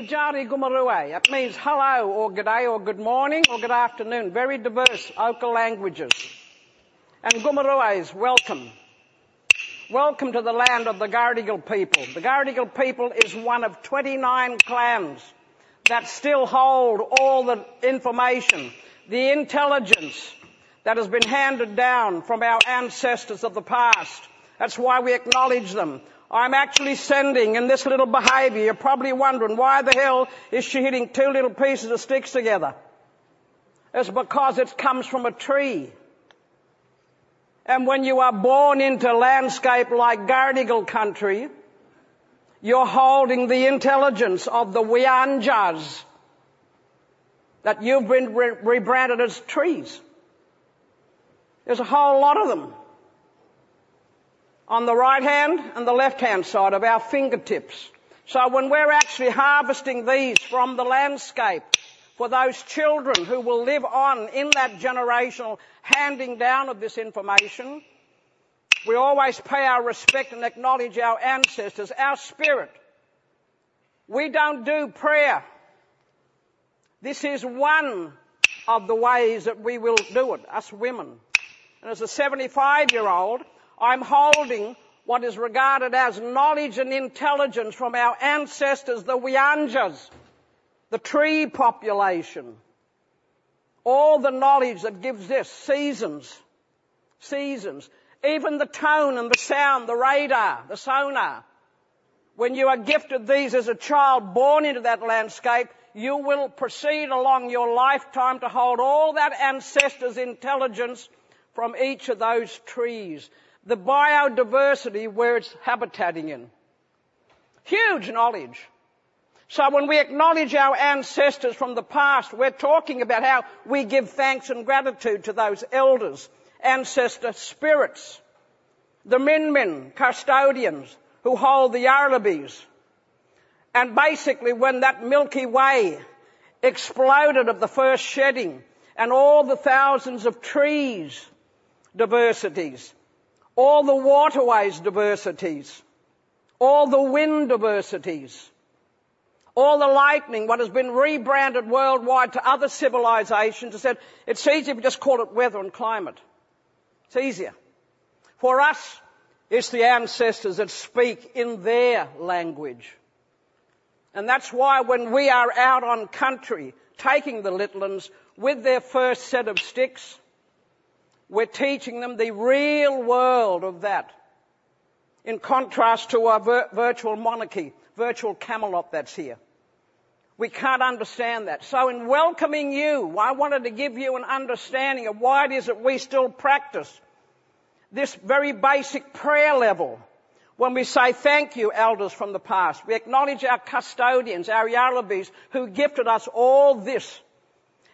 Djaari Gomeroi. It means hello, or good day, or good morning, or good afternoon. Very diverse local languages, and Gomeroi is welcome. Welcome to the land of the Gadigal people. The Gadigal people is one of twenty-nine clans that still hold all the information, the intelligence that has been handed down from our ancestors of the past. That's why we acknowledge them. I'm actually sending, in this little behavior, you're probably wondering, why the hell is she hitting two little pieces of sticks together? It's because it comes from a tree, and when you are born into landscape like Gadigal country, you're holding the intelligence of the Wiyanga, that you've been rebranded as trees. There's a whole lot of them, on the right-hand and the left-hand side of our fingertips. When we're actually harvesting these from the landscape, for those children who will live on in that generational handing down of this information, we always pay our respect and acknowledge our ancestors, our spirit. We don't do prayer. This is one of the ways that we will do it, us women. And as a seventy-five-year-old, I'm holding what is regarded as knowledge and intelligence from our ancestors, the Wiyanga, the tree population. All the knowledge that gives this, seasons, seasons. Even the tone and the sound, the radar, the sonar. When you are gifted these as a child born into that landscape, you will proceed along your lifetime to hold all that ancestors' intelligence from each of those trees, the biodiversity where it's inhabiting in. Huge knowledge! So when we acknowledge our ancestors from the past, we're talking about how we give thanks and gratitude to those elders, ancestor spirits, the Min Min custodians who hold the yarribi's. And basically, when that Milky Way exploded at the first shedding and all the thousands of trees, diversities, all the waterways diversities, all the wind diversities, all the lightning, what has been rebranded worldwide to other civilizations and said, "It's easier if we just call it weather and climate." It's easier. For us, it's the ancestors that speak in their language, and that's why when we are out on country, taking the littluns with their first set of sticks, we're teaching them the real world of that, in contrast to our virtual monarchy, virtual Camelot that's here. We can't understand that. So in welcoming you, I wanted to give you an understanding of why it is that we still practice this very basic prayer level. When we say thank you, elders from the past, we acknowledge our custodians, our yarribi's, who gifted us all this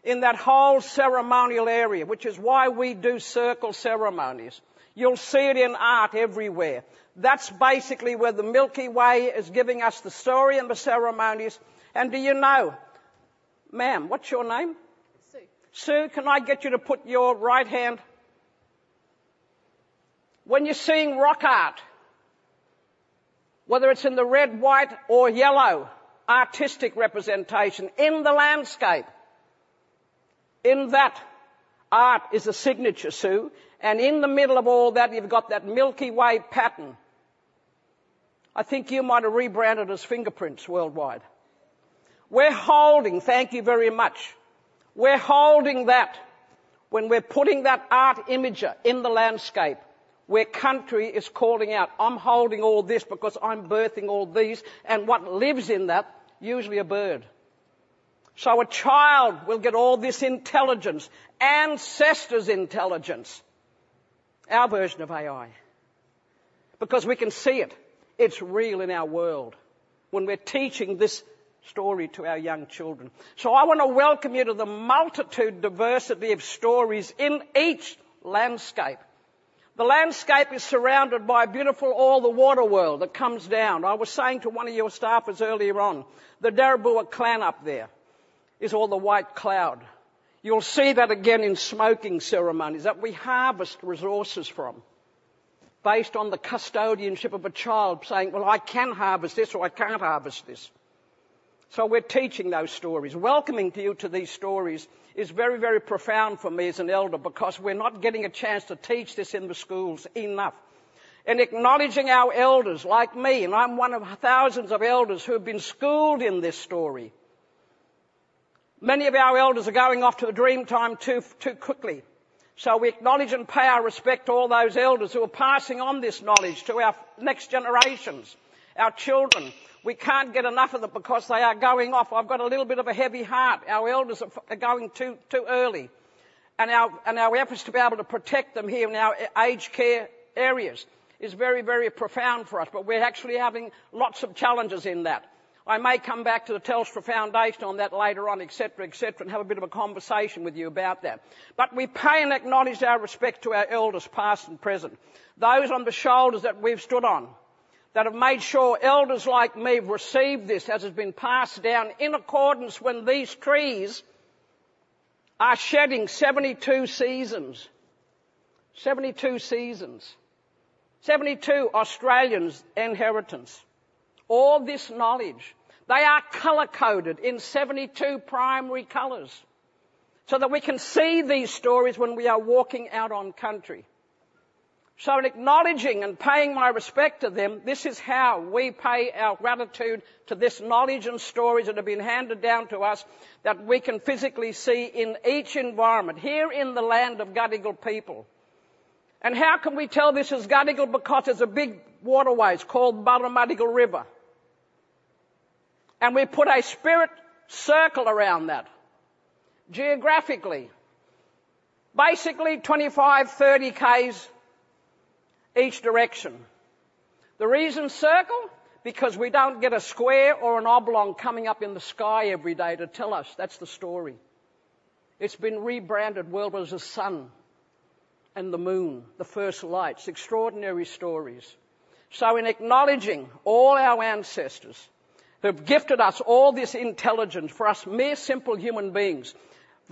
in that whole ceremonial area, which is why we do circle ceremonies. You'll see it in art everywhere. That's basically where the Milky Way is giving us the story and the ceremonies. And do you know, ma'am, what's your name? Sue. Sue, can I get you to put your right hand... When you're seeing rock art, whether it's in the red, white, or yellow artistic representation in the landscape, in that art is a signature, Sue, and in the middle of all that, you've got that Milky Way pattern. I think you might have rebranded as fingerprints worldwide. We're holding. Thank you very much. We're holding that when we're putting that art imager in the landscape, where country is calling out. I'm holding all this because I'm birthing all these, and what lives in that, usually a bird. So a child will get all this intelligence, ancestors' intelligence, our version of AI, because we can see it. It's real in our world when we're teaching this story to our young children. So I want to welcome you to the multitude diversity of stories in each landscape. The landscape is surrounded by beautiful all the water world that comes down. I was saying to one of your staffers earlier on, the Dariboa clan up there is all the white cloud. You'll see that again in smoking ceremonies, that we harvest resources from, based on the custodianship of a child saying, "Well, I can harvest this," or, "I can't harvest this." So we're teaching those stories. Welcoming you to these stories is very, very profound for me as an elder because we're not getting a chance to teach this in the schools enough, and acknowledging our elders, like me, and I'm one of thousands of elders who have been schooled in this story. Many of our elders are going off to a Dreamtime too, too quickly. We acknowledge and pay our respect to all those elders who are passing on this knowledge to our next generations, our children. We can't get enough of them because they are going off. I've got a little bit of a heavy heart. Our elders are going too early, and our efforts to be able to protect them here in our aged care areas is very profound for us, but we're actually having lots of challenges in that. I may come back to the Telstra Foundation on that later on, et cetera, et cetera, and have a bit of a conversation with you about that. But we pay and acknowledge our respect to our elders, past and present. Those on the shoulders that we've stood on, that have made sure elders like me have received this as it's been passed down in accordance when these trees are shedding seventy-two seasons. Seventy-two seasons. Seventy-two Australians' inheritance. All this knowledge, they are color-coded in seventy-two primary colors so that we can see these stories when we are walking out on country. So in acknowledging and paying my respect to them, this is how we pay our gratitude to this knowledge and stories that have been handed down to us that we can physically see in each environment, here in the land of Gadigal people. And how can we tell this is Gadigal? Because there's a big waterway called Parramatta River, and we put a spirit circle around that geographically, basically 25, 30 km each direction. The reason circle? Because we don't get a square or an oblong coming up in the sky every day to tell us that's the story. It's been rebranded well as the sun and the moon, the first lights, extraordinary stories. So in acknowledging all our ancestors who have gifted us all this intelligence for us mere simple human beings,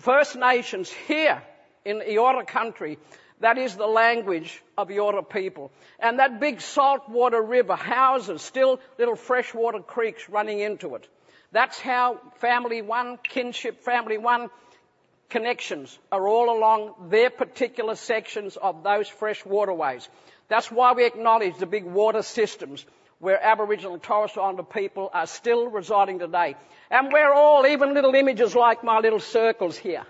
First Nations here in Eora country, that is the language of Eora people. And that big saltwater river houses still little freshwater creeks running into it. That's how family one, kinship family one connections are all along their particular sections of those fresh waterways. That's why we acknowledge the big water systems where Aboriginal and Torres Strait Islander people are still residing today. And we're all, even little images like my little circles here,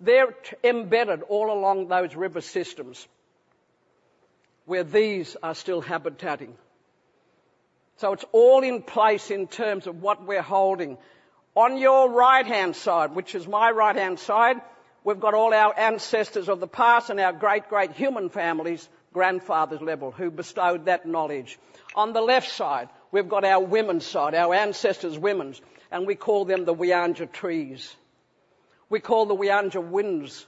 they're embedded all along those river systems where these are still inhabiting. It's all in place in terms of what we're holding. On your right-hand side, which is my right-hand side, we've got all our ancestors of the past and our great, great human family's grandfather's level, who bestowed that knowledge. On the left side, we've got our women's side, our ancestors women's, and we call them the Wiyanga Trees. We call the Wiyanga Winds.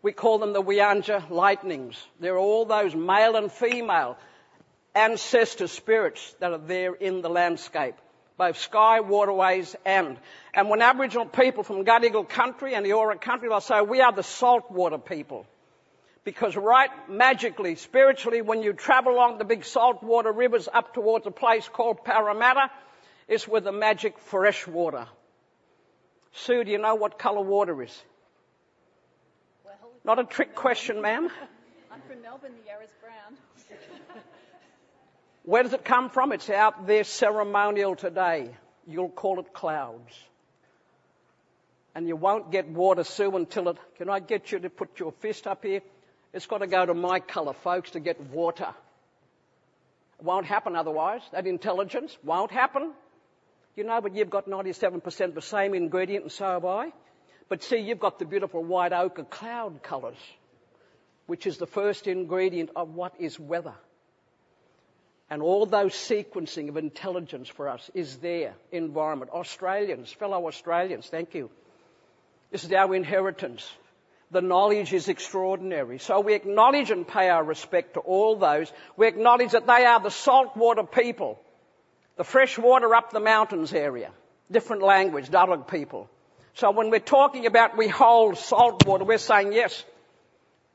We call them the Wiyanga Lightnings. They're all those male and female ancestor spirits that are there in the landscape, both sky, waterways, and and when Aboriginal people from Gadigal Country and Eora Country will say, "We are the saltwater people," because right magically, spiritually, when you travel along the big saltwater rivers up towards a place called Parramatta, it's where the magic fresh water. Sue, do you know what color water is? Well- Not a trick question, ma'am. I'm from Melbourne. The Yarra's brown. Where does it come from? It's out there ceremonial today. You'll call it clouds. And you won't get water, Sue, until it... Can I get you to put your fist up here? It's gotta go to my color, folks, to get water. It won't happen otherwise. That intelligence won't happen. You know, but you've got 97% the same ingredient, and so have I. But see, you've got the beautiful white ochre cloud colors, which is the first ingredient of what is weather. And all those sequencing of intelligence for us is there, environment. Australians, fellow Australians, thank you. This is our inheritance. The knowledge is extraordinary. So we acknowledge and pay our respect to all those. We acknowledge that they are the saltwater people, the freshwater up the mountains area, different language, Darug people. So when we're talking about we hold saltwater, we're saying, "Yes,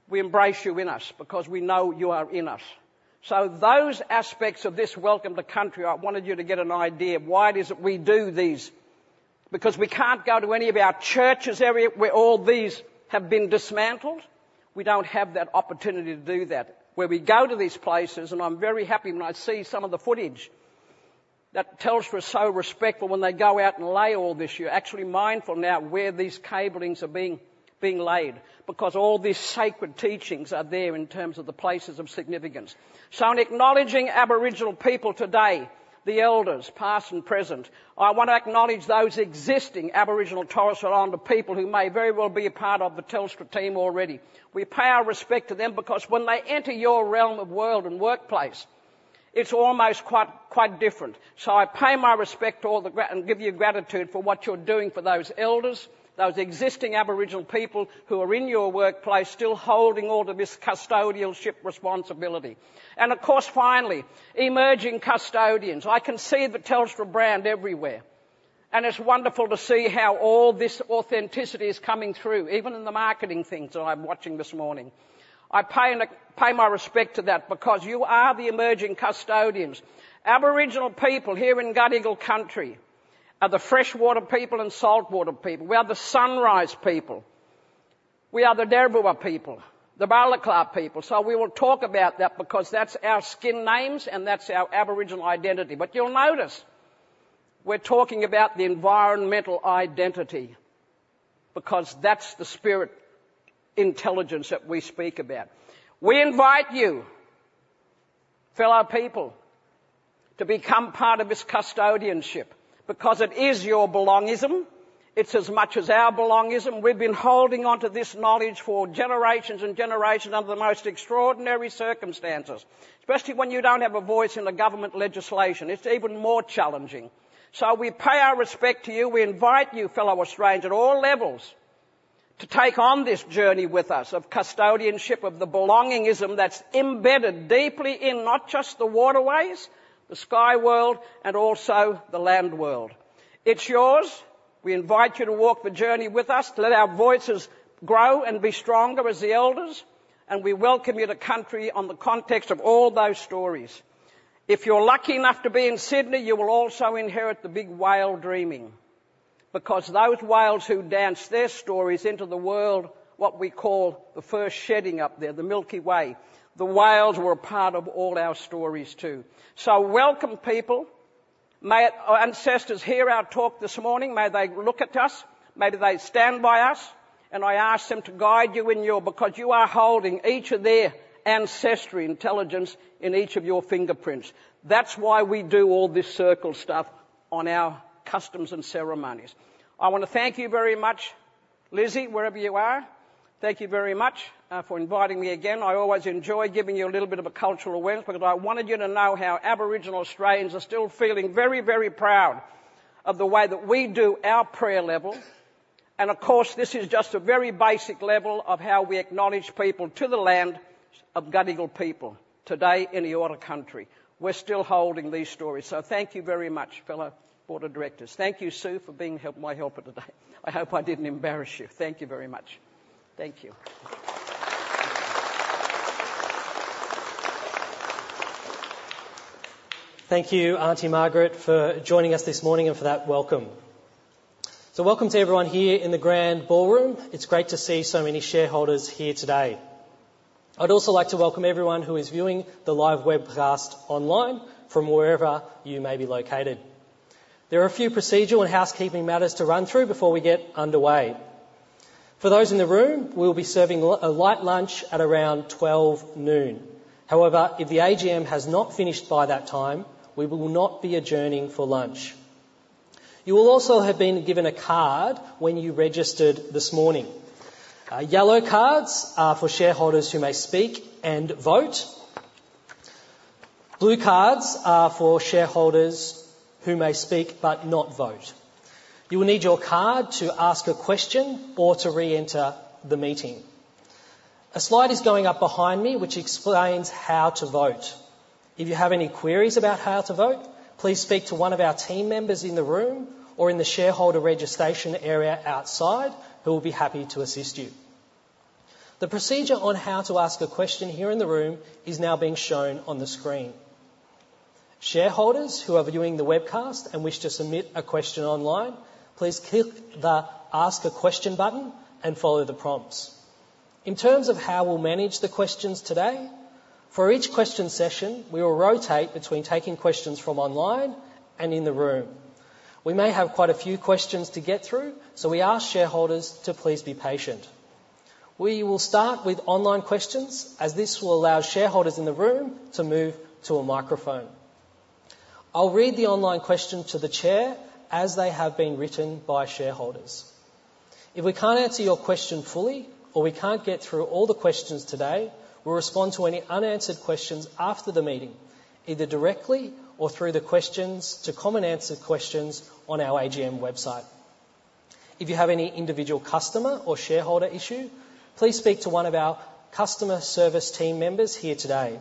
we embrace you in us because we know you are in us." So those aspects of this Welcome to Country, I wanted you to get an idea of why it is that we do these, because we can't go to any of our churches area where all these have been dismantled. We don't have that opportunity to do that. Where we go to these places, and I'm very happy when I see some of the footage that Telstra is so respectful when they go out and lay all this. You're actually mindful now where these cablings are being laid, because all these sacred teachings are there in terms of the places of significance. In acknowledging Aboriginal people today, the elders, past and present, I want to acknowledge those existing Aboriginal and Torres Strait Islander people who may very well be a part of the Telstra team already. We pay our respect to them, because when they enter your realm of world and workplace, it's almost quite, quite different. I pay my respect to all the, and give you gratitude for what you're doing for those elders, those existing Aboriginal people who are in your workplace, still holding all of this custodianship responsibility. And of course, finally, emerging custodians. I can see the Telstra brand everywhere, and it's wonderful to see how all this authenticity is coming through, even in the marketing things that I'm watching this morning. I pay my, pay my respect to that because you are the emerging custodians. Aboriginal people here in Gadigal Country are the freshwater people and saltwater people. We are the sunrise people. We are the Dharug people, the Bidjigal people. So we will talk about that because that's our skin names, and that's our Aboriginal identity. But you'll notice we're talking about the environmental identity, because that's the spirit intelligence that we speak about. We invite you, fellow people, to become part of this custodianship because it is your belonging. It's as much as our belonging. We've been holding onto this knowledge for generations and generations under the most extraordinary circumstances, especially when you don't have a voice in the government legislation, it's even more challenging. So we pay our respect to you. We invite you, fellow Australians, at all levels-... To take on this journey with us, of custodianship, of the belongingism that's embedded deeply in not just the waterways, the sky world, and also the land world. It's yours. We invite you to walk the journey with us, to let our voices grow and be stronger as the elders, and we welcome you to country on the context of all those stories. If you're lucky enough to be in Sydney, you will also inherit the Big Whale Dreaming, because those whales who danced their stories into the world, what we call the First Shedding up there, the Milky Way. The whales were a part of all our stories, too. So welcome, people. May our ancestors hear our talk this morning. May they look at us. May they stand by us, and I ask them to guide you in your because you are holding each of their ancestry intelligence in each of your fingerprints. That's why we do all this circle stuff on our customs and ceremonies. I want to thank you very much, Lizzy, wherever you are. Thank you very much for inviting me again. I always enjoy giving you a little bit of a cultural awareness, because I wanted you to know how Aboriginal Australians are still feeling very, very proud of the way that we do our prayer level. And of course, this is just a very basic level of how we acknowledge people to the land of Gadigal people today in the Eora country. We're still holding these stories, so thank you very much, fellow board of directors. Thank you, Sue, for being help, my helper today. I hope I didn't embarrass you. Thank you very much. Thank you. Thank you, Aunty Margaret, for joining us this morning and for that welcome. So welcome to everyone here in the Grand Ballroom. It's great to see so many shareholders here today. I'd also like to welcome everyone who is viewing the live webcast online from wherever you may be located. There are a few procedural and housekeeping matters to run through before we get underway. For those in the room, we will be serving a light lunch at around twelve noon. However, if the AGM has not finished by that time, we will not be adjourning for lunch. You will also have been given a card when you registered this morning. Yellow cards are for shareholders who may speak and vote. Blue cards are for shareholders who may speak, but not vote. You will need your card to ask a question or to reenter the meeting. A slide is going up behind me, which explains how to vote. If you have any queries about how to vote, please speak to one of our team members in the room or in the shareholder registration area outside, who will be happy to assist you. The procedure on how to ask a question here in the room is now being shown on the screen. Shareholders who are viewing the webcast and wish to submit a question online, please click the Ask a Question button and follow the prompts. In terms of how we'll manage the questions today, for each question session, we will rotate between taking questions from online and in the room. We may have quite a few questions to get through, so we ask shareholders to please be patient. We will start with online questions, as this will allow shareholders in the room to move to a microphone. I'll read the online question to the Chair, as they have been written by shareholders. If we can't answer your question fully, or we can't get through all the questions today, we'll respond to any unanswered questions after the meeting, either directly or through the questions to commonly answered questions on our AGM website. If you have any individual customer or shareholder issue, please speak to one of our customer service team members here today.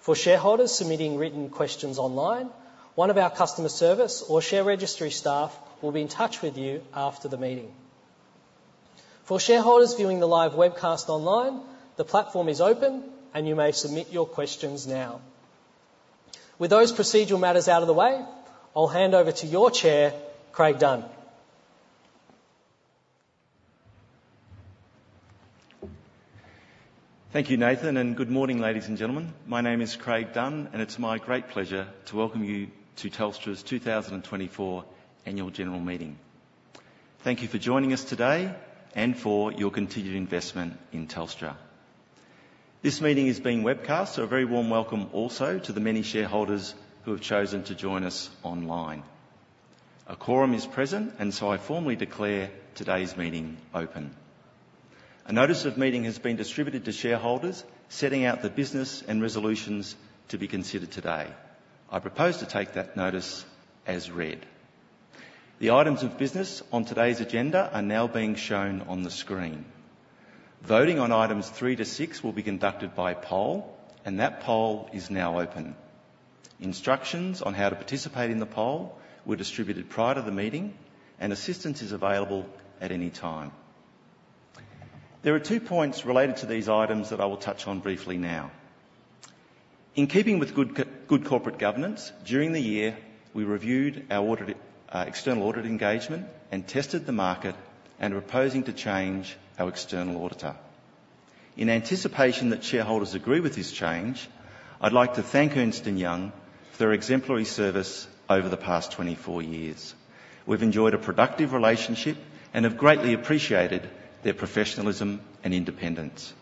For shareholders submitting written questions online, one of our customer service or share registry staff will be in touch with you after the meeting. For shareholders viewing the live webcast online, the platform is open, and you may submit your questions now. With those procedural matters out of the way, I'll hand over to your Chair, Craig Dunn. Thank you, Nathan, and good morning, ladies and gentlemen. My name is Craig Dunn, and it's my great pleasure to welcome you to Telstra's two thousand and twenty-four Annual General Meeting. Thank you for joining us today and for your continued investment in Telstra. This meeting is being webcast, so a very warm welcome also to the many shareholders who have chosen to join us online. A quorum is present, and so I formally declare today's meeting open. A Notice of Meeting has been distributed to shareholders, setting out the business and resolutions to be considered today. I propose to take that notice as read. The items of business on today's agenda are now being shown on the screen. Voting on items three to six will be conducted by poll, and that poll is now open. Instructions on how to participate in the poll were distributed prior to the meeting, and assistance is available at any time. There are two points related to these items that I will touch on briefly now. In keeping with good corporate governance, during the year, we reviewed our audit, external audit engagement and tested the market and are proposing to change our external auditor. In anticipation that shareholders agree with this change, I'd like to thank Ernst & Young for their exemplary service over the past twenty-four years. We've enjoyed a productive relationship and have greatly appreciated their professionalism and independence.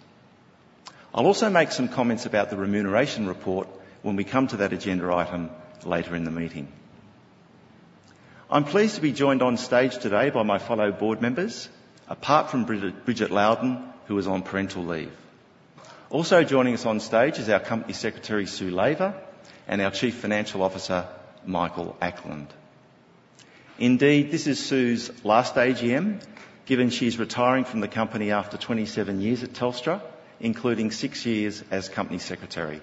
I'll also make some comments about the remuneration report when we come to that agenda item later in the meeting. I'm pleased to be joined on stage today by my fellow board members, apart from Bridget Loudon, who is on parental leave. Also joining us on stage is our Company Secretary, Sue Laver, and our Chief Financial Officer, Michael Ackland. Indeed, this is Sue's last AGM, given she's retiring from the company after 27 years at Telstra, including six years as Company Secretary.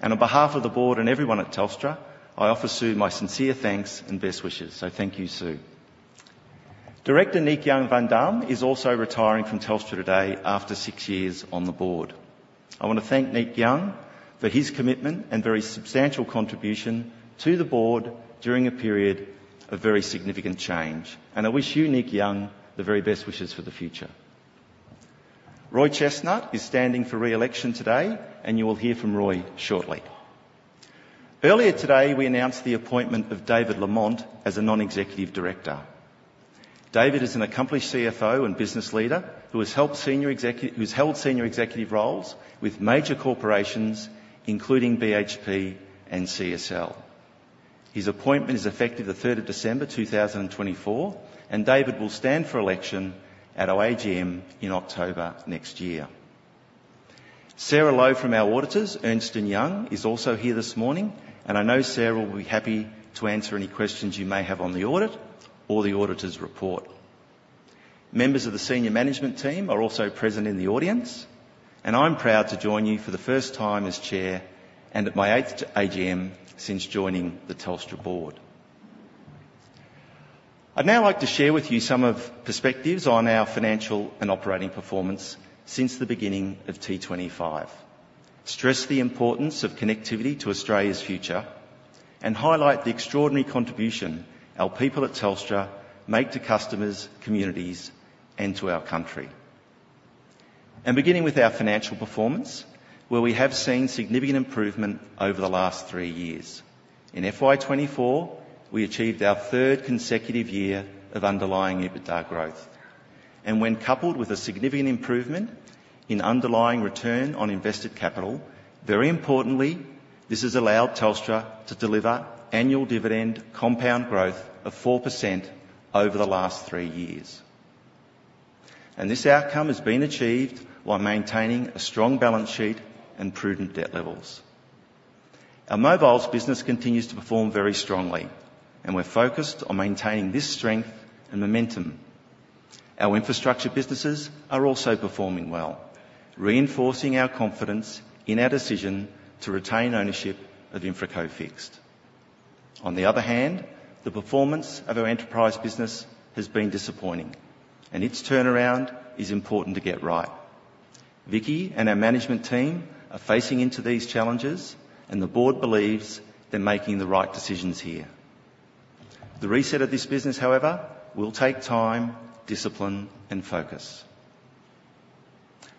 And on behalf of the board and everyone at Telstra, I offer Sue my sincere thanks and best wishes. So thank you, Sue. Director Niek Jan van Damme is also retiring from Telstra today after six years on the board. I want to thank Niek Jan for his commitment and very substantial contribution to the board during a period of very significant change, and I wish you, Niek Jan, the very best wishes for the future. Roy Chestnutt is standing for re-election today, and you will hear from Roy shortly. Earlier today, we announced the appointment of David Lamont as a non-executive director. David is an accomplished CFO and business leader who has held senior executive roles with major corporations, including BHP and CSL. His appointment is effective the third of December, two thousand and twenty-four, and David will stand for election at our AGM in October next year. Sarah Lowe from our auditors, Ernst & Young, is also here this morning, and I know Sarah will be happy to answer any questions you may have on the audit or the auditors' report. Members of the senior management team are also present in the audience, and I'm proud to join you for the first time as Chair and at my eighth AGM since joining the Telstra board. I'd now like to share with you some of perspectives on our financial and operating performance since the beginning of T25, stress the importance of connectivity to Australia's future, and highlight the extraordinary contribution our people at Telstra make to customers, communities, and to our country, and beginning with our financial performance, where we have seen significant improvement over the last three years. In FY2024, we achieved our third consecutive year of underlying EBITDA growth, and when coupled with a significant improvement in underlying return on invested capital, very importantly, this has allowed Telstra to deliver annual dividend compound growth of 4% over the last three years, and this outcome has been achieved while maintaining a strong balance sheet and prudent debt levels. Our mobiles business continues to perform very strongly, and we're focused on maintaining this strength and momentum. Our infrastructure businesses are also performing well, reinforcing our confidence in our decision to retain ownership of InfraCo Fixed. On the other hand, the performance of our enterprise business has been disappointing, and its turnaround is important to get right. Vicki and our management team are facing into these challenges, and the board believes they're making the right decisions here. The reset of this business, however, will take time, discipline, and focus.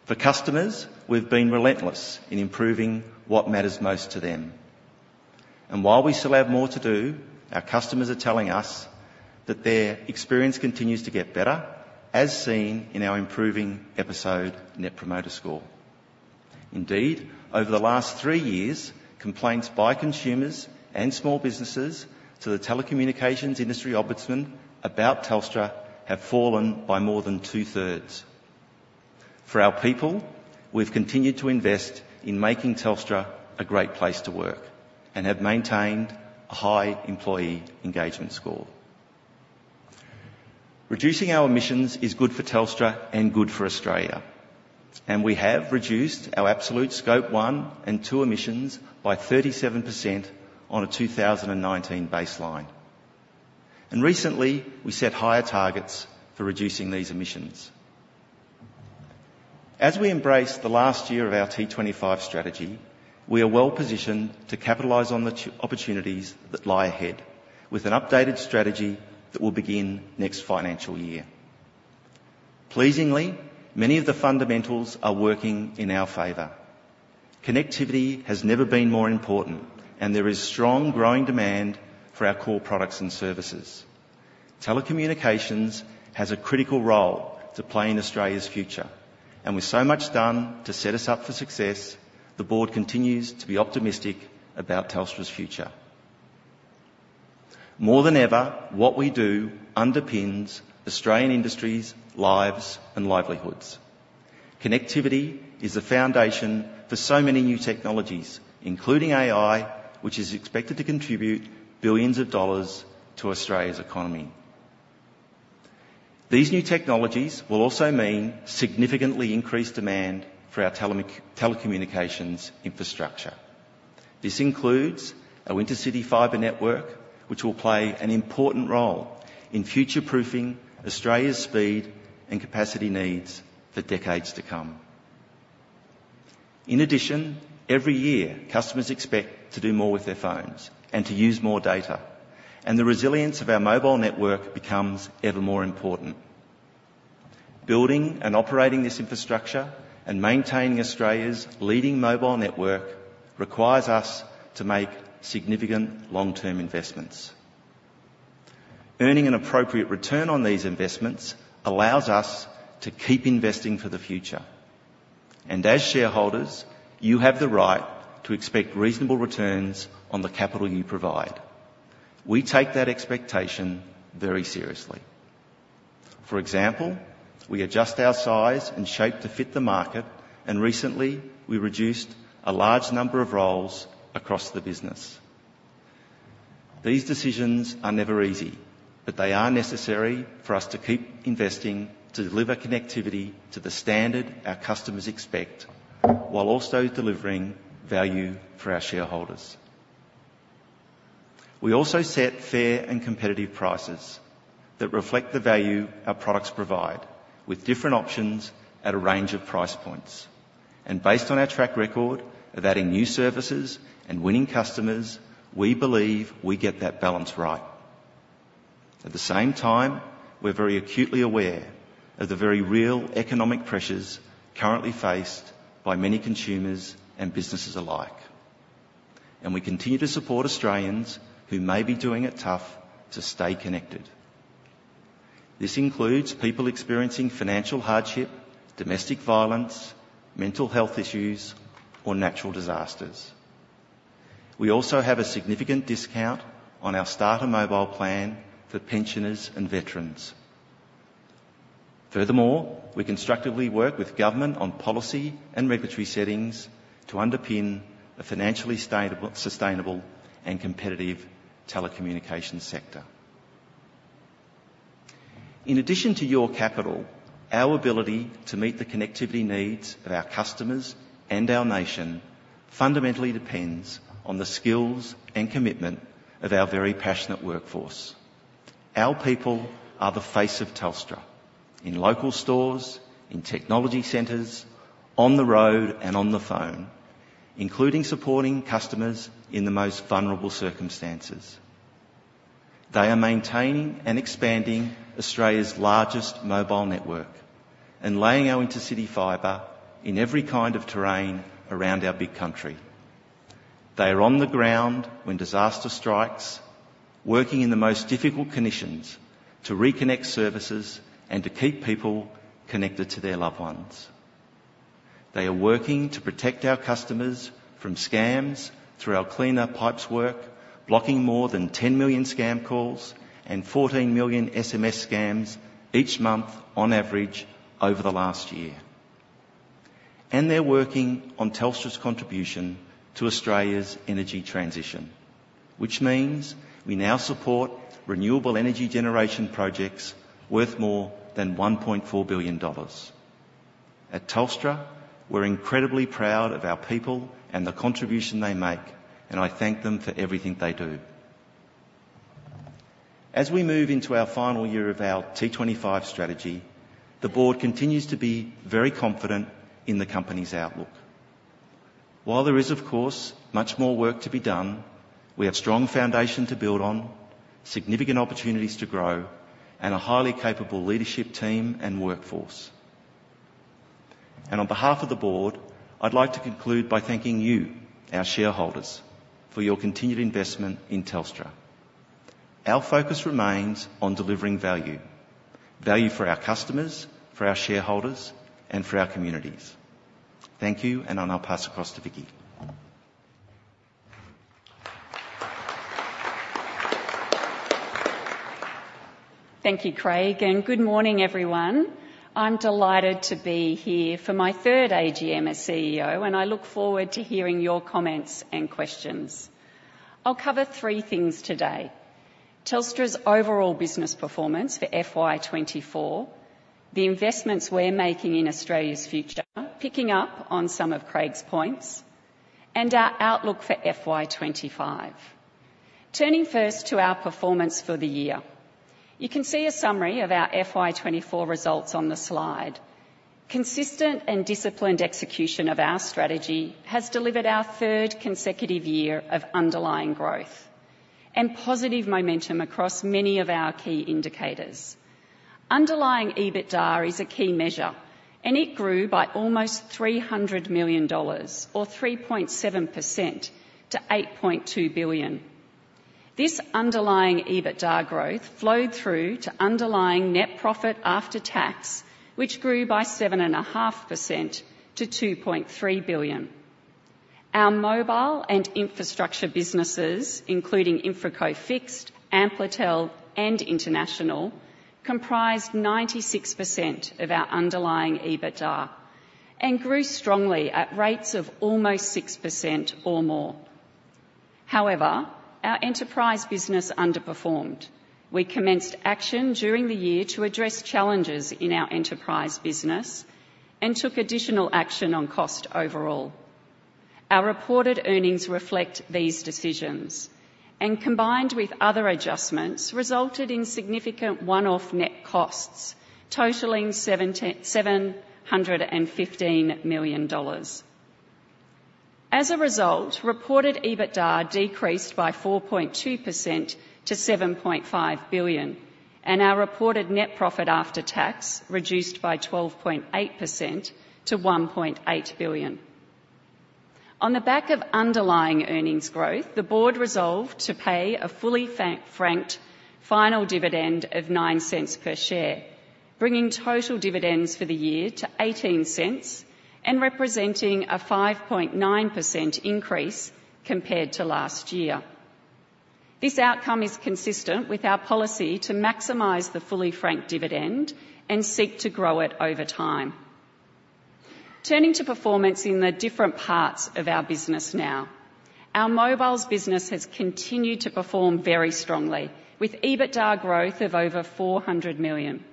For customers, we've been relentless in improving what matters most to them, and while we still have more to do, our customers are telling us that their experience continues to get better, as seen in our improving Episode Net Promoter Score. Indeed, over the last three years, complaints by consumers and small businesses to the Telecommunications Industry Ombudsman about Telstra have fallen by more than two-thirds. For our people, we've continued to invest in making Telstra a great place to work and have maintained a high employee engagement score. Reducing our emissions is good for Telstra and good for Australia, and we have reduced our absolute Scope 1 and 2 emissions by 37% on a 2019 baseline, and recently, we set higher targets for reducing these emissions. As we embrace the last year of our T25 strategy, we are well positioned to capitalize on the opportunities that lie ahead with an updated strategy that will begin next financial year. Pleasingly, many of the fundamentals are working in our favor. Connectivity has never been more important, and there is strong, growing demand for our core products and services. Telecommunications has a critical role to play in Australia's future, and with so much done to set us up for success, the board continues to be optimistic about Telstra's future. More than ever, what we do underpins Australian industries, lives, and livelihoods. Connectivity is the foundation for so many new technologies, including AI, which is expected to contribute billions of dollars to Australia's economy. These new technologies will also mean significantly increased demand for our telecommunications infrastructure. This includes our intercity fibre network, which will play an important role in future-proofing Australia's speed and capacity needs for decades to come. In addition, every year, customers expect to do more with their phones and to use more data, and the resilience of our mobile network becomes ever more important. Building and operating this infrastructure and maintaining Australia's leading mobile network requires us to make significant long-term investments. Earning an appropriate return on these investments allows us to keep investing for the future, and as shareholders, you have the right to expect reasonable returns on the capital you provide. We take that expectation very seriously. For example, we adjust our size and shape to fit the market, and recently, we reduced a large number of roles across the business. These decisions are never easy, but they are necessary for us to keep investing, to deliver connectivity to the standard our customers expect, while also delivering value for our shareholders. We also set fair and competitive prices that reflect the value our products provide, with different options at a range of price points, and based on our track record of adding new services and winning customers, we believe we get that balance right. At the same time, we're very acutely aware of the very real economic pressures currently faced by many consumers and businesses alike, and we continue to support Australians who may be doing it tough to stay connected. This includes people experiencing financial hardship, domestic violence, mental health issues, or natural disasters. We also have a significant discount on our starter mobile plan for pensioners and veterans. Furthermore, we constructively work with government on policy and regulatory settings to underpin a financially sustainable and competitive telecommunications sector. In addition to your capital, our ability to meet the connectivity needs of our customers and our nation fundamentally depends on the skills and commitment of our very passionate workforce. Our people are the face of Telstra in local stores, in technology centers, on the road, and on the phone, including supporting customers in the most vulnerable circumstances. They are maintaining and expanding Australia's largest mobile network and laying our intercity fibre in every kind of terrain around our big country. They are on the ground when disaster strikes, working in the most difficult conditions to reconnect services and to keep people connected to their loved ones. They are working to protect our customers from scams through our cleaner pipes work, blocking more than 10 million scam calls and 14 million SMS scams each month on average over the last year. They're working on Telstra's contribution to Australia's energy transition, which means we now support renewable energy generation projects worth more than 1.4 billion dollars. At Telstra, we're incredibly proud of our people and the contribution they make, and I thank them for everything they do. As we move into our final year of our T25 strategy, the board continues to be very confident in the company's outlook. While there is, of course, much more work to be done, we have strong foundation to build on, significant opportunities to grow, and a highly capable leadership team and workforce. And on behalf of the board, I'd like to conclude by thanking you, our shareholders, for your continued investment in Telstra. Our focus remains on delivering value, value for our customers, for our shareholders, and for our communities. Thank you, and I'll now pass across to Vicki. Thank you, Craig, and good morning, everyone. I'm delighted to be here for my third AGM as CEO, and I look forward to hearing your comments and questions. I'll cover three things today: Telstra's overall business performance for FY2024, the investments we're making in Australia's future, picking up on some of Craig's points, and our outlook for FY2025. Turning first to our performance for the year. You can see a summary of our FY2024 results on the slide. Consistent and disciplined execution of our strategy has delivered our third consecutive year of underlying growth and positive momentum across many of our key indicators. Underlying EBITDA is a key measure, and it grew by almost 300 million dollars, or 3.7%, to 8.2 billion. This underlying EBITDA growth flowed through to underlying net profit after tax, which grew by 7.5% to 2.3 billion. Our mobile and infrastructure businesses, including InfraCo Fixed, Amplitel, and International, comprised 96% of our underlying EBITDA and grew strongly at rates of almost 6% or more. However, our enterprise business underperformed. We commenced action during the year to address challenges in our enterprise business and took additional action on cost overall. Our reported earnings reflect these decisions and, combined with other adjustments, resulted in significant one-off net costs totaling 715 million dollars. As a result, reported EBITDA decreased by 4.2% to 7.5 billion, and our reported net profit after tax reduced by 12.8% to 1.8 billion. On the back of underlying earnings growth, the board resolved to pay a fully franked final dividend of 0.09 per share, bringing total dividends for the year to 0.18 and representing a 5.9% increase compared to last year. This outcome is consistent with our policy to maximize the fully franked dividend and seek to grow it over time. Turning to performance in the different parts of our business now. Our mobiles business has continued to perform very strongly, with EBITDA growth of over 400 million.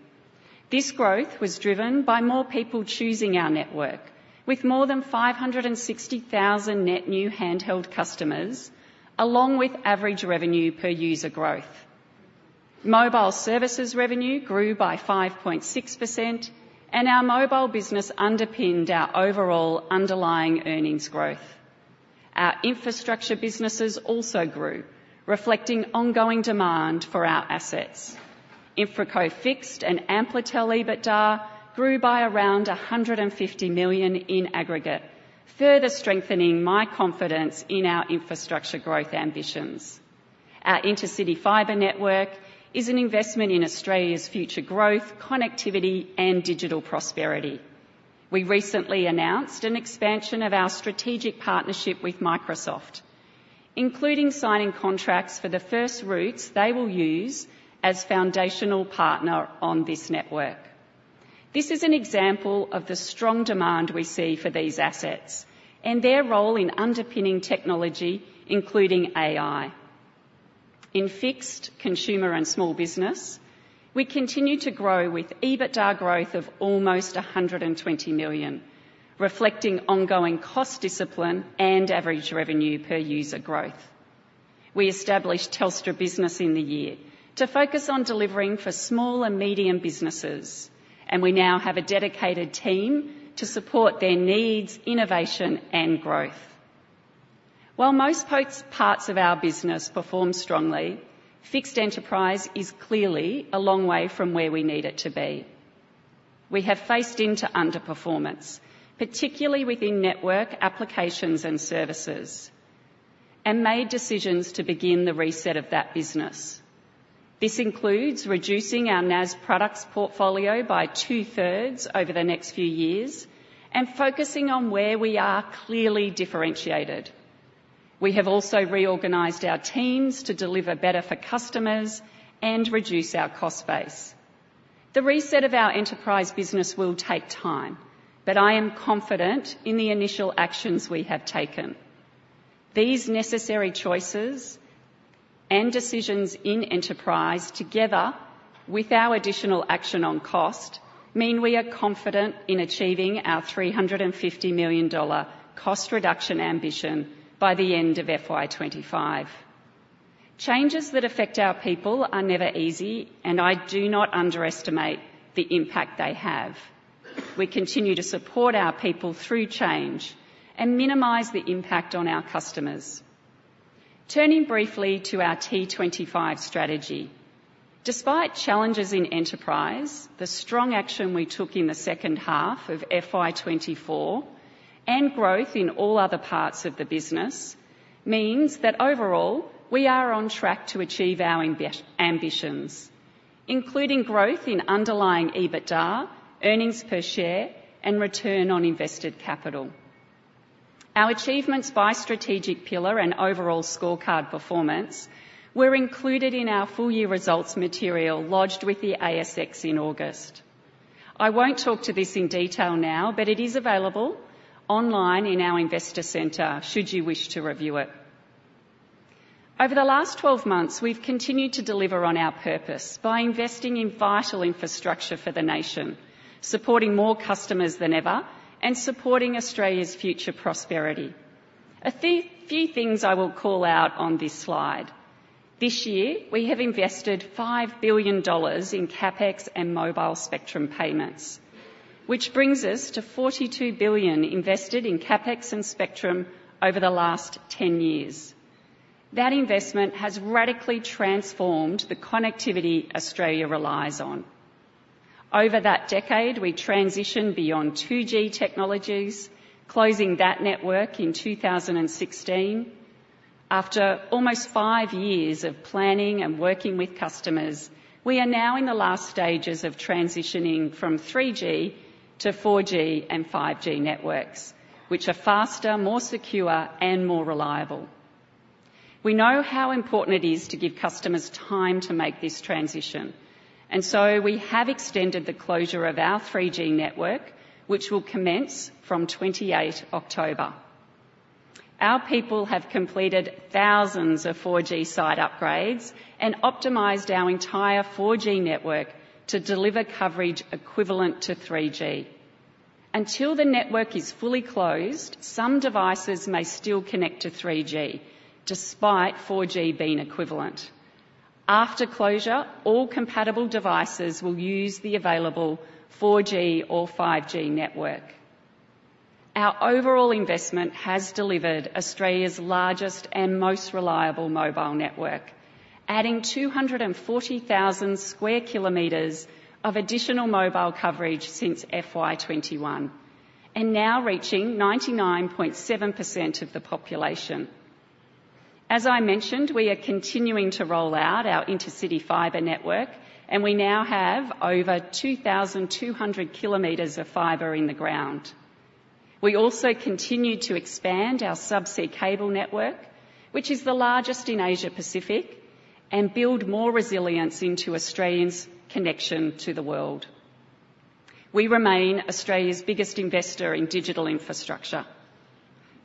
This growth was driven by more people choosing our network, with more than 560,000 net new handheld customers, along with average revenue per user growth. Mobile services revenue grew by 5.6%, and our mobile business underpinned our overall underlying earnings growth. Our infrastructure businesses also grew, reflecting ongoing demand for our assets. InfraCo Fixed and Amplitel EBITDA grew by around 150 million in aggregate, further strengthening my confidence in our infrastructure growth ambitions. Our intercity fibre network is an investment in Australia's future growth, connectivity, and digital prosperity. We recently announced an expansion of our strategic partnership with Microsoft, including signing contracts for the first routes they will use as foundational partner on this network. This is an example of the strong demand we see for these assets and their role in underpinning technology, including AI. In fixed consumer and small business, we continue to grow with EBITDA growth of almost 120 million, reflecting ongoing cost discipline and average revenue per user growth. We established Telstra Business in the year to focus on delivering for small and medium businesses, and we now have a dedicated team to support their needs, innovation, and growth. While most parts of our business perform strongly, Fixed Enterprise is clearly a long way from where we need it to be. We have faced into underperformance, particularly within network applications and services, and made decisions to begin the reset of that business. This includes reducing our NaaS products portfolio by two-thirds over the next few years and focusing on where we are clearly differentiated. We have also reorganized our teams to deliver better for customers and reduce our cost base. The reset of our enterprise business will take time, but I am confident in the initial actions we have taken. These necessary choices and decisions in Enterprise, together with our additional action on cost, mean we are confident in achieving our 350 million dollar cost reduction ambition by the end of FY2025. Changes that affect our people are never easy, and I do not underestimate the impact they have. We continue to support our people through change and minimize the impact on our customers. Turning briefly to our T25 strategy. Despite challenges in Enterprise, the strong action we took in the second half of FY2024 and growth in all other parts of the business means that overall, we are on track to achieve our ambitions, including growth in underlying EBITDA, earnings per share, and return on invested capital. Our achievements by strategic pillar and overall scorecard performance were included in our full-year results material lodged with the ASX in August. I won't talk to this in detail now, but it is available online in our Investor Center should you wish to review it. Over the last twelve months, we've continued to deliver on our purpose by investing in vital infrastructure for the nation, supporting more customers than ever, and supporting Australia's future prosperity. A few things I will call out on this slide. This year, we have invested 5 billion dollars in CapEx and mobile spectrum payments, which brings us to 42 billion invested in CapEx and spectrum over the last ten years. That investment has radically transformed the connectivity Australia relies on. Over that decade, we transitioned beyond 2G technologies, closing that network in two thousand and sixteen. After almost five years of planning and working with customers, we are now in the last stages of transitioning from 3G to 4G and 5G networks, which are faster, more secure, and more reliable. We know how important it is to give customers time to make this transition, and so we have extended the closure of our 3G network, which will commence from twenty-eight October. Our people have completed thousands of 4G site upgrades and optimized our entire 4G network to deliver coverage equivalent to 3G. Until the network is fully closed, some devices may still connect to 3G despite 4G being equivalent. After closure, all compatible devices will use the available 4G or 5G network. Our overall investment has delivered Australia's largest and most reliable mobile network, adding 240,000 sq km of additional mobile coverage since FY2021, and now reaching 99.7% of the population. As I mentioned, we are continuing to roll out our intercity fibre network, and we now have over 2,200 km of fibre in the ground. We also continued to expand our subsea cable network, which is the largest in Asia Pacific, and build more resilience into Australians' connection to the world. We remain Australia's biggest investor in digital infrastructure.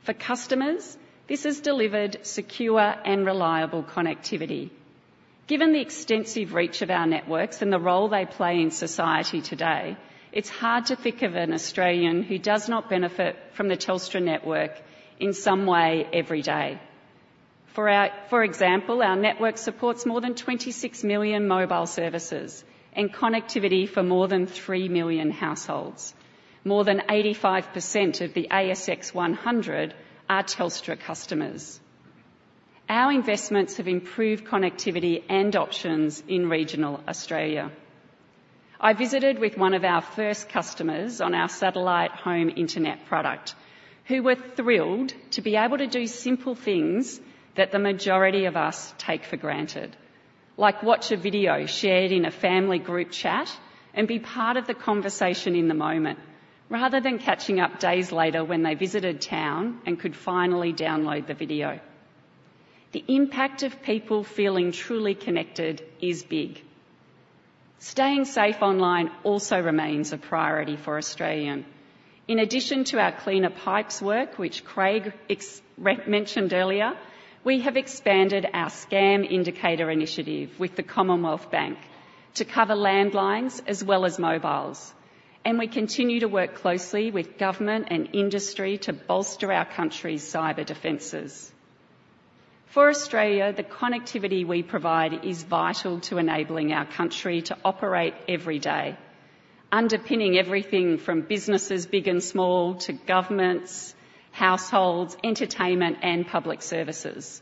For customers, this has delivered secure and reliable connectivity. Given the extensive reach of our networks and the role they play in society today, it's hard to think of an Australian who does not benefit from the Telstra network in some way every day. For example, our network supports more than 26 million mobile services and connectivity for more than 3 million households. More than 85% of the ASX 100 are Telstra customers. Our investments have improved connectivity and options in regional Australia. I visited with one of our first customers on our satellite home internet product, who were thrilled to be able to do simple things that the majority of us take for granted, like watch a video shared in a family group chat and be part of the conversation in the moment, rather than catching up days later when they visited town and could finally download the video. The impact of people feeling truly connected is big. Staying safe online also remains a priority for Australia. In addition to our Cleaner Pipes work, which Craig mentioned earlier, we have expanded our Scam Indicator initiative with the Commonwealth Bank to cover landlines as well as mobiles, and we continue to work closely with government and industry to bolster our country's cyber defenses. For Australia, the connectivity we provide is vital to enabling our country to operate every day, underpinning everything from businesses big and small, to governments, households, entertainment, and public services.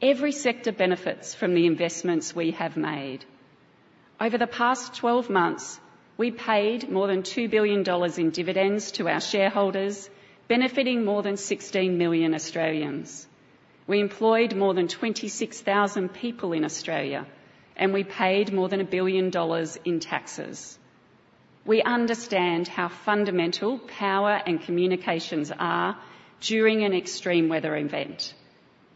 Every sector benefits from the investments we have made. Over the past twelve months, we paid more than 2 billion dollars in dividends to our shareholders, benefiting more than 16 million Australians. We employed more than 26,000 people in Australia, and we paid more than 1 billion dollars in taxes. We understand how fundamental power and communications are during an extreme weather event,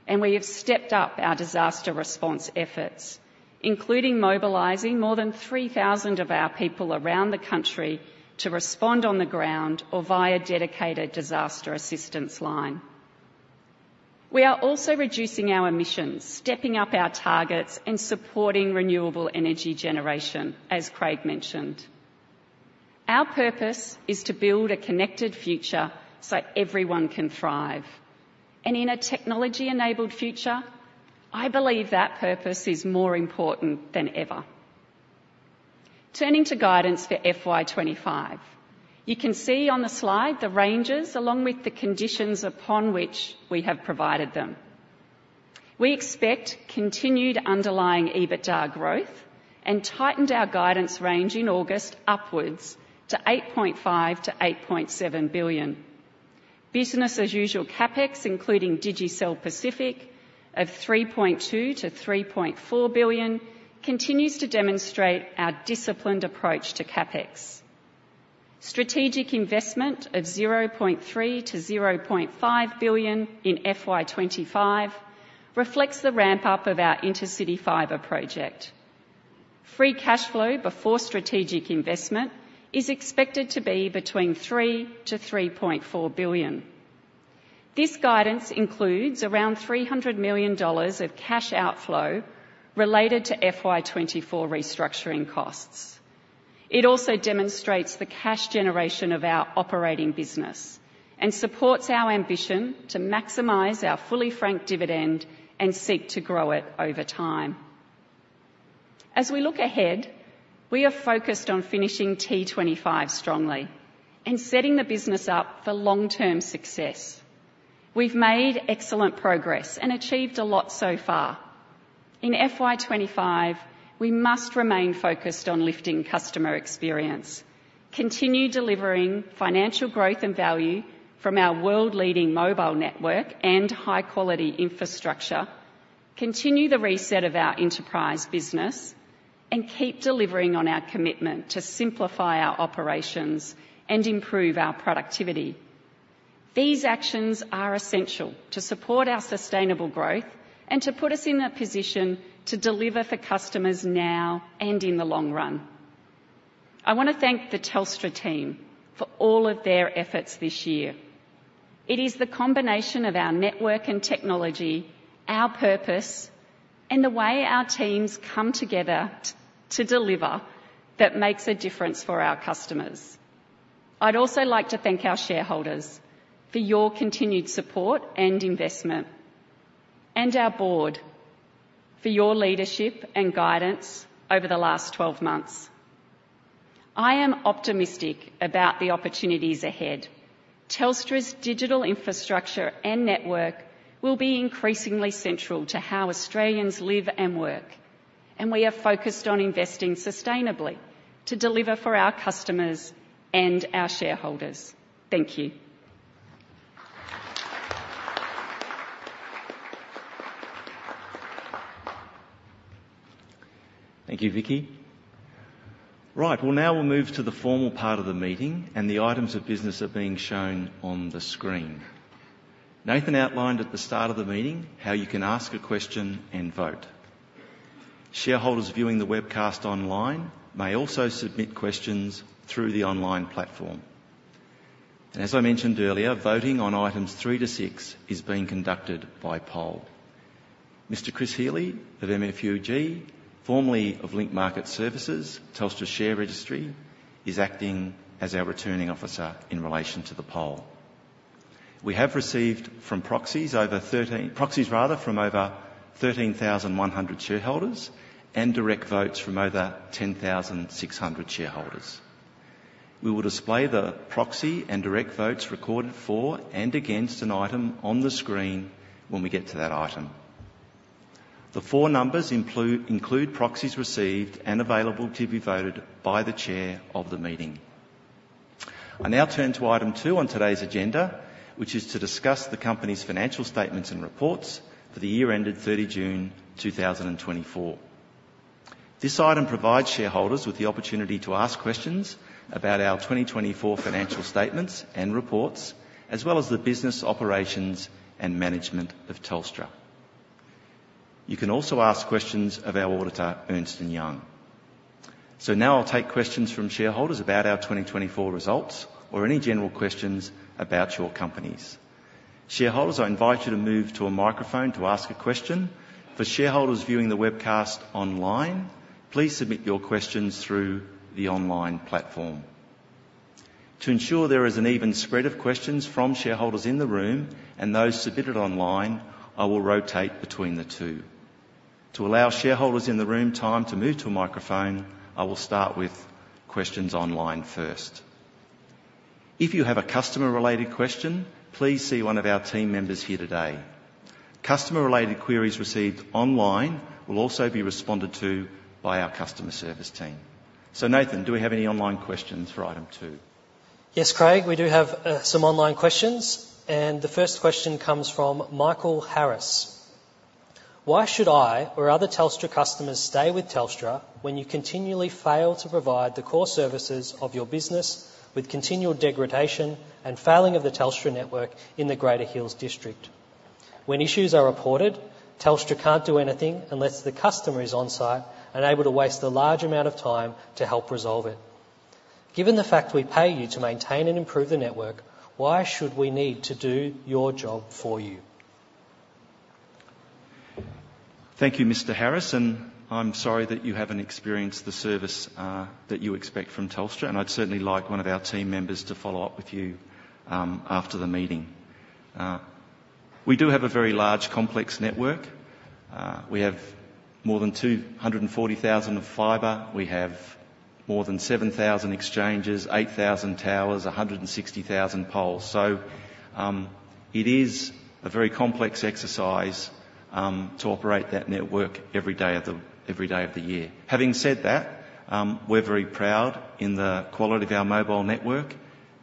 and we have stepped up our disaster response efforts, including mobilizing more than 3,000 of our people around the country to respond on the ground or via dedicated disaster assistance line. We are also reducing our emissions, stepping up our targets, and supporting renewable energy generation, as Craig mentioned. Our purpose is to build a connected future so everyone can thrive. And in a technology-enabled future, I believe that purpose is more important than ever. Turning to guidance for FY2025. You can see on the slide the ranges, along with the conditions upon which we have provided them. We expect continued underlying EBITDA growth and tightened our guidance range in August upwards to 8.5 billion-8.7 billion. Business as usual CapEx, including Digicel Pacific, of 3.2-3.4 billion, continues to demonstrate our disciplined approach to CapEx. Strategic investment of 0.3-0.5 billion in FY2025 reflects the ramp-up of our intercity fibre project. Free cash flow before strategic investment is expected to be between 3-3.4 billion. This guidance includes around 300 million dollars of cash outflow related to FY2024 restructuring costs. It also demonstrates the cash generation of our operating business and supports our ambition to maximize our fully franked dividend and seek to grow it over time. As we look ahead, we are focused on finishing T25 strongly and setting the business up for long-term success. We've made excellent progress and achieved a lot so far. In FY2025, we must remain focused on lifting customer experience, continue delivering financial growth and value from our world-leading mobile network and high-quality infrastructure, continue the reset of our enterprise business, and keep delivering on our commitment to simplify our operations and improve our productivity. These actions are essential to support our sustainable growth and to put us in a position to deliver for customers now and in the long run. I want to thank the Telstra team for all of their efforts this year. It is the combination of our network and technology, our purpose, and the way our teams come together to deliver that makes a difference for our customers. I'd also like to thank our shareholders for your continued support and investment, and our board for your leadership and guidance over the last twelve months. I am optimistic about the opportunities ahead. Telstra's digital infrastructure and network will be increasingly central to how Australians live and work, and we are focused on investing sustainably to deliver for our customers and our shareholders. Thank you. ... Thank you, Vicki. Right, well, now we'll move to the formal part of the meeting, and the items of business are being shown on the screen. Nathan outlined at the start of the meeting how you can ask a question and vote. Shareholders viewing the webcast online may also submit questions through the online platform. And as I mentioned earlier, voting on items three to six is being conducted by poll. Mr. Chris Healy of MUFG, formerly of Link Market Services, Telstra Share Registry, is acting as our Returning Officer in relation to the poll. We have received proxies from over 13,100 shareholders and direct votes from over 10,600 shareholders. We will display the proxy and direct votes recorded for and against an item on the screen when we get to that item. The four numbers include proxies received and available to be voted by the chair of the meeting. I now turn to item two on today's agenda, which is to discuss the company's financial statements and reports for the year ended 30 June 2024. This item provides shareholders with the opportunity to ask questions about our 2024 financial statements and reports, as well as the business operations and management of Telstra. You can also ask questions of our auditor, Ernst & Young. So now I'll take questions from shareholders about our 2024 results or any general questions about your companies. Shareholders, I invite you to move to a microphone to ask a question. For shareholders viewing the webcast online, please submit your questions through the online platform. To ensure there is an even spread of questions from shareholders in the room and those submitted online, I will rotate between the two. To allow shareholders in the room time to move to a microphone, I will start with questions online first. If you have a customer-related question, please see one of our team members here today. Customer-related queries received online will also be responded to by our customer service team. So, Nathan, do we have any online questions for item two? Yes, Craig, we do have some online questions, and the first question comes from Michael Harris: Why should I or other Telstra customers stay with Telstra when you continually fail to provide the core services of your business with continual degradation and failing of the Telstra network in the Greater Hills District? When issues are reported, Telstra can't do anything unless the customer is on-site and able to waste a large amount of time to help resolve it. Given the fact we pay you to maintain and improve the network, why should we need to do your job for you? Thank you, Mr. Harris, and I'm sorry that you haven't experienced the service, that you expect from Telstra, and I'd certainly like one of our team members to follow up with you, after the meeting. We do have a very large, complex network. We have more than two hundred and forty thousand of fibre. We have more than seven thousand exchanges, eight thousand towers, a hundred and sixty thousand poles. So, it is a very complex exercise, to operate that network every day of the year. Having said that, we're very proud in the quality of our mobile network,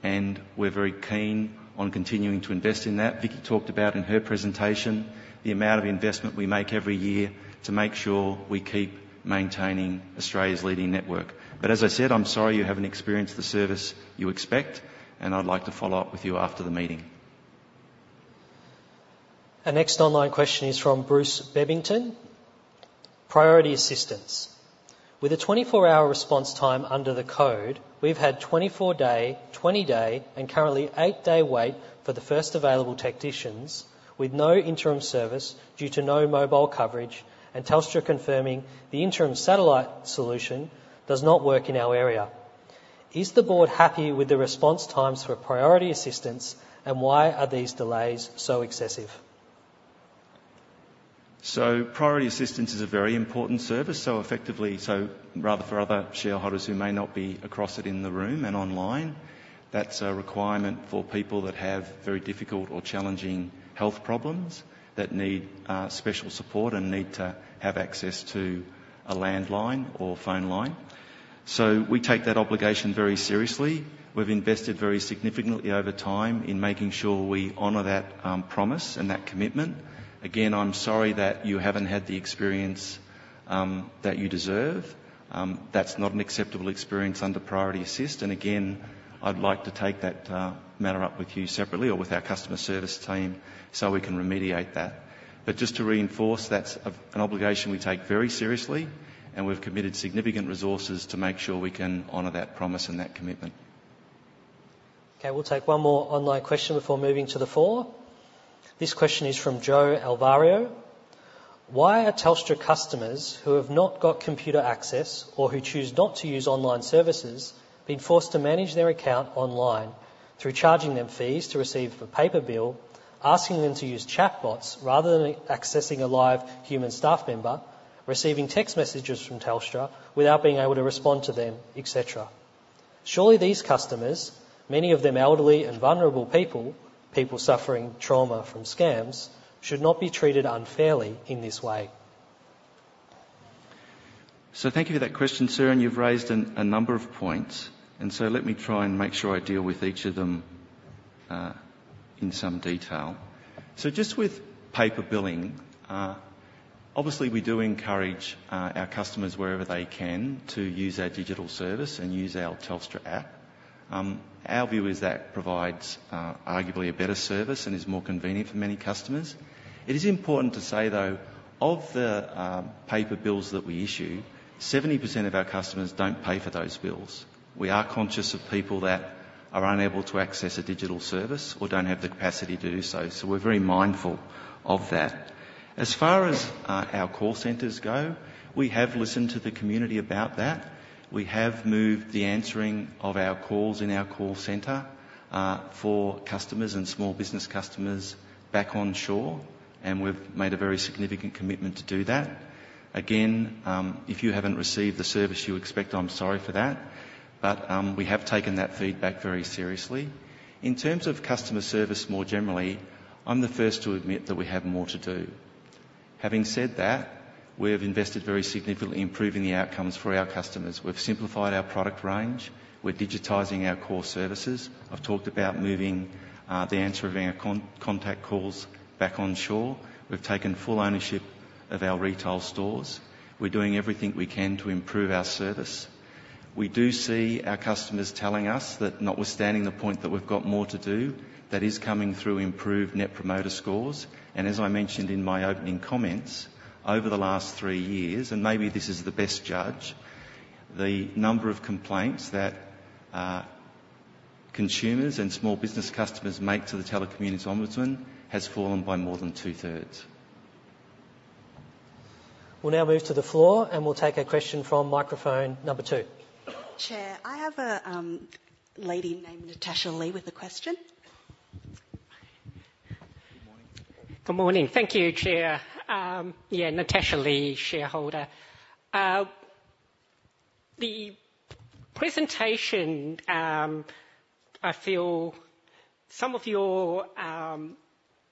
and we're very keen on continuing to invest in that. Vicki talked about in her presentation the amount of investment we make every year to make sure we keep maintaining Australia's leading network. But as I said, I'm sorry you haven't experienced the service you expect, and I'd like to follow up with you after the meeting. Our next online question is from Bruce Bebbington: Priority Assistance. With a 24-hour response time under the code, we've had 24-day, 20-day, and currently 8-day wait for the first available technicians, with no interim service due to no mobile coverage, and Telstra confirming the interim satellite solution does not work in our area. Is the board happy with the response times for Priority Assistance, and why are these delays so excessive? So Priority Assistance is a very important service. So rather, for other shareholders who may not be across it in the room and online, that's a requirement for people that have very difficult or challenging health problems that need special support and need to have access to a landline or phone line. So we take that obligation very seriously. We've invested very significantly over time in making sure we honor that promise and that commitment. Again, I'm sorry that you haven't had the experience that you deserve. That's not an acceptable experience under Priority Assistance, and again, I'd like to take that matter up with you separately or with our customer service team, so we can remediate that. But just to reinforce, that's an obligation we take very seriously, and we've committed significant resources to make sure we can honor that promise and that commitment. Okay, we'll take one more online question before moving to the floor. This question is from Joe Alvaro: Why are Telstra customers who have not got computer access or who choose not to use online services being forced to manage their account online through charging them fees to receive a paper bill, asking them to use chatbots rather than accessing a live human staff member, receiving text messages from Telstra without being able to respond to them, et cetera? Surely, these customers, many of them elderly and vulnerable people, people suffering trauma from scams, should not be treated unfairly in this way. So thank you for that question, sir, and you've raised a number of points, and so let me try and make sure I deal with each of them in some detail. So just with paper billing, obviously we do encourage our customers wherever they can to use our digital service and use our Telstra app. Our view is that provides arguably a better service and is more convenient for many customers. It is important to say, though, of the paper bills that we issue, 70% of our customers don't pay for those bills. We are conscious of people that are unable to access a digital service or don't have the capacity to do so, so we're very mindful of that. As far as our call centers go, we have listened to the community about that. We have moved the answering of our calls in our call center for customers and small business customers back on shore, and we've made a very significant commitment to do that. Again, if you haven't received the service you expect, I'm sorry for that, but we have taken that feedback very seriously. In terms of customer service, more generally, I'm the first to admit that we have more to do. Having said that, we have invested very significantly in improving the outcomes for our customers. We've simplified our product range. We're digitizing our core services. I've talked about moving the answering of our contact calls back on shore. We've taken full ownership of our retail stores. We're doing everything we can to improve our service. We do see our customers telling us that notwithstanding the point that we've got more to do, that is coming through improved Net Promoter Scores, and as I mentioned in my opening comments, over the last three years, and maybe this is the best judge, the number of complaints that consumers and small business customers make to the Telecommunications Industry Ombudsman has fallen by more than two-thirds. We'll now move to the floor, and we'll take a question from microphone number two. Chair, I have a lady named Natasha Lee with a question. Good morning. Good morning. Thank you, Chair. Yeah, Natasha Lee, shareholder. The presentation, I feel some of your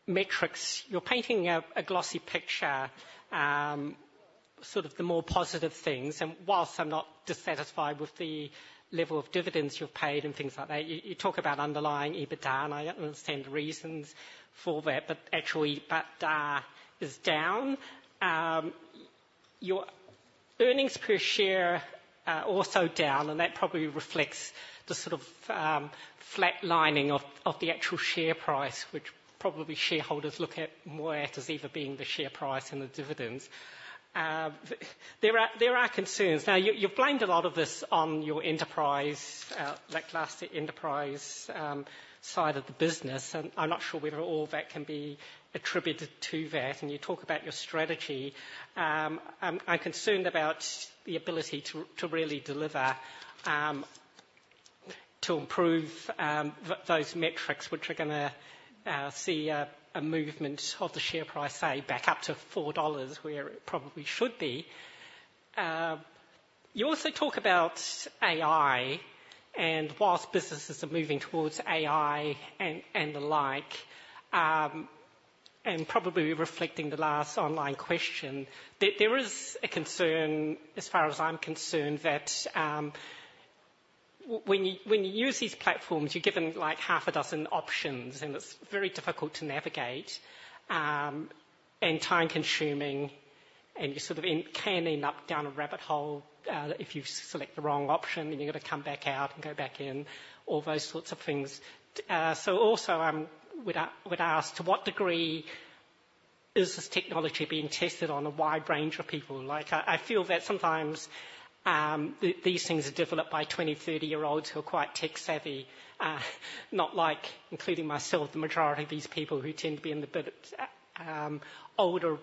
metrics, you're painting a glossy picture, sort of the more positive things, and whilst I'm not dissatisfied with the level of dividends you've paid and things like that, you talk about underlying EBITDA, and I understand the reasons for that, but actually, but is down. Your earnings per share are also down, and that probably reflects the sort of flatlining of the actual share price, which probably shareholders look at more at as either being the share price and the dividends. There are concerns. Now, you, you've blamed a lot of this on your enterprise, that last enterprise side of the business, and I'm not sure whether all that can be attributed to that. When you talk about your strategy, I'm concerned about the ability to really deliver, to improve, those metrics, which are gonna see a movement of the share price, say, back up to $4, where it probably should be. You also talk about AI, and whilst businesses are moving towards AI and the like, and probably reflecting the last online question, there is a concern, as far as I'm concerned, that, when you use these platforms, you're given, like, half a dozen options, and it's very difficult to navigate, and time-consuming, and you sort of can end up down a rabbit hole, if you select the wrong option, and you've got to come back out and go back in, all those sorts of things. So also, would I ask, to what degree is this technology being tested on a wide range of people? Like, I feel that sometimes, these things are developed by twenty, thirty-year-olds who are quite tech-savvy, not like, including myself, the majority of these people who tend to be in the bit older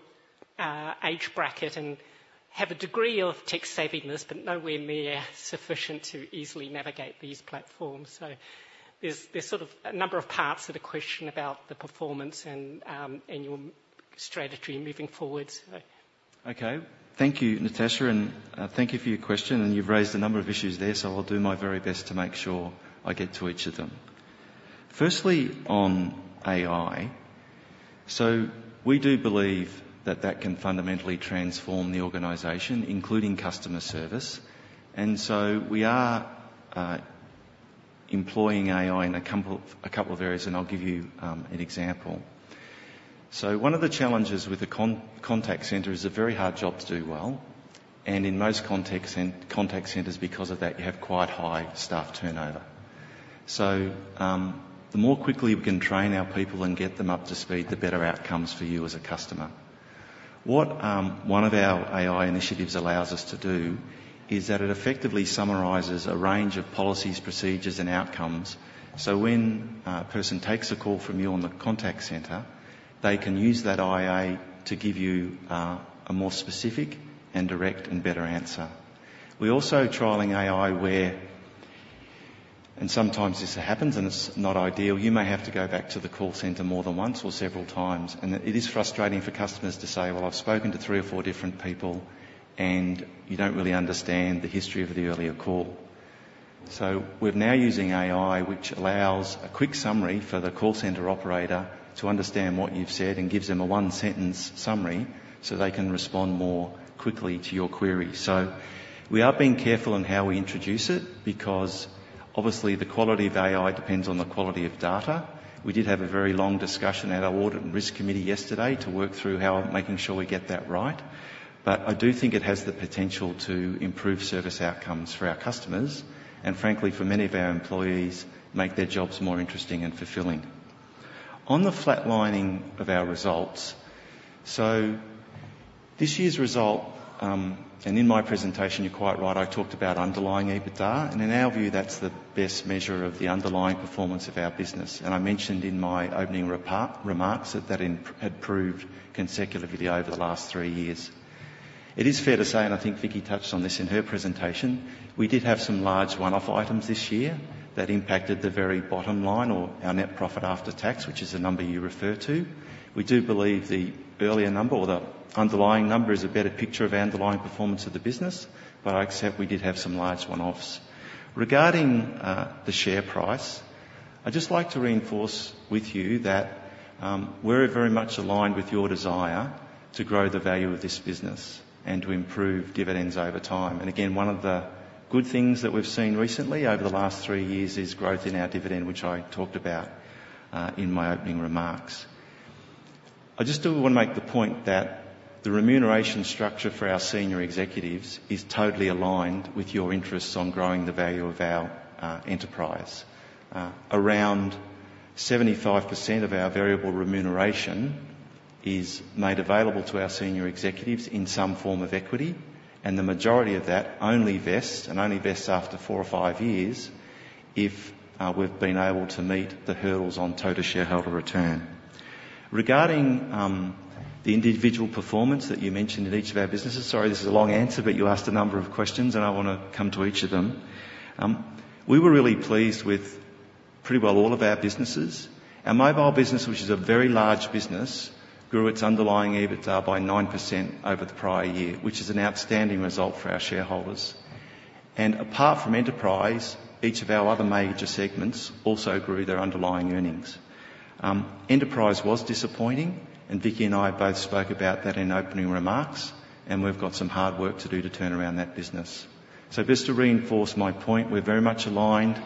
age bracket and have a degree of tech-savviness, but nowhere near sufficient to easily navigate these platforms. So there's sort of a number of parts to the question about the performance and your strategy moving forward, so. Okay. Thank you, Natasha, and thank you for your question, and you've raised a number of issues there, so I'll do my very best to make sure I get to each of them. Firstly, on AI: so we do believe that that can fundamentally transform the organization, including customer service, and so we are employing AI in a couple of areas, and I'll give you an example. So one of the challenges with the contact center is it's a very hard job to do well, and in most contact centers, because of that, you have quite high staff turnover. So the more quickly we can train our people and get them up to speed, the better outcomes for you as a customer. One of our AI initiatives allows us to do is that it effectively summarizes a range of policies, procedures, and outcomes. So when a person takes a call from you on the contact center, they can use that AI to give you a more specific and direct and better answer. We're also trialing AI where, and sometimes this happens, and it's not ideal, you may have to go back to the call center more than once or several times, and it is frustrating for customers to say, "Well, I've spoken to three or four different people," and you don't really understand the history of the earlier call. So we're now using AI, which allows a quick summary for the call center operator to understand what you've said and gives them a one-sentence summary, so they can respond more quickly to your query. We are being careful in how we introduce it, because obviously, the quality of AI depends on the quality of data. We did have a very long discussion at our Audit and Risk Committee yesterday to work through how making sure we get that right. But I do think it has the potential to improve service outcomes for our customers, and frankly, for many of our employees, make their jobs more interesting and fulfilling. On the flatlining of our results, so this year's result, and in my presentation, you're quite right, I talked about underlying EBITDA, and in our view, that's the best measure of the underlying performance of our business. I mentioned in my opening remarks that that improved consecutively over the last three years. It is fair to say, and I think Vicki touched on this in her presentation, we did have some large one-off items this year that impacted the very bottom line or our net profit after tax, which is the number you refer to. We do believe the earlier number or the underlying number is a better picture of our underlying performance of the business, but I accept we did have some large one-offs. Regarding the share price, I'd just like to reinforce with you that, we're very much aligned with your desire to grow the value of this business and to improve dividends over time. And again, one of the good things that we've seen recently over the last three years is growth in our dividend, which I talked about in my opening remarks. I just do want to make the point that the remuneration structure for our senior executives is totally aligned with your interests on growing the value of our enterprise. Around 75% of our variable remuneration is made available to our senior executives in some form of equity, and the majority of that only vests after four or five years, if we've been able to meet the hurdles on total shareholder return. Regarding the individual performance that you mentioned in each of our businesses. Sorry, this is a long answer, but you asked a number of questions, and I want to come to each of them. We were really pleased with pretty well all of our businesses. Our mobile business, which is a very large business, grew its underlying EBITDA by 9% over the prior year, which is an outstanding result for our shareholders. And apart from Enterprise, each of our other major segments also grew their underlying earnings. Enterprise was disappointing, and Vicki and I both spoke about that in opening remarks, and we've got some hard work to do to turn around that business. So just to reinforce my point, we're very much aligned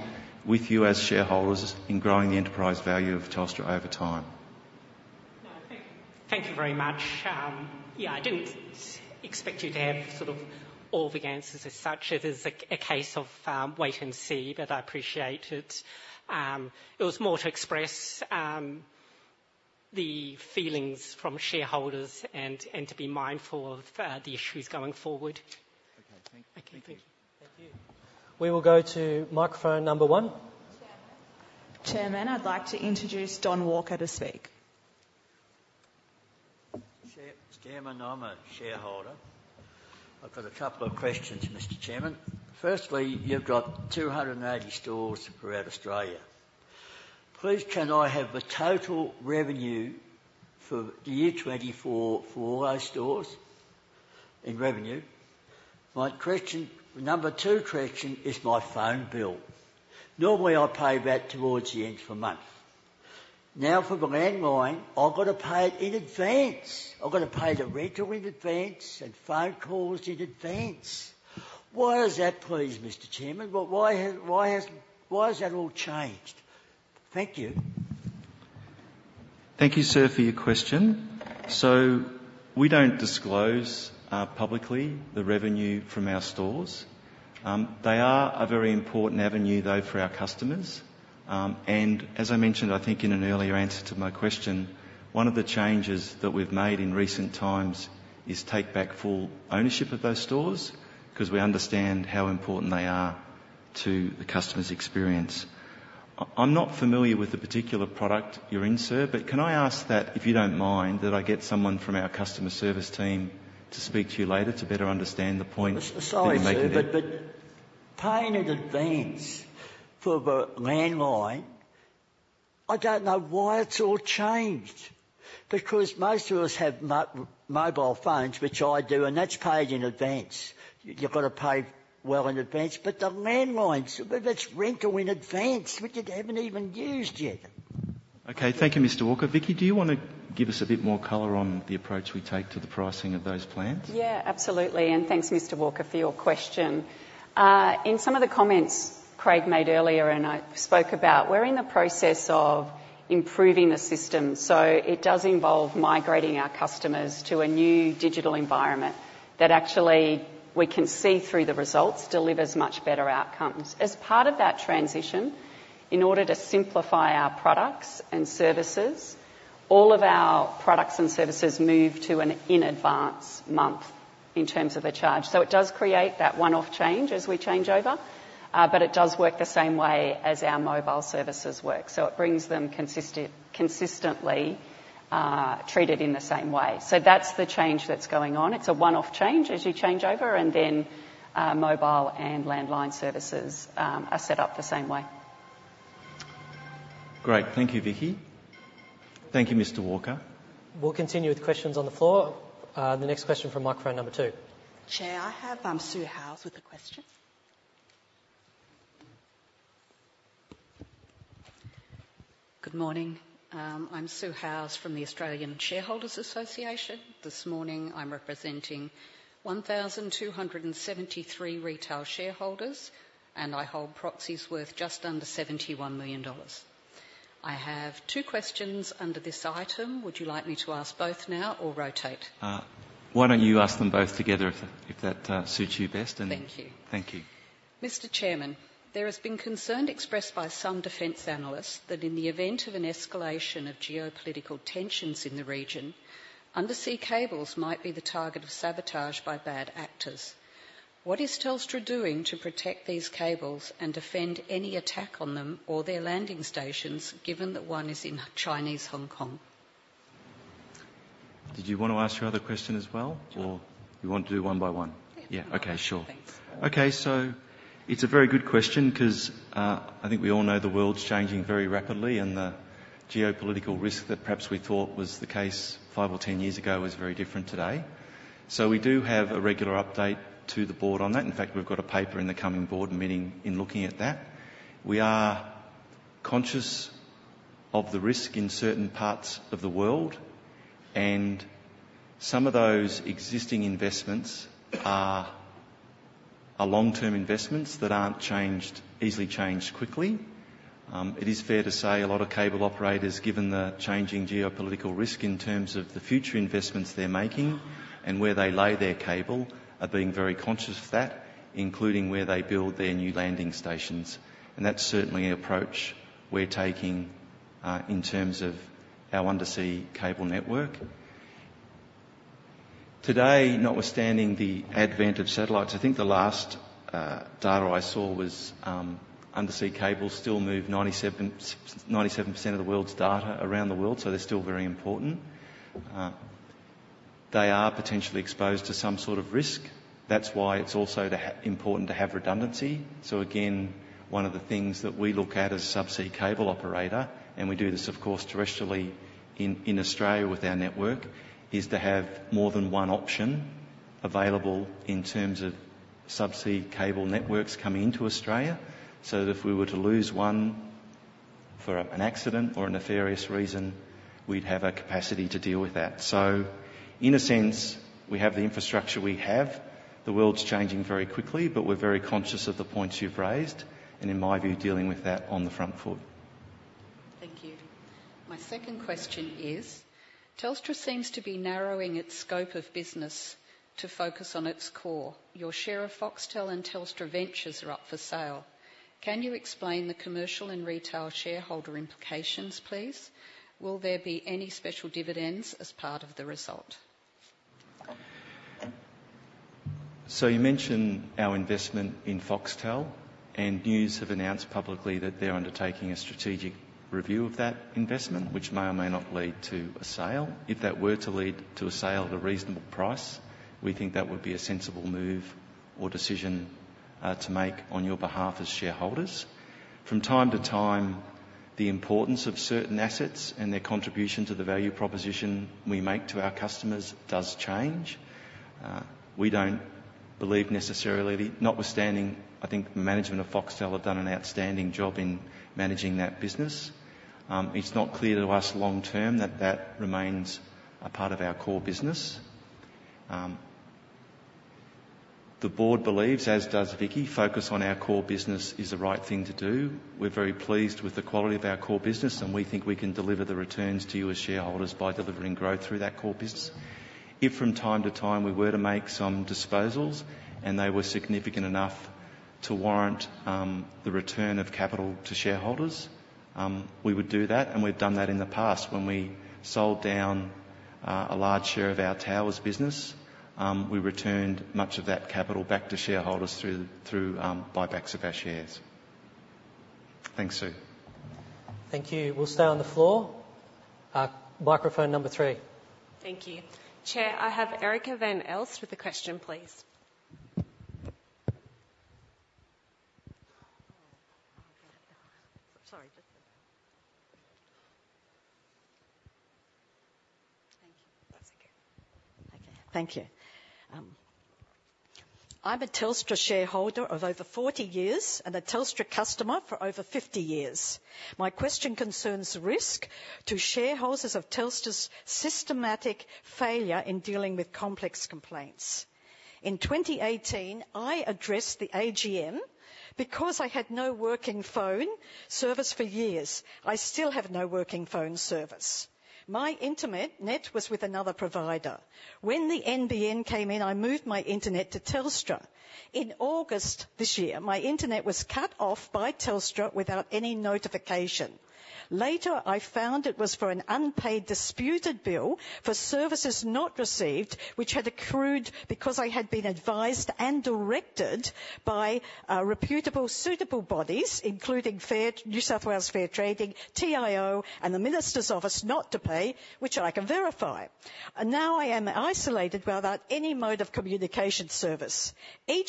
with you as shareholders in growing the enterprise value of Telstra over time. No, thank you very much. Yeah, I didn't expect you to have sort of all the answers as such. It is a case of wait and see, but I appreciate it. It was more to express the feelings from shareholders and to be mindful of the issues going forward. Okay, thank you. Okay, thank you. Thank you. We will go to microphone number one. Chairman, I'd like to introduce Don Walker to speak. Chairman, I'm a shareholder. I've got a couple of questions, Mr. Chairman. Firstly, you've got two hundred and eighty stores throughout Australia. Please, can I have the total revenue for the year 2024 for all those stores? In revenue. My question, number two question is my phone bill. Normally, I pay that towards the end of the month. Now, for the landline, I've got to pay it in advance. I've got to pay the rental in advance and phone calls in advance. Why is that, please, Mr. Chairman? Well, why has that all changed? Thank you. Thank you, sir, for your question. So we don't disclose publicly the revenue from our stores. They are a very important avenue, though, for our customers. And as I mentioned, I think in an earlier answer to my question, one of the changes that we've made in recent times is take back full ownership of those stores because we understand how important they are to the customer's experience. I'm not familiar with the particular product you're in, sir, but can I ask that, if you don't mind, that I get someone from our customer service team to speak to you later to better understand the point that you're making there? Sorry, sir, but paying in advance for the landline, I don't know why it's all changed. Because most of us have mobile phones, which I do, and that's paid in advance. You've got to pay well in advance. But the landlines, that's rental in advance, which you haven't even used yet. Okay. Thank you, Mr. Walker. Vicki, do you want to give us a bit more color on the approach we take to the pricing of those plans? Yeah, absolutely, and thanks, Mr. Walker, for your question. In some of the comments Craig made earlier, and I spoke about, we're in the process of improving the system, so it does involve migrating our customers to a new digital environment that actually we can see through the results delivers much better outcomes. As part of that transition, in order to simplify our products and services, all of our products and services move to an in-advance month in terms of a charge, so it does create that one-off change as we change over, but it does work the same way as our mobile services work, so it brings them consistently treated in the same way, so that's the change that's going on. It's a one-off change as you change over, and then mobile and landline services are set up the same way. Great. Thank you, Vicki. Thank you, Mr. Walker. We'll continue with questions on the floor. The next question from microphone number two. Chair, I have Sue Howes with a question. Good morning. I'm Sue Howes from the Australian Shareholders' Association. This morning, I'm representing 1,273 retail shareholders, and I hold proxies worth just under 71 million dollars. I have two questions under this item. Would you like me to ask both now or rotate? Why don't you ask them both together if that suits you best, and- Thank you. Thank you. Mr. Chairman, there has been concern expressed by some defense analysts that in the event of an escalation of geopolitical tensions in the region, undersea cables might be the target of sabotage by bad actors. What is Telstra doing to protect these cables and defend any attack on them or their landing stations, given that one is in Chinese Hong Kong? Did you want to ask your other question as well? Sure. Or you want to do one by one? Yeah. Yeah. Okay, sure. Thanks. Okay, so it's a very good question 'cause I think we all know the world's changing very rapidly, and the geopolitical risk that perhaps we thought was the case five or 10 years ago is very different today. So we do have a regular update to the board on that. In fact, we've got a paper in the coming board meeting looking at that. We are conscious of the risk in certain parts of the world, and some of those existing investments are long-term investments that aren't easily changed quickly. It is fair to say a lot of cable operators, given the changing geopolitical risk in terms of the future investments they're making and where they lay their cable, are being very conscious of that, including where they build their new landing stations, and that's certainly an approach we're taking in terms of our undersea cable network. Today, notwithstanding the advent of satellites, I think the last data I saw was undersea cables still move 97% of the world's data around the world, so they're still very important. They are potentially exposed to some sort of risk. That's why it's also important to have redundancy. So again, one of the things that we look at as a sub-sea cable operator, and we do this, of course, terrestrially in Australia with our network, is to have more than one option available in terms of sub-sea cable networks coming into Australia. So that if we were to lose one for an accident or a nefarious reason, we'd have a capacity to deal with that. So in a sense, we have the infrastructure we have. The world's changing very quickly, but we're very conscious of the points you've raised, and in my view, dealing with that on the front foot. Thank you. My second question is, Telstra seems to be narrowing its scope of business to focus on its core. Your share of Foxtel and Telstra Ventures are up for sale. Can you explain the commercial and retail shareholder implications, please? Will there be any special dividends as part of the result? So you mentioned our investment in Foxtel, and News have announced publicly that they're undertaking a strategic review of that investment, which may or may not lead to a sale. If that were to lead to a sale at a reasonable price, we think that would be a sensible move or decision to make on your behalf as shareholders. From time to time, the importance of certain assets and their contribution to the value proposition we make to our customers does change. We don't believe necessarily... Notwithstanding, I think the management of Foxtel have done an outstanding job in managing that business. It's not clear to us long term that that remains a part of our core business. The board believes, as does Vicki, focus on our core business is the right thing to do. We're very pleased with the quality of our core business, and we think we can deliver the returns to you as shareholders by delivering growth through that core business. If from time to time we were to make some disposals, and they were significant enough to warrant the return of capital to shareholders, we would do that, and we've done that in the past. When we sold down a large share of our towers business, we returned much of that capital back to shareholders through buybacks of our shares. Thanks, Sue. Thank you. We'll stay on the floor. Microphone number three. Thank you. Chair, I have Erica van Elst with a question, please. Sorry. Just... Thank you. Thank you. Okay. Thank you. I'm a Telstra shareholder of over forty years and a Telstra customer for over fifty years. My question concerns risk to shareholders of Telstra's systematic failure in dealing with complex complaints. In 2018, I addressed the AGM. Because I had no working phone service for years, I still have no working phone service. My internet was with another provider. When the NBN came in, I moved my internet to Telstra. In August this year, my internet was cut off by Telstra without any notification. Later, I found it was for an unpaid, disputed bill for services not received, which had accrued because I had been advised and directed by reputable, suitable bodies, including New South Wales Fair Trading, TIO, and the Minister's office, not to pay, which I can verify. And now I am isolated without any mode of communication service. Every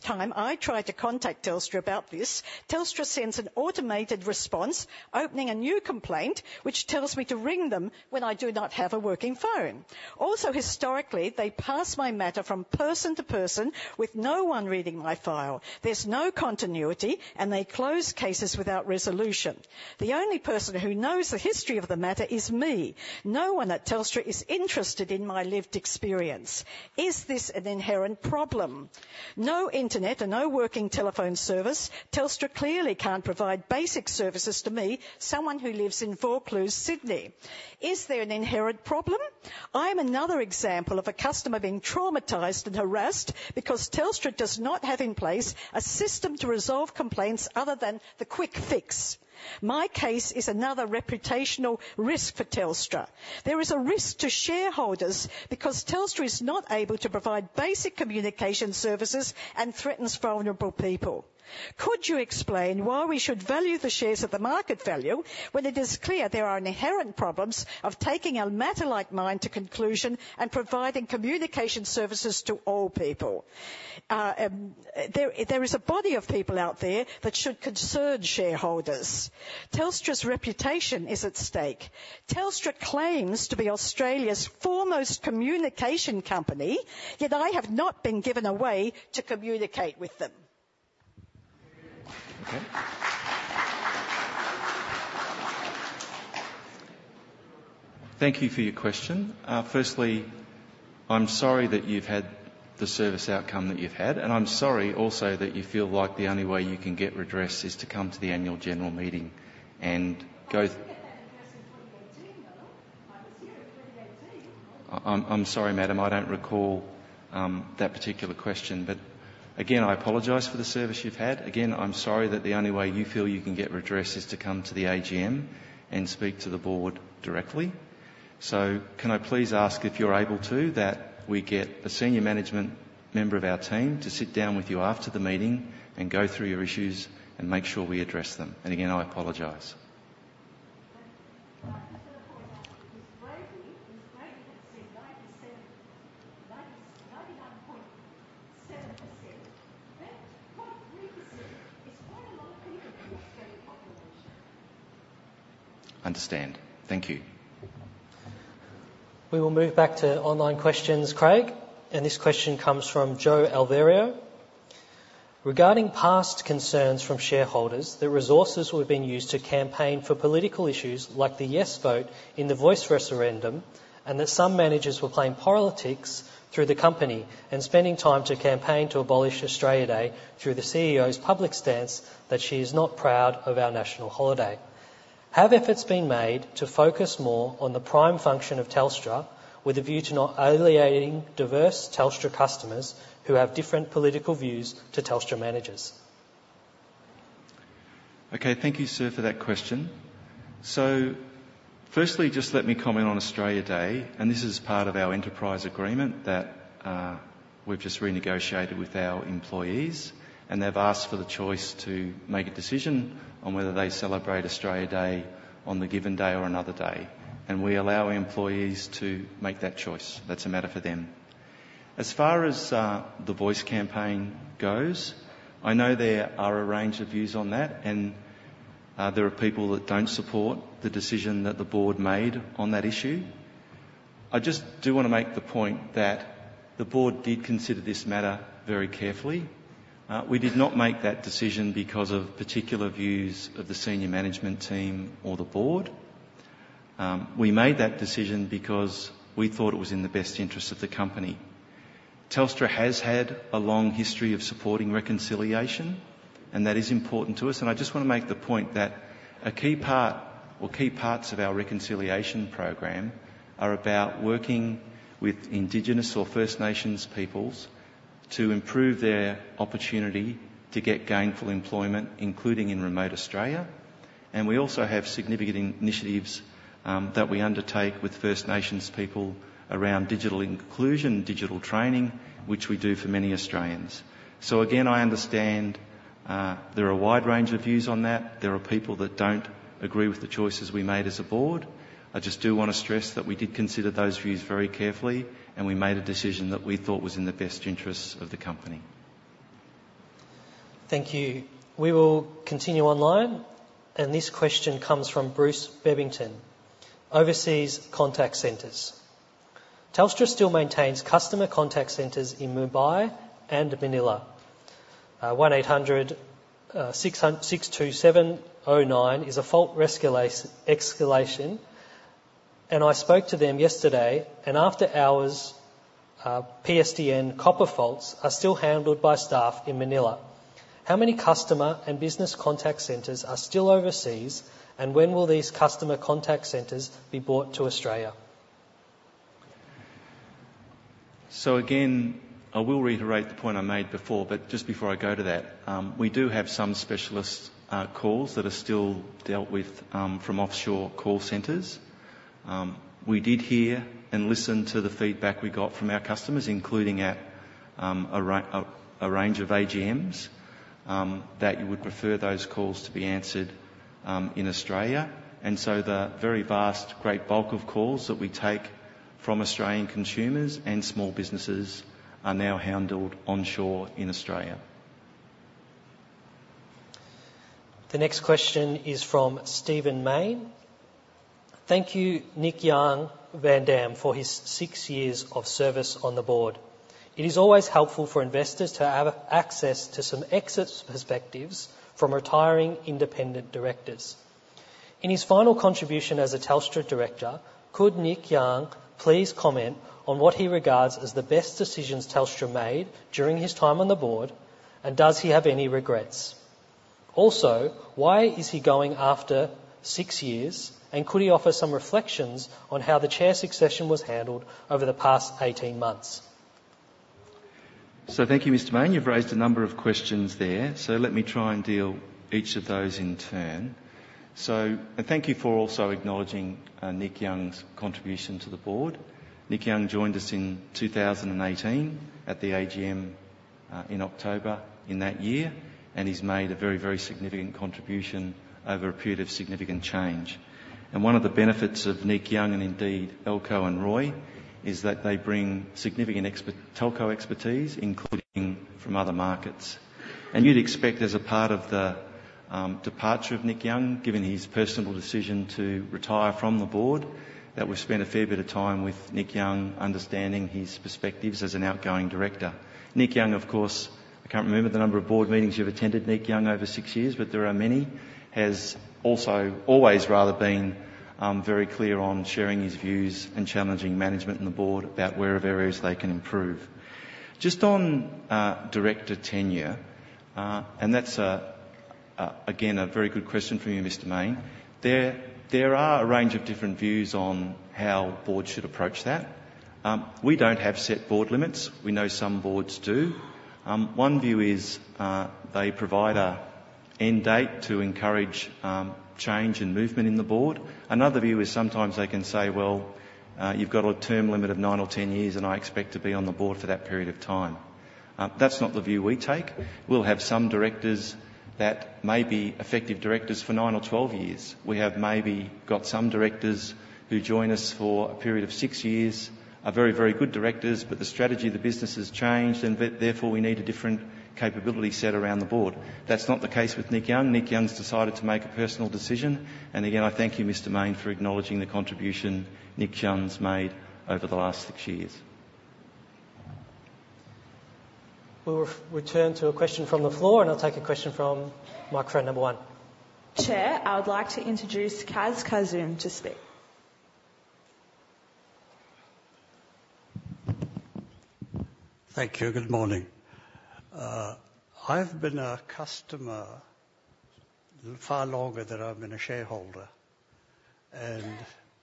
time I try to contact Telstra about this, Telstra sends an automated response, opening a new complaint, which tells me to ring them when I do not have a working phone. Also, historically, they pass my matter from person to person with no one reading my file. There's no continuity, and they close cases without resolution. The only person who knows the history of the matter is me. No one at Telstra is interested in my lived experience. Is this an inherent problem? No internet and no working telephone service. Telstra clearly can't provide basic services to me, someone who lives in Vaucluse, Sydney. Is there an inherent problem? I'm another example of a customer being traumatized and harassed because Telstra does not have in place a system to resolve complaints other than the quick fix. My case is another reputational risk for Telstra. There is a risk to shareholders because Telstra is not able to provide basic communication services and threatens vulnerable people. Could you explain why we should value the shares at the market value when it is clear there are inherent problems of taking a matter like mine to conclusion and providing communication services to all people? There is a body of people out there that should concern shareholders. Telstra's reputation is at stake. Telstra claims to be Australia's foremost communication company, yet I have not been given a way to communicate with them. Thank you for your question. Firstly, I'm sorry that you've had the service outcome that you've had, and I'm sorry also that you feel like the only way you can get redress is to come to the Annual General Meeting and go- I did that in person 2018, though. I was here in 2018. I'm sorry, madam, I don't recall that particular question, but again, I apologize for the service you've had. Again, I'm sorry that the only way you feel you can get redress is to come to the AGM and speak to the board directly. So can I please ask, if you're able to, that we get a senior management member of our team to sit down with you after the meeting and go through your issues and make sure we address them? And again, I apologize. Thank you. Just as a point of order, is 90, is 90%, 97, 90, 91.7%. That 0.3% is quite a lot of people in the Australian population. Understand. Thank you. We will move back to online questions, Craig. And this question comes from Joe Alvaro: Regarding past concerns from shareholders, the resources were being used to campaign for political issues like the yes vote in the Voice referendum, and that some managers were playing politics through the company and spending time to campaign to abolish Australia Day through the CEO's public stance that she is not proud of our national holiday. Have efforts been made to focus more on the prime function of Telstra, with a view to not alienating diverse Telstra customers who have different political views to Telstra managers? Okay, thank you, sir, for that question. So firstly, just let me comment on Australia Day, and this is part of our enterprise agreement that, we've just renegotiated with our employees, and they've asked for the choice to make a decision on whether they celebrate Australia Day on the given day or another day, and we allow employees to make that choice. That's a matter for them. As far as, the Voice campaign goes, I know there are a range of views on that, and, there are people that don't support the decision that the board made on that issue. I just do want to make the point that the board did consider this matter very carefully. We did not make that decision because of particular views of the senior management team or the board. We made that decision because we thought it was in the best interest of the company. Telstra has had a long history of supporting reconciliation, and that is important to us, and I just want to make the point that a key part or key parts of our reconciliation program are about working with Indigenous or First Nations peoples to improve their opportunity to get gainful employment, including in remote Australia. And we also have significant initiatives, that we undertake with First Nations people around digital inclusion, digital training, which we do for many Australians. So again, I understand, there are a wide range of views on that. There are people that don't agree with the choices we made as a board. I just do want to stress that we did consider those views very carefully, and we made a decision that we thought was in the best interests of the company. Thank you. We will continue online, and this question comes from Bruce Bebbington: Overseas contact centers. Telstra still maintains customer contact centers in Mumbai and Manila. One eight hundred six hundred six two seven oh nine is a fault escalation. And I spoke to them yesterday, and after hours, PSTN copper faults are still handled by staff in Manila. How many customer and business contact centers are still overseas, and when will these customer contact centers be brought to Australia? So again, I will reiterate the point I made before, but just before I go to that, we do have some specialist calls that are still dealt with from offshore call centers. We did hear and listen to the feedback we got from our customers, including at a range of AGMs, that you would prefer those calls to be answered in Australia. And so the very vast great bulk of calls that we take from Australian consumers and small businesses are now handled onshore in Australia. The next question is from Stephen Mayne. Thank you, Niek van Damme, for his six years of service on the board. It is always helpful for investors to have access to some expert perspectives from retiring independent directors. In his final contribution as a Telstra director, could Niek van Damme please comment on what he regards as the best decisions Telstra made during his time on the board, and does he have any regrets? Also, why is he going after six years, and could he offer some reflections on how the chair succession was handled over the past eighteen months? Thank you, Mr. Mayne. You've raised a number of questions there, so let me try and deal with each of those in turn. Thank you for also acknowledging Niek van Damme's contribution to the board. Niek van Damme joined us in 2018 at the AGM in October in that year, and he's made a very, very significant contribution over a period of significant change. One of the benefits of Niek van Damme, and indeed Eelco and Roy, is that they bring significant telco expertise, including from other markets. You'd expect as a part of the departure of Niek van Damme, given his personal decision to retire from the board, that we've spent a fair bit of time with Niek van Damme, understanding his perspectives as an outgoing director. Niek Jan, of course, I can't remember the number of board meetings you've attended, Niek Jan, over six years, but there are many, has also always rather been very clear on sharing his views and challenging management and the board about the areas they can improve. Just on director tenure, and that's again a very good question from you, Mr. Mayne. There are a range of different views on how boards should approach that. We don't have set board limits. We know some boards do. One view is they provide an end date to encourage change and movement in the board. Another view is sometimes they can say, "Well, you've got a term limit of nine or ten years, and I expect to be on the board for that period of time." That's not the view we take. We'll have some directors that may be effective directors for nine or twelve years. We have maybe got some directors who join us for a period of six years, are very, very good directors, but the strategy of the business has changed, and therefore, we need a different capability set around the board. That's not the case with Niek van Damme. Niek van Damme's decided to make a personal decision, and again, I thank you, Mr. Mayne, for acknowledging the contribution Niek van Damme's made over the last six years. We'll return to a question from the floor, and I'll take a question from microphone number one. Chair, I would like to introduce Koz Kassem to speak. Thank you. Good morning. I've been a customer far longer than I've been a shareholder, and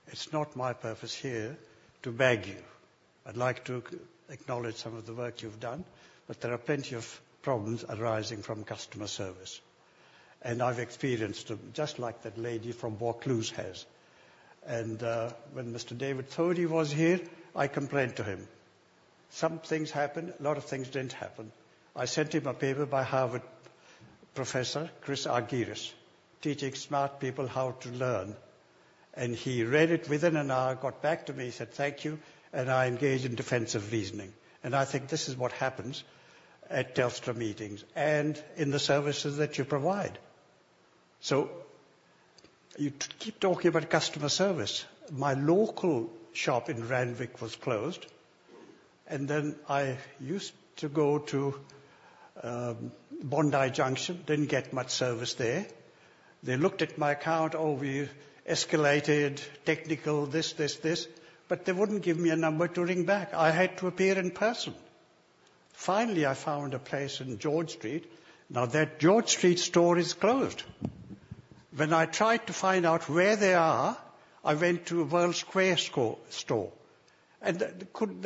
it's not my purpose here to bag you. I'd like to acknowledge some of the work you've done, but there are plenty of problems arising from customer service, and I've experienced them, just like that lady from Vaucluse has. And, when Mr. David Thodey was here, I complained to him. Some things happened, a lot of things didn't happen. I sent him a paper by Harvard Professor Chris Argyris, Teaching Smart People How to Learn, and he read it within an hour, got back to me and said, "Thank you," and I engaged in defensive reasoning. And I think this is what happens at Telstra meetings and in the services that you provide. So you keep talking about customer service. My local shop in Randwick was closed, and then I used to go to Bondi Junction. Didn't get much service there. They looked at my account. "Oh, we've escalated, technical, this, this, this," but they wouldn't give me a number to ring back. I had to appear in person. Finally, I found a place in George Street. Now, that George Street store is closed. When I tried to find out where they are, I went to World Square store, and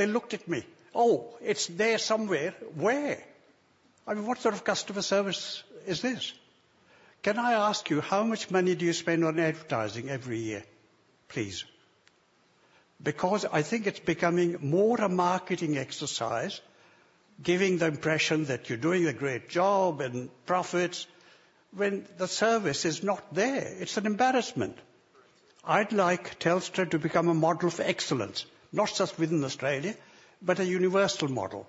they looked at me, "Oh, it's there somewhere." Where? I mean, what sort of customer service is this? Can I ask you, how much money do you spend on advertising every year, please? Because I think it's becoming more a marketing exercise, giving the impression that you're doing a great job and profits, when the service is not there. It's an embarrassment. I'd like Telstra to become a model for excellence, not just within Australia, but a universal model.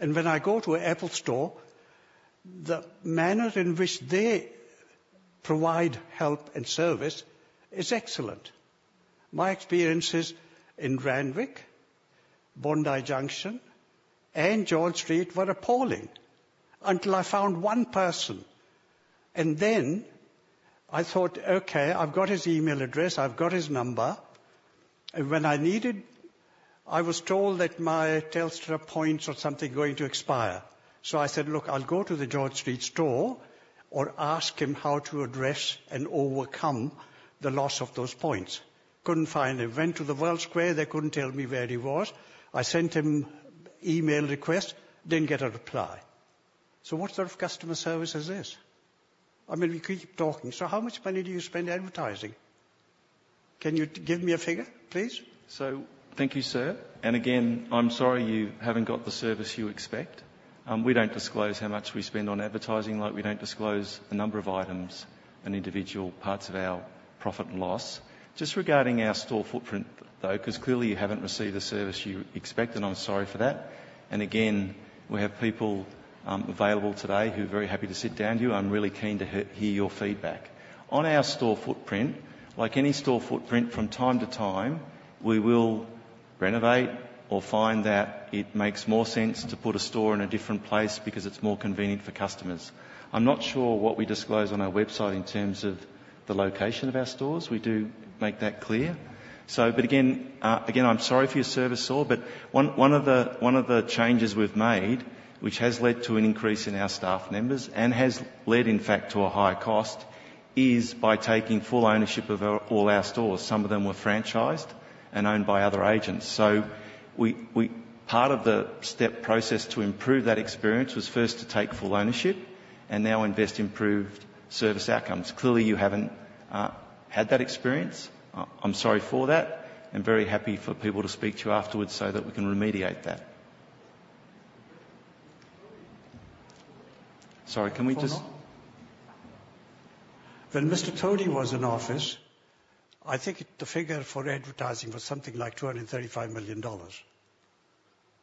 And when I go to an Apple store, the manner in which they provide help and service is excellent. My experiences in Randwick, Bondi Junction and George Street were appalling, until I found one person. And then I thought, "Okay, I've got his email address, I've got his number." And when I needed, I was told that my Telstra points or something were going to expire. So I said: "Look, I'll go to the George Street store or ask him how to address and overcome the loss of those points." Couldn't find him. I went to the World Square, they couldn't tell me where he was. I sent him email request, didn't get a reply. So what sort of customer service is this? I mean, we keep talking. So how much money do you spend advertising? Can you give me a figure, please? Thank you, sir. And again, I'm sorry you haven't got the service you expect. We don't disclose how much we spend on advertising, like we don't disclose the number of items and individual parts of our profit and loss. Just regarding our store footprint, though, because clearly you haven't received the service you expect, and I'm sorry for that. And again, we have people available today who are very happy to sit down with you. I'm really keen to hear your feedback. On our store footprint, like any store footprint, from time to time, we will renovate or find that it makes more sense to put a store in a different place because it's more convenient for customers. I'm not sure what we disclose on our website in terms of the location of our stores. We do make that clear. So, but again, I'm sorry for your service, sir, but one of the changes we've made, which has led to an increase in our staff members and has led, in fact, to a higher cost, is by taking full ownership of all our stores. Some of them were franchised and owned by other agents. So Part of the step process to improve that experience was first to take full ownership and now invest in improved service outcomes. Clearly, you haven't had that experience. I'm sorry for that and very happy for people to speak to you afterwards so that we can remediate that. Sorry, can we just- When Mr. Thodey was in office, I think the figure for advertising was something like 235 million dollars,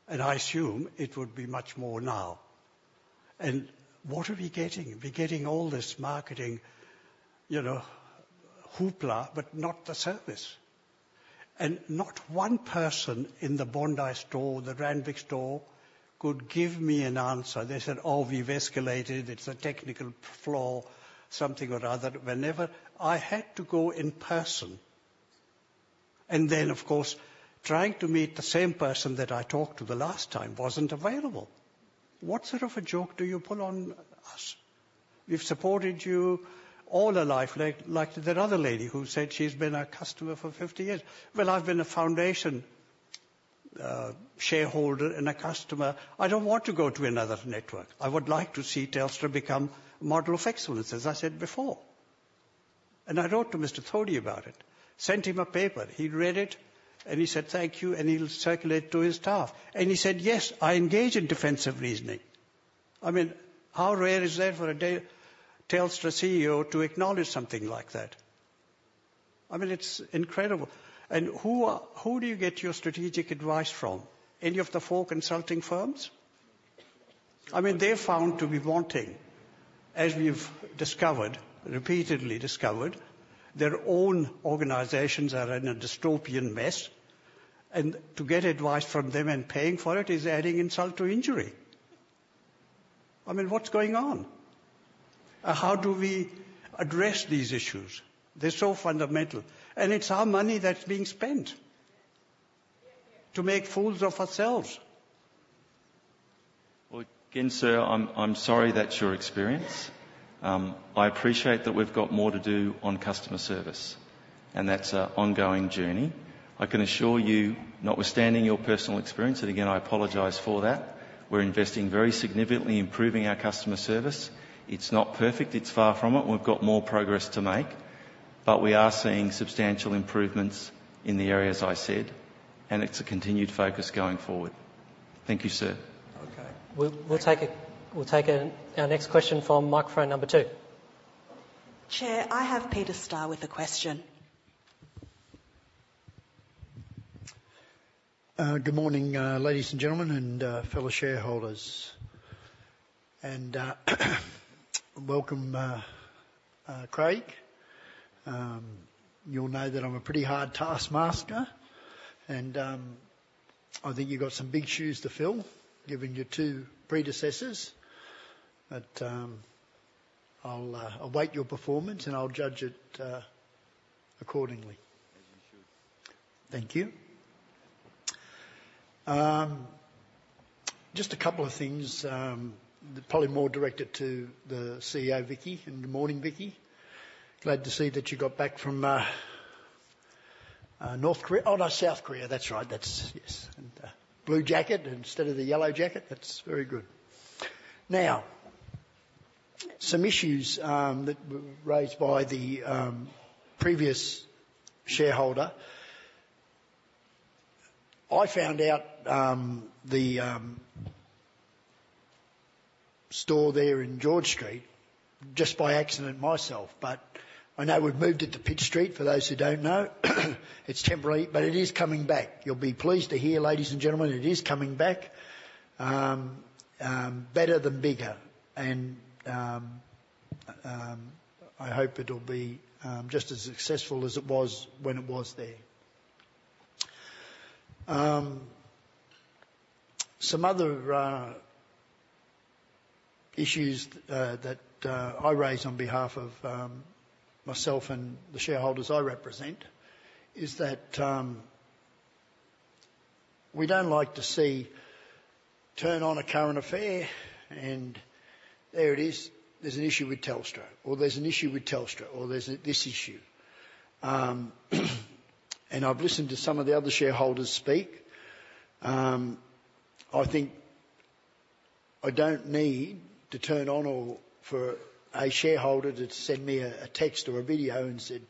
and I assume it would be much more now. And what are we getting? We're getting all this marketing, you know, hoopla, but not the service. And not one person in the Bondi store, the Randwick store, could give me an answer. They said, "Oh, we've escalated. It's a technical flaw," something or other. Whenever I had to go in person, and then, of course, trying to meet the same person that I talked to the last time wasn't available. What sort of a joke do you pull on us? We've supported you all our life, like, like that other lady who said she's been our customer for 50 years. Well, I've been a foundation shareholder and a customer. I don't want to go to another network. I would like to see Telstra become a model of excellence, as I said before. And I wrote to Mr. Thodey about it, sent him a paper. He read it, and he said, "Thank you," and he'll circulate it to his staff. And he said, "Yes, I engage in defensive reasoning." I mean, how rare is that for a Telstra CEO to acknowledge something like that? I mean, it's incredible. And who do you get your strategic advice from? Any of the four consulting firms? I mean, they're found to be wanting, as we've discovered, repeatedly discovered, their own organizations are in a dystopian mess, and to get advice from them and paying for it is adding insult to injury. I mean, what's going on? How do we address these issues? They're so fundamental, and it's our money that's being spent to make fools of ourselves. Again, sir, I'm sorry that's your experience. I appreciate that we've got more to do on customer service, and that's an ongoing journey. I can assure you, notwithstanding your personal experience, and again, I apologize for that, we're investing very significantly in improving our customer service. It's not perfect. It's far from it. We've got more progress to make, but we are seeing substantial improvements in the areas I said, and it's a continued focus going forward. Thank you, sir. Okay. We'll take our next question from microphone number two. Chair, I have Peter Starr with a question. Good morning, ladies and gentlemen, and fellow shareholders. And welcome, Craig. You'll know that I'm a pretty hard taskmaster, and I think you've got some big shoes to fill, given your two predecessors. But I'll await your performance, and I'll judge it accordingly. As you should. Thank you. Just a couple of things, probably more directed to the CEO, Vicki, and good morning, Vicki. Glad to see that you got back from North Korea. Oh, no, South Korea, that's right. Yes, and blue jacket instead of the yellow jacket. That's very good. Now, some issues that were raised by the previous shareholder. I found out the store there in George Street just by accident myself, but I know we've moved it to Pitt Street, for those who don't know. It's temporary, but it is coming back. You'll be pleased to hear, ladies and gentlemen, it is coming back, better than bigger, and I hope it'll be just as successful as it was when it was there. Some other issues that I raise on behalf of myself and the shareholders I represent is that we don't like to see. Turn on A Current Affair, and there it is. There's an issue with Telstra, or there's an issue with Telstra, or there's this issue. And I've listened to some of the other shareholders speak. I think I don't need to turn on or for a shareholder to send me a text or a video, and said,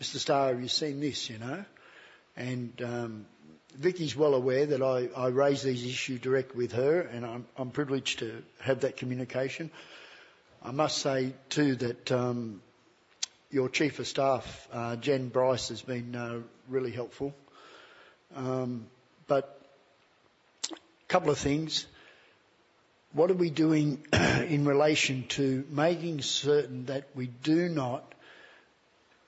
"Mr. Starr, have you seen this?" You know? And Vicki's well aware that I raise these issue direct with her, and I'm privileged to have that communication. I must say, too, that your chief of staff, Jane Price, has been really helpful. But couple of things: What are we doing in relation to making certain that we do not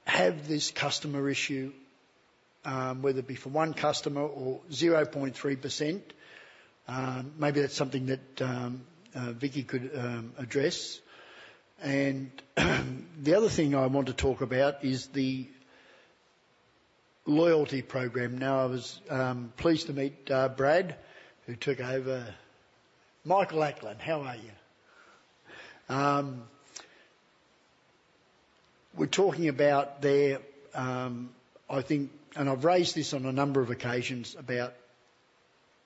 have this customer issue, whether it be for one customer or 0.3%? Maybe that's something that Vicki could address. And the other thing I want to talk about is the loyalty program. Now, I was pleased to meet Brad, who took over... Michael Ackland, how are you? We're talking about the, I think, and I've raised this on a number of occasions, about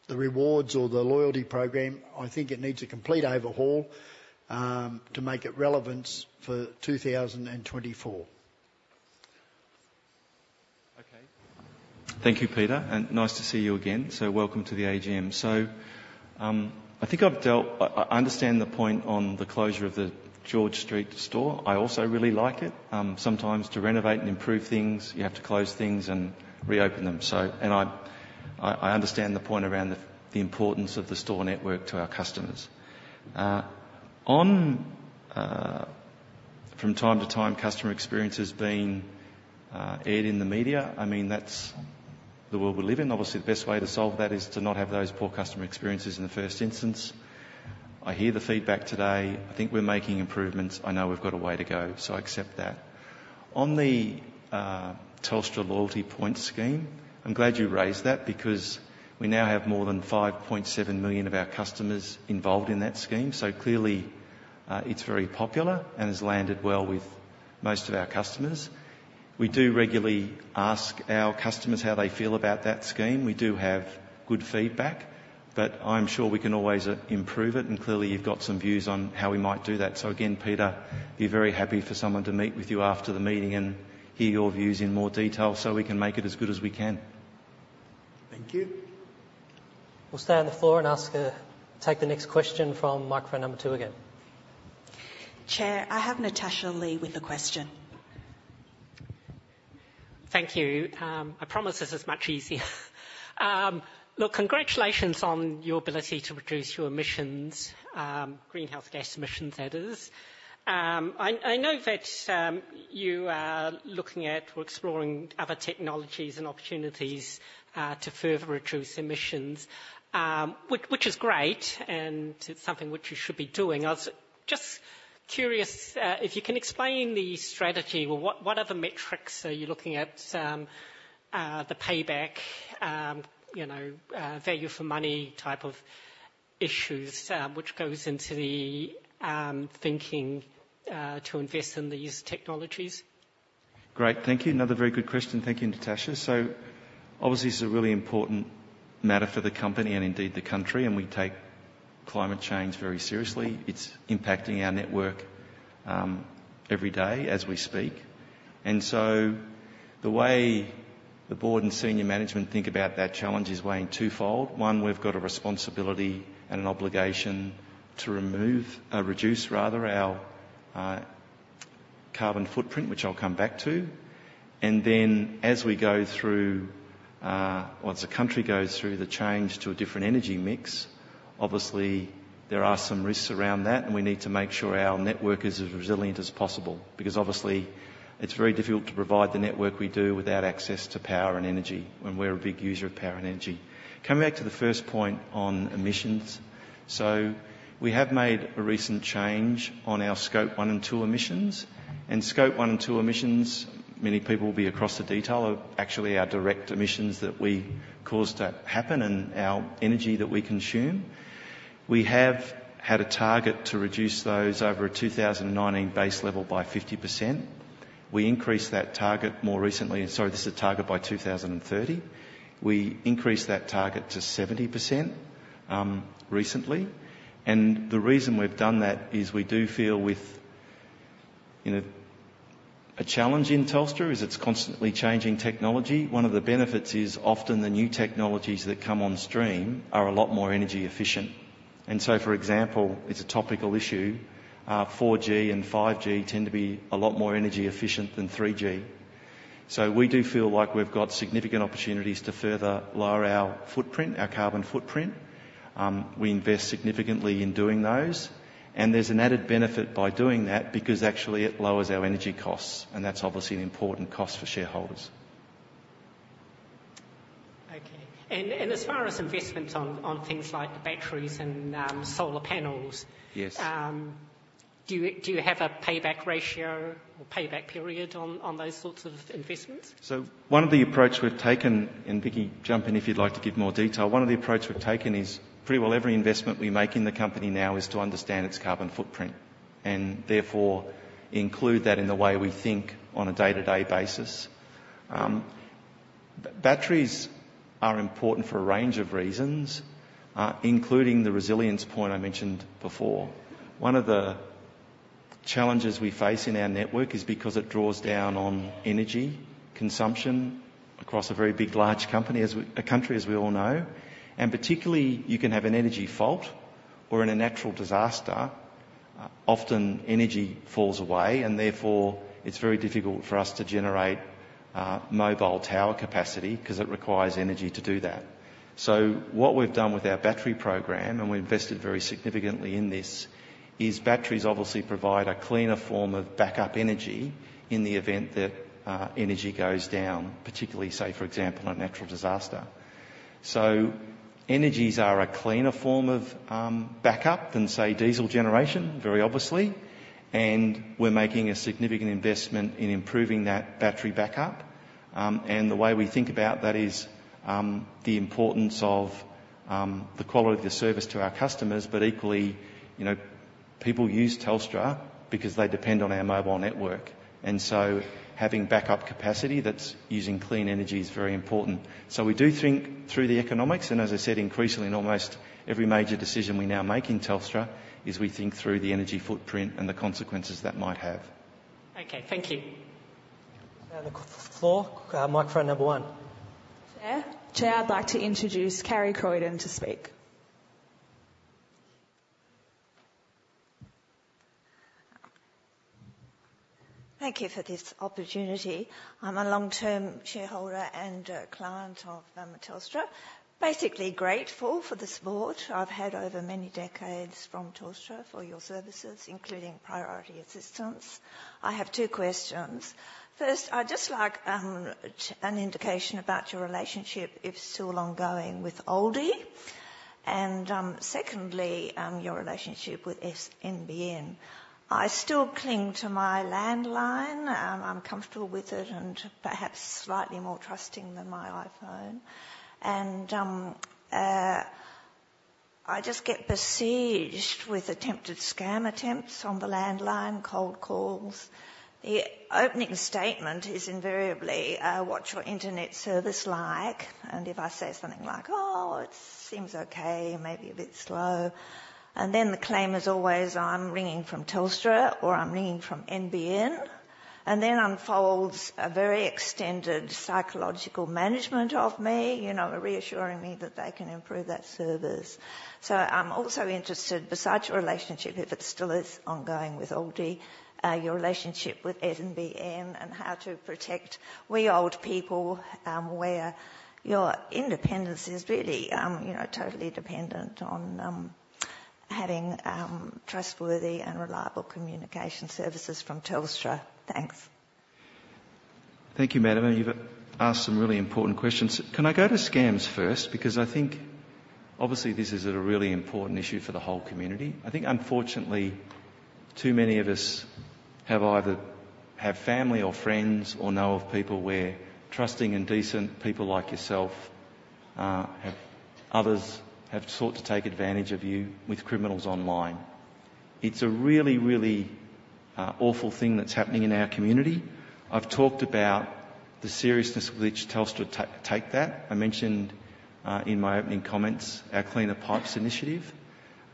the rewards or the loyalty program. I think it needs a complete overhaul to make it relevant for 2024. Okay. Thank you, Peter, and nice to see you again. So welcome to the AGM. So, I think I've dealt... I understand the point on the closure of the George Street store. I also really like it. Sometimes to renovate and improve things, you have to close things and reopen them. So... And I understand the point around the importance of the store network to our customers. On, from time to time, customer experiences being aired in the media, I mean, that's the world we live in. Obviously, the best way to solve that is to not have those poor customer experiences in the first instance. I hear the feedback today. I think we're making improvements. I know we've got a way to go, so I accept that. On the Telstra Loyalty Points Scheme, I'm glad you raised that, because we now have more than five point seven million of our customers involved in that scheme. So clearly, it's very popular and has landed well with most of our customers. We do regularly ask our customers how they feel about that scheme. We do have good feedback, but I'm sure we can always improve it, and clearly, you've got some views on how we might do that. So again, Peter, be very happy for someone to meet with you after the meeting and hear your views in more detail, so we can make it as good as we can. Thank you. We'll stay on the floor and ask, take the next question from microphone number two again. Chair, I have Natasha Lee with a question. Thank you. I promise this is much easier. Look, congratulations on your ability to reduce your emissions, greenhouse gas emissions, that is. I know that you are looking at or exploring other technologies and opportunities to further reduce emissions, which is great, and it's something which you should be doing. I was just curious if you can explain the strategy. What other metrics are you looking at, the payback, you know, value for money type of issues, which goes into the thinking to invest in these technologies? Great. Thank you. Another very good question. Thank you, Natasha. So obviously, this is a really important matter for the company and indeed, the country, and we take climate change very seriously. It's impacting our network every day as we speak. And so the way the board and senior management think about that challenge is weighing twofold. One, we've got a responsibility and an obligation to reduce rather our carbon footprint, which I'll come back to. And then, as we go through or as the country goes through the change to a different energy mix, obviously there are some risks around that, and we need to make sure our network is as resilient as possible, because obviously it's very difficult to provide the network we do without access to power and energy, and we're a big user of power and energy. Coming back to the first point on emissions. So we have made a recent change on our Scope 1 and 2 emissions, and Scope 1 and 2 emissions, many people will be across the detail, are actually our direct emissions that we caused to happen and our energy that we consume. We have had a target to reduce those from a 2019 base level by 50%. We increased that target more recently. Sorry, this is a target by 2030. We increased that target to 70% recently, and the reason we've done that is we do feel with, you know, a challenge in Telstra, is it's constantly changing technology. One of the benefits is often the new technologies that come on stream are a lot more energy efficient. And so, for example, it's a topical issue. 4G and 5G tend to be a lot more energy efficient than 3G. So we do feel like we've got significant opportunities to further lower our footprint, our carbon footprint. We invest significantly in doing those, and there's an added benefit by doing that, because actually it lowers our energy costs, and that's obviously an important cost for shareholders. Okay. And as far as investments on things like batteries and solar panels- Yes. Do you have a payback ratio or payback period on those sorts of investments? So one of the approach we've taken, and Vicki, jump in if you'd like to give more detail, is pretty well every investment we make in the company now is to understand its carbon footprint, and therefore include that in the way we think on a day-to-day basis. Batteries are important for a range of reasons, including the resilience point I mentioned before. One of the challenges we face in our network is because it draws down on energy consumption across a very big, large country, as we all know, and particularly you can have an energy fault or in a natural disaster, often energy falls away, and therefore, it's very difficult for us to generate mobile tower capacity because it requires energy to do that. So what we've done with our battery program, and we invested very significantly in this, is batteries obviously provide a cleaner form of backup energy in the event that, energy goes down, particularly, say, for example, a natural disaster. So energies are a cleaner form of, backup than, say, diesel generation, very obviously, and we're making a significant investment in improving that battery backup. And the way we think about that is, the importance of, the quality of the service to our customers, but equally, you know, people use Telstra because they depend on our mobile network, and so having backup capacity that's using clean energy is very important. So we do think through the economics, and as I said, increasingly, in almost every major decision we now make in Telstra, is we think through the energy footprint and the consequences that might have. Okay. Thank you. Now the floor. Microphone number one. Chair? Chair, I'd like to introduce Kerrie Croydon to speak. Thank you for this opportunity. I'm a long-term shareholder and client of Telstra. Basically grateful for the support I've had over many decades from Telstra for your services, including Priority Assistance. I have two questions: First, I'd just like an indication about your relationship, if still ongoing, with Aldi. And secondly, your relationship with the NBN. I still cling to my landline. I'm comfortable with it and perhaps slightly more trusting than my iPhone. And I just get besieged with attempted scam attempts on the landline, cold calls. The opening statement is invariably, "What's your internet service like?" And if I say something like, "Oh, it seems okay, maybe a bit slow." And then the claim is always: "I'm ringing from Telstra," or, "I'm ringing from NBN," and then unfolds a very extended psychological management of me, you know, reassuring me that they can improve that service. So I'm also interested, besides your relationship, if it still is ongoing with Aldi, your relationship with NBN and how to protect we old people, where your independence is really, you know, totally dependent on having trustworthy and reliable communication services from Telstra. Thanks. Thank you, madam, and you've asked some really important questions. Can I go to scams first? Because I think obviously this is a really important issue for the whole community. I think unfortunately, too many of us have either family or friends, or know of people where trusting and decent people like yourself have had others seek to take advantage of you with criminals online. It's a really, really awful thing that's happening in our community. I've talked about the seriousness with which Telstra take that. I mentioned in my opening comments, our Cleaner Pipes initiative.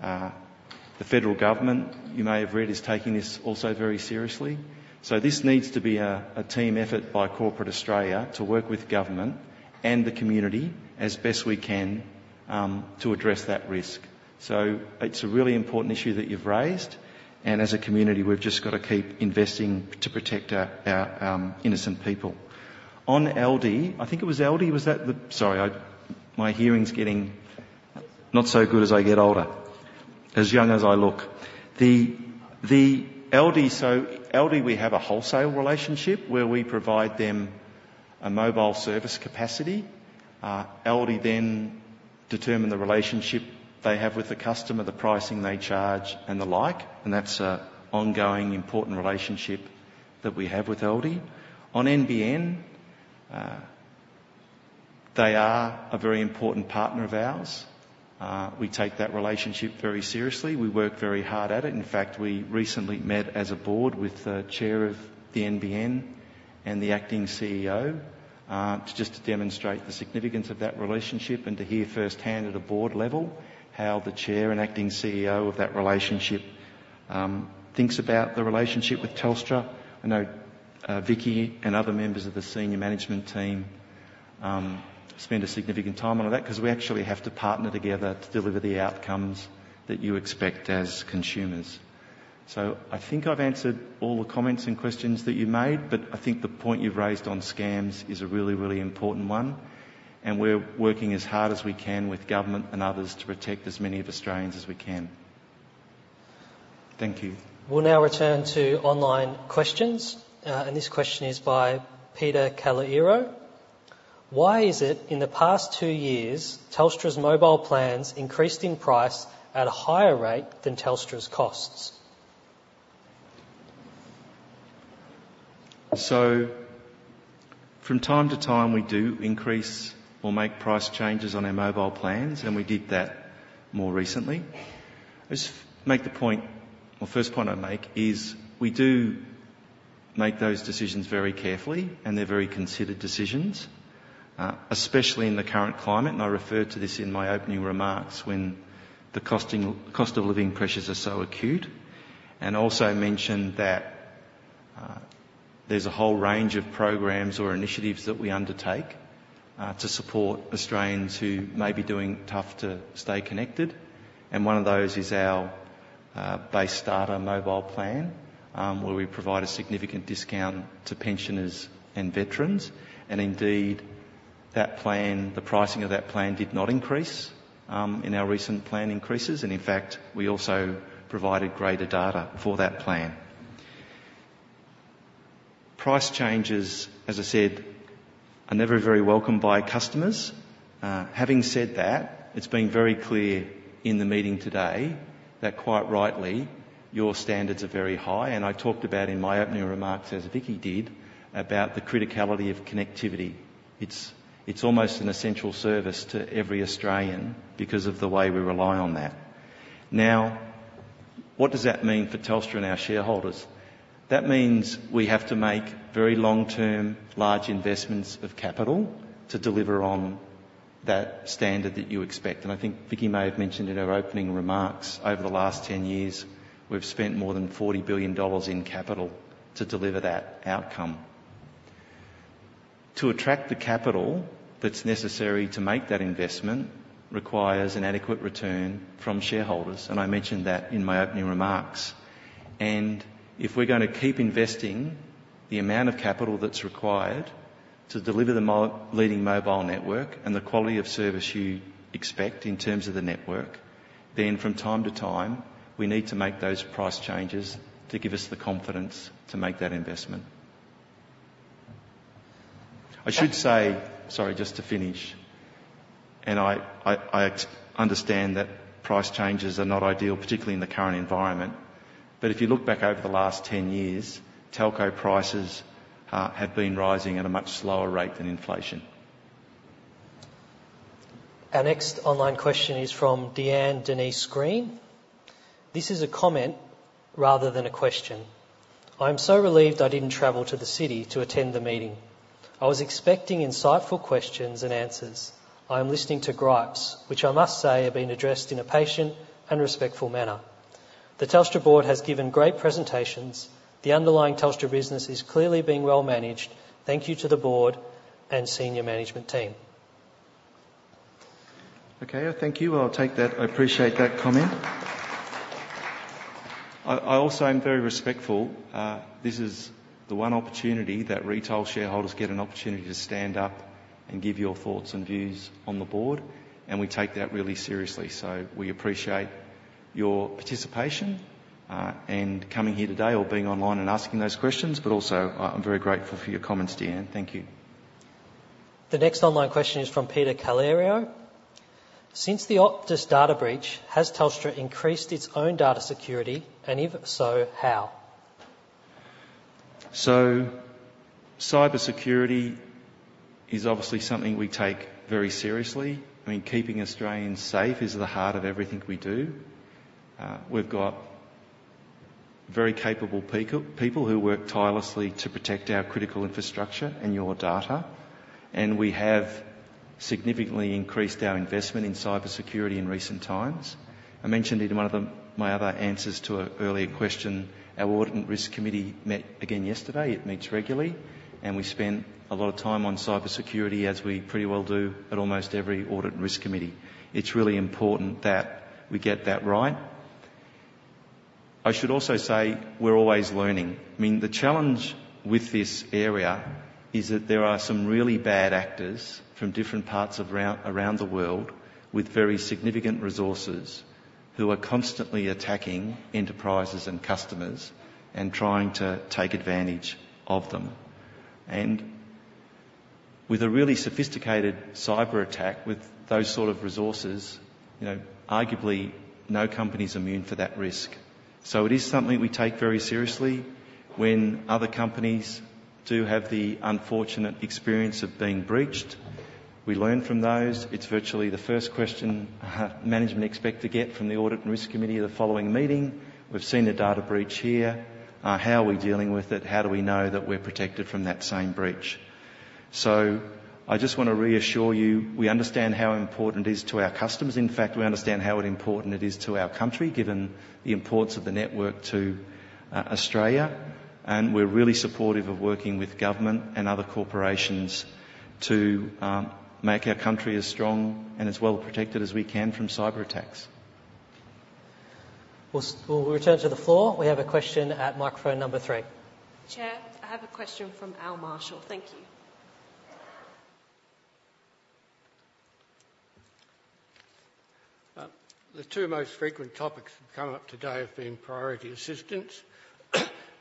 The federal government, you may have read, is taking this also very seriously. So this needs to be a team effort by corporate Australia to work with government and the community as best we can to address that risk. So it's a really important issue that you've raised, and as a community, we've just got to keep investing to protect our innocent people. On Aldi, I think it was Aldi, was that the... Sorry, my hearing's getting not so good as I get older, as young as I look. The Aldi, so Aldi, we have a wholesale relationship where we provide them a mobile service capacity. Aldi then determine the relationship they have with the customer, the pricing they charge, and the like, and that's a ongoing, important relationship that we have with Aldi. On NBN, they are a very important partner of ours. We take that relationship very seriously. We work very hard at it. In fact, we recently met as a board with the chair of the NBN and the acting CEO to demonstrate the significance of that relationship and to hear firsthand at a board level how the chair and acting CEO of that relationship thinks about the relationship with Telstra. I know Vicki and other members of the senior management team spend a significant time on that, 'cause we actually have to partner together to deliver the outcomes that you expect as consumers. So I think I've answered all the comments and questions that you made, but I think the point you've raised on scams is a really, really important one, and we're working as hard as we can with government and others to protect as many of Australians as we can. Thank you. We'll now return to online questions, and this question is by Peter Calearo: Why is it in the past two years, Telstra's mobile plans increased in price at a higher rate than Telstra's costs? So from time to time, we do increase or make price changes on our mobile plans, and we did that more recently. Just make the point. Well, first point I'd make is, we do make those decisions very carefully, and they're very considered decisions, especially in the current climate, and I referred to this in my opening remarks, when the cost of living pressures are so acute. And also mentioned that, there's a whole range of programs or initiatives that we undertake, to support Australians who may be doing tough to stay connected, and one of those is our Basic Starter mobile plan, where we provide a significant discount to pensioners and veterans. And indeed, that plan, the pricing of that plan did not increase, in our recent plan increases, and in fact, we also provided greater data for that plan. Price changes, as I said, are never very welcome by customers. Having said that, it's been very clear in the meeting today that, quite rightly, your standards are very high, and I talked about in my opening remarks, as Vicki did, about the criticality of connectivity. It's almost an essential service to every Australian because of the way we rely on that. Now, what does that mean for Telstra and our shareholders? That means we have to make very long-term, large investments of capital to deliver on that standard that you expect. And I think Vicki may have mentioned in her opening remarks, over the last 10 years, we've spent more than 40 billion dollars in capital to deliver that outcome. To attract the capital that's necessary to make that investment requires an adequate return from shareholders, and I mentioned that in my opening remarks. If we're gonna keep investing the amount of capital that's required to deliver the leading mobile network and the quality of service you expect in terms of the network, then from time to time, we need to make those price changes to give us the confidence to make that investment. I should say. Sorry, just to finish, and I understand that price changes are not ideal, particularly in the current environment. But if you look back over the last ten years, telco prices have been rising at a much slower rate than inflation. Our next online question is from Deanne Denise Green. This is a comment rather than a question: I am so relieved I didn't travel to the city to attend the meeting. I was expecting insightful questions and answers. I am listening to gripes, which I must say, are being addressed in a patient and respectful manner. The Telstra board has given great presentations. The underlying Telstra business is clearly being well managed. Thank you to the board and senior management team. Okay, thank you. I'll take that. I appreciate that comment. I also am very respectful. This is the one opportunity that retail shareholders get an opportunity to stand up and give your thoughts and views on the board, and we take that really seriously. So we appreciate your participation, and coming here today or being online and asking those questions, but also, I'm very grateful for your comments, Deanne. Thank you. The next online question is from Peter Calearo: Since the Optus data breach, has Telstra increased its own data security, and if so, how? So cybersecurity is obviously something we take very seriously. I mean, keeping Australians safe is at the heart of everything we do. We've got very capable people who work tirelessly to protect our critical infrastructure and your data, and we have significantly increased our investment in cybersecurity in recent times. I mentioned in one of them, my other answers to an earlier question, our Audit and Risk Committee met again yesterday. It meets regularly, and we spent a lot of time on cybersecurity, as we pretty well do at almost every Audit and Risk Committee. It's really important that we get that right. I should also say, we're always learning. I mean, the challenge with this area is that there are some really bad actors from different parts around the world, with very significant resources, who are constantly attacking enterprises and customers and trying to take advantage of them. And with a really sophisticated cyberattack, with those sort of resources, you know, arguably, no company is immune for that risk. So it is something we take very seriously. When other companies do have the unfortunate experience of being breached, we learn from those. It's virtually the first question management expect to get from the Audit and Risk Committee at the following meeting. "We've seen a data breach here. How are we dealing with it? How do we know that we're protected from that same breach?" So I just want to reassure you, we understand how important it is to our customers. In fact, we understand how important it is to our country, given the importance of the network to Australia, and we're really supportive of working with government and other corporations to make our country as strong and as well protected as we can from cyberattacks. We'll return to the floor. We have a question at microphone number three. Chair, I have a question from Al Marshall. Thank you. The two most frequent topics that have come up today have been Priority Assistance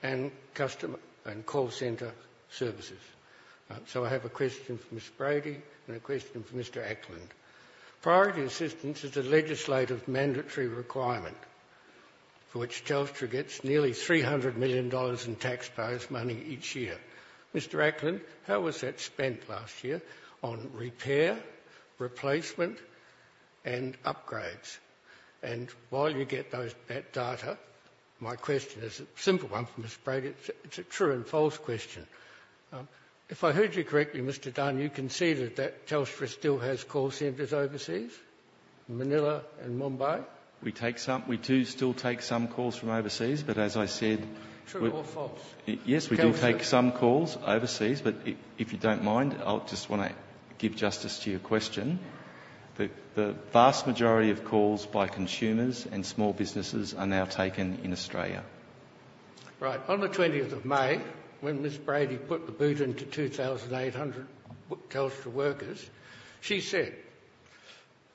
and customer and call center services. So I have a question for Ms. Brady and a question for Mr. Ackland. Priority Assistance is a legislative mandatory requirement for which Telstra gets nearly 300 million dollars in taxpayers' money each year. Mr. Ackland, how was that spent last year on repair, replacement, and upgrades? And while you get that data, my question is a simple one for Ms. Brady. It's a true and false question. If I heard you correctly, Mr. Dunn, you can see that Telstra still has call centers overseas, Manila and Mumbai? We do still take some calls from overseas, but as I said- True or false? Yes, we do- Telstra... take some calls overseas, but if you don't mind, I'll just wanna give justice to your question. The vast majority of calls by consumers and small businesses are now taken in Australia. Right. On the twentieth of May, when Ms. Brady put the boot into two thousand eight hundred Telstra workers, she said,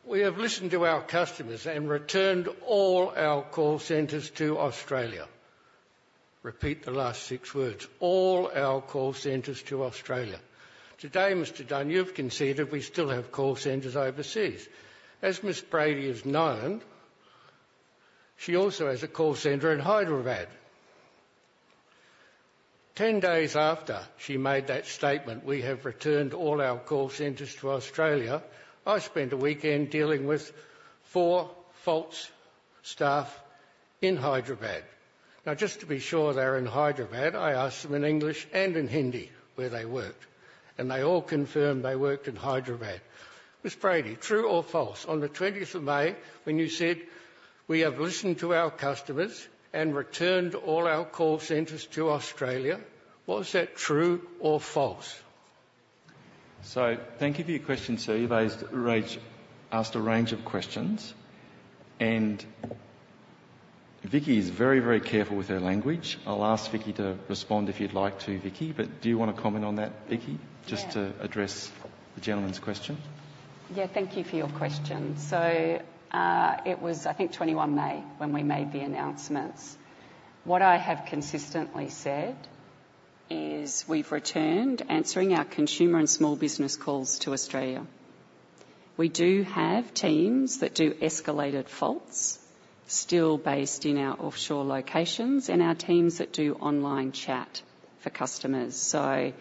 "We have listened to our customers and returned all our call centers to Australia." Repeat the last six words: all our call centers to Australia. Today, Mr. Dunn, you've conceded we still have call centers overseas. As Ms. Brady has known, she also has a call center in Hyderabad. Ten days after she made that statement, "We have returned all our call centers to Australia," I spent a weekend dealing with four faults staff in Hyderabad. Now, just to be sure they're in Hyderabad, I asked them in English and in Hindi where they worked, and they all confirmed they worked in Hyderabad. Ms. Brady, true or false, on the twentieth of May, when you said, "We have listened to our customers and returned all our call centers to Australia," was that true or false? So, thank you for your question, sir. You've raised a range, asked a range of questions, and Vicki is very, very careful with her language. I'll ask Vicki to respond if you'd like to, Vicki. But do you want to comment on that, Vicki? Yeah. Just to address the gentleman's question. Yeah, thank you for your question. So, it was, I think, twenty-one May when we made the announcements. What I have consistently said is, we've returned answering our consumer and small business calls to Australia. We do have teams that do escalated faults, still based in our offshore locations and our teams that do online chat for customers. So,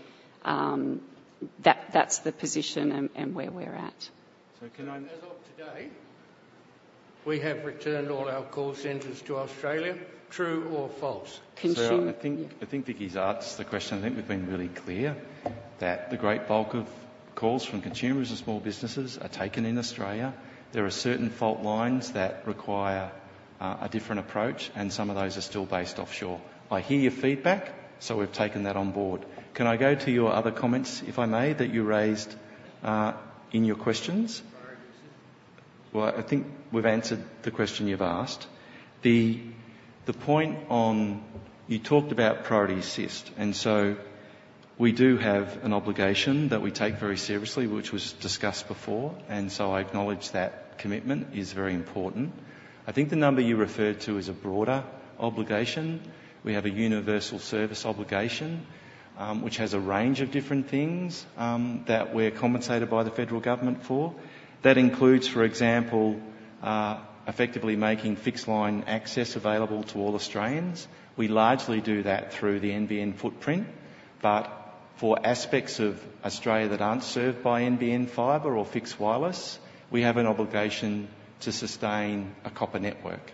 that, that's the position and where we're at. Can I- As of today, we have returned all our call centers to Australia. True or false? Consumer- I think, I think Vicki's answered the question. I think we've been really clear that the great bulk of calls from consumers and small businesses are taken in Australia. There are certain fault lines that require a different approach, and some of those are still based offshore. I hear your feedback, so we've taken that on board. Can I go to your other comments, if I may, that you raised in your questions? Priority assist. Well, I think we've answered the question you've asked. The point on... You talked about Priority Assist, and so we do have an obligation that we take very seriously, which was discussed before, and so I acknowledge that commitment is very important. I think the number you referred to is a broader obligation. We have a Universal Service Obligation, which has a range of different things, that we're compensated by the federal government for. That includes, for example, effectively making fixed line access available to all Australians. We largely do that through the NBN footprint, but for aspects of Australia that aren't served by NBN fibre or fixed wireless, we have an obligation to sustain a copper network.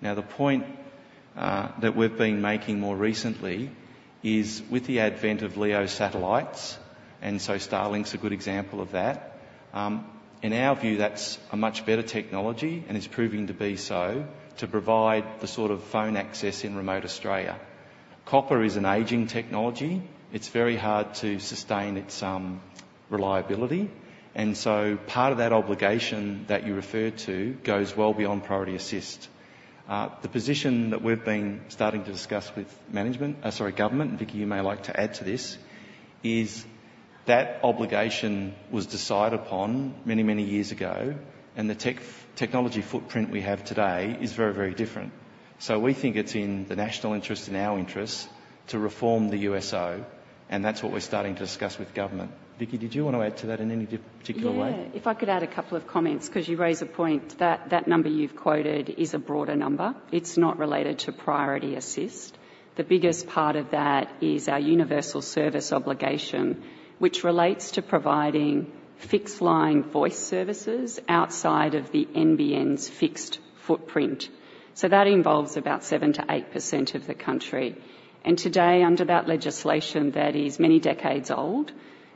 Now, the point that we've been making more recently is with the advent of LEO satellites, and so Starlink's a good example of that, in our view, that's a much better technology, and it's proving to be so, to provide the sort of phone access in remote Australia. Copper is an aging technology. It's very hard to sustain its reliability. And so part of that obligation that you referred to goes well beyond Priority Assistance. The position that we've been starting to discuss with management, sorry, government, Vicki, you may like to add to this, is that obligation was decided upon many, many years ago, and the technology footprint we have today is very, very different. So we think it's in the national interest and our interest to reform the USO, and that's what we're starting to discuss with government. Vicki, did you want to add to that in any particular way? Yeah, if I could add a couple of comments, 'cause you raise a point. That number you've quoted is a broader number. It's not related to Priority Assistance. The biggest part of that is our Universal Service Obligation, which relates to providing fixed-line voice services outside of the NBN's fixed footprint. So that involves about 7%-8% of the country, and today, under that legislation that is many decades old,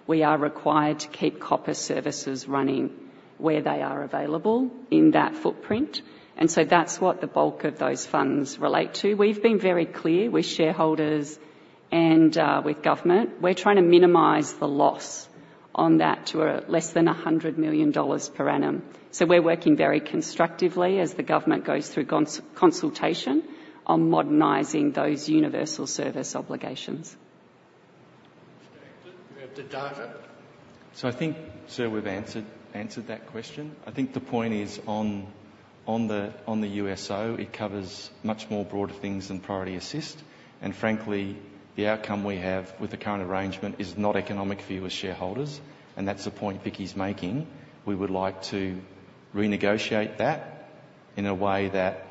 we are required to keep copper services running where they are available in that footprint. And so that's what the bulk of those funds relate to. We've been very clear with shareholders and with government, we're trying to minimize the loss on that to less than $100 million per annum. So we're working very constructively as the government goes through consultation on modernizing those Universal Service Obligations. We have the data. So I think, sir, we've answered that question. I think the point is, on the USO, it covers much more broader things than Priority Assistance. And frankly, the outcome we have with the current arrangement is not economic for you as shareholders, and that's the point Vicki's making. We would like to renegotiate that in a way that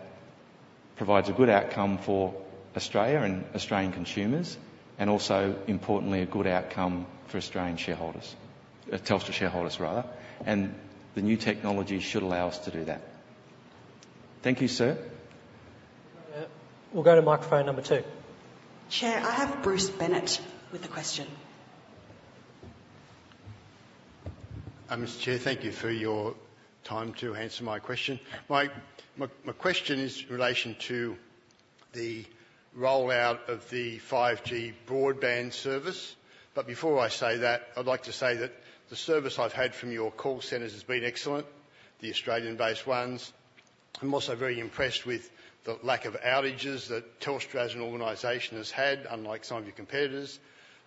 provides a good outcome for Australia and Australian consumers, and also, importantly, a good outcome for Australian shareholders, Telstra shareholders, rather. And the new technology should allow us to do that. Thank you, sir. We'll go to microphone number two. Chair, I have Bruce Bennett with a question. Mr. Chair, thank you for your time to answer my question. My question is in relation to the rollout of the 5G broadband service. But before I say that, I'd like to say that the service I've had from your call centers has been excellent, the Australian-based ones. I'm also very impressed with the lack of outages that Telstra as an organization has had, unlike some of your competitors,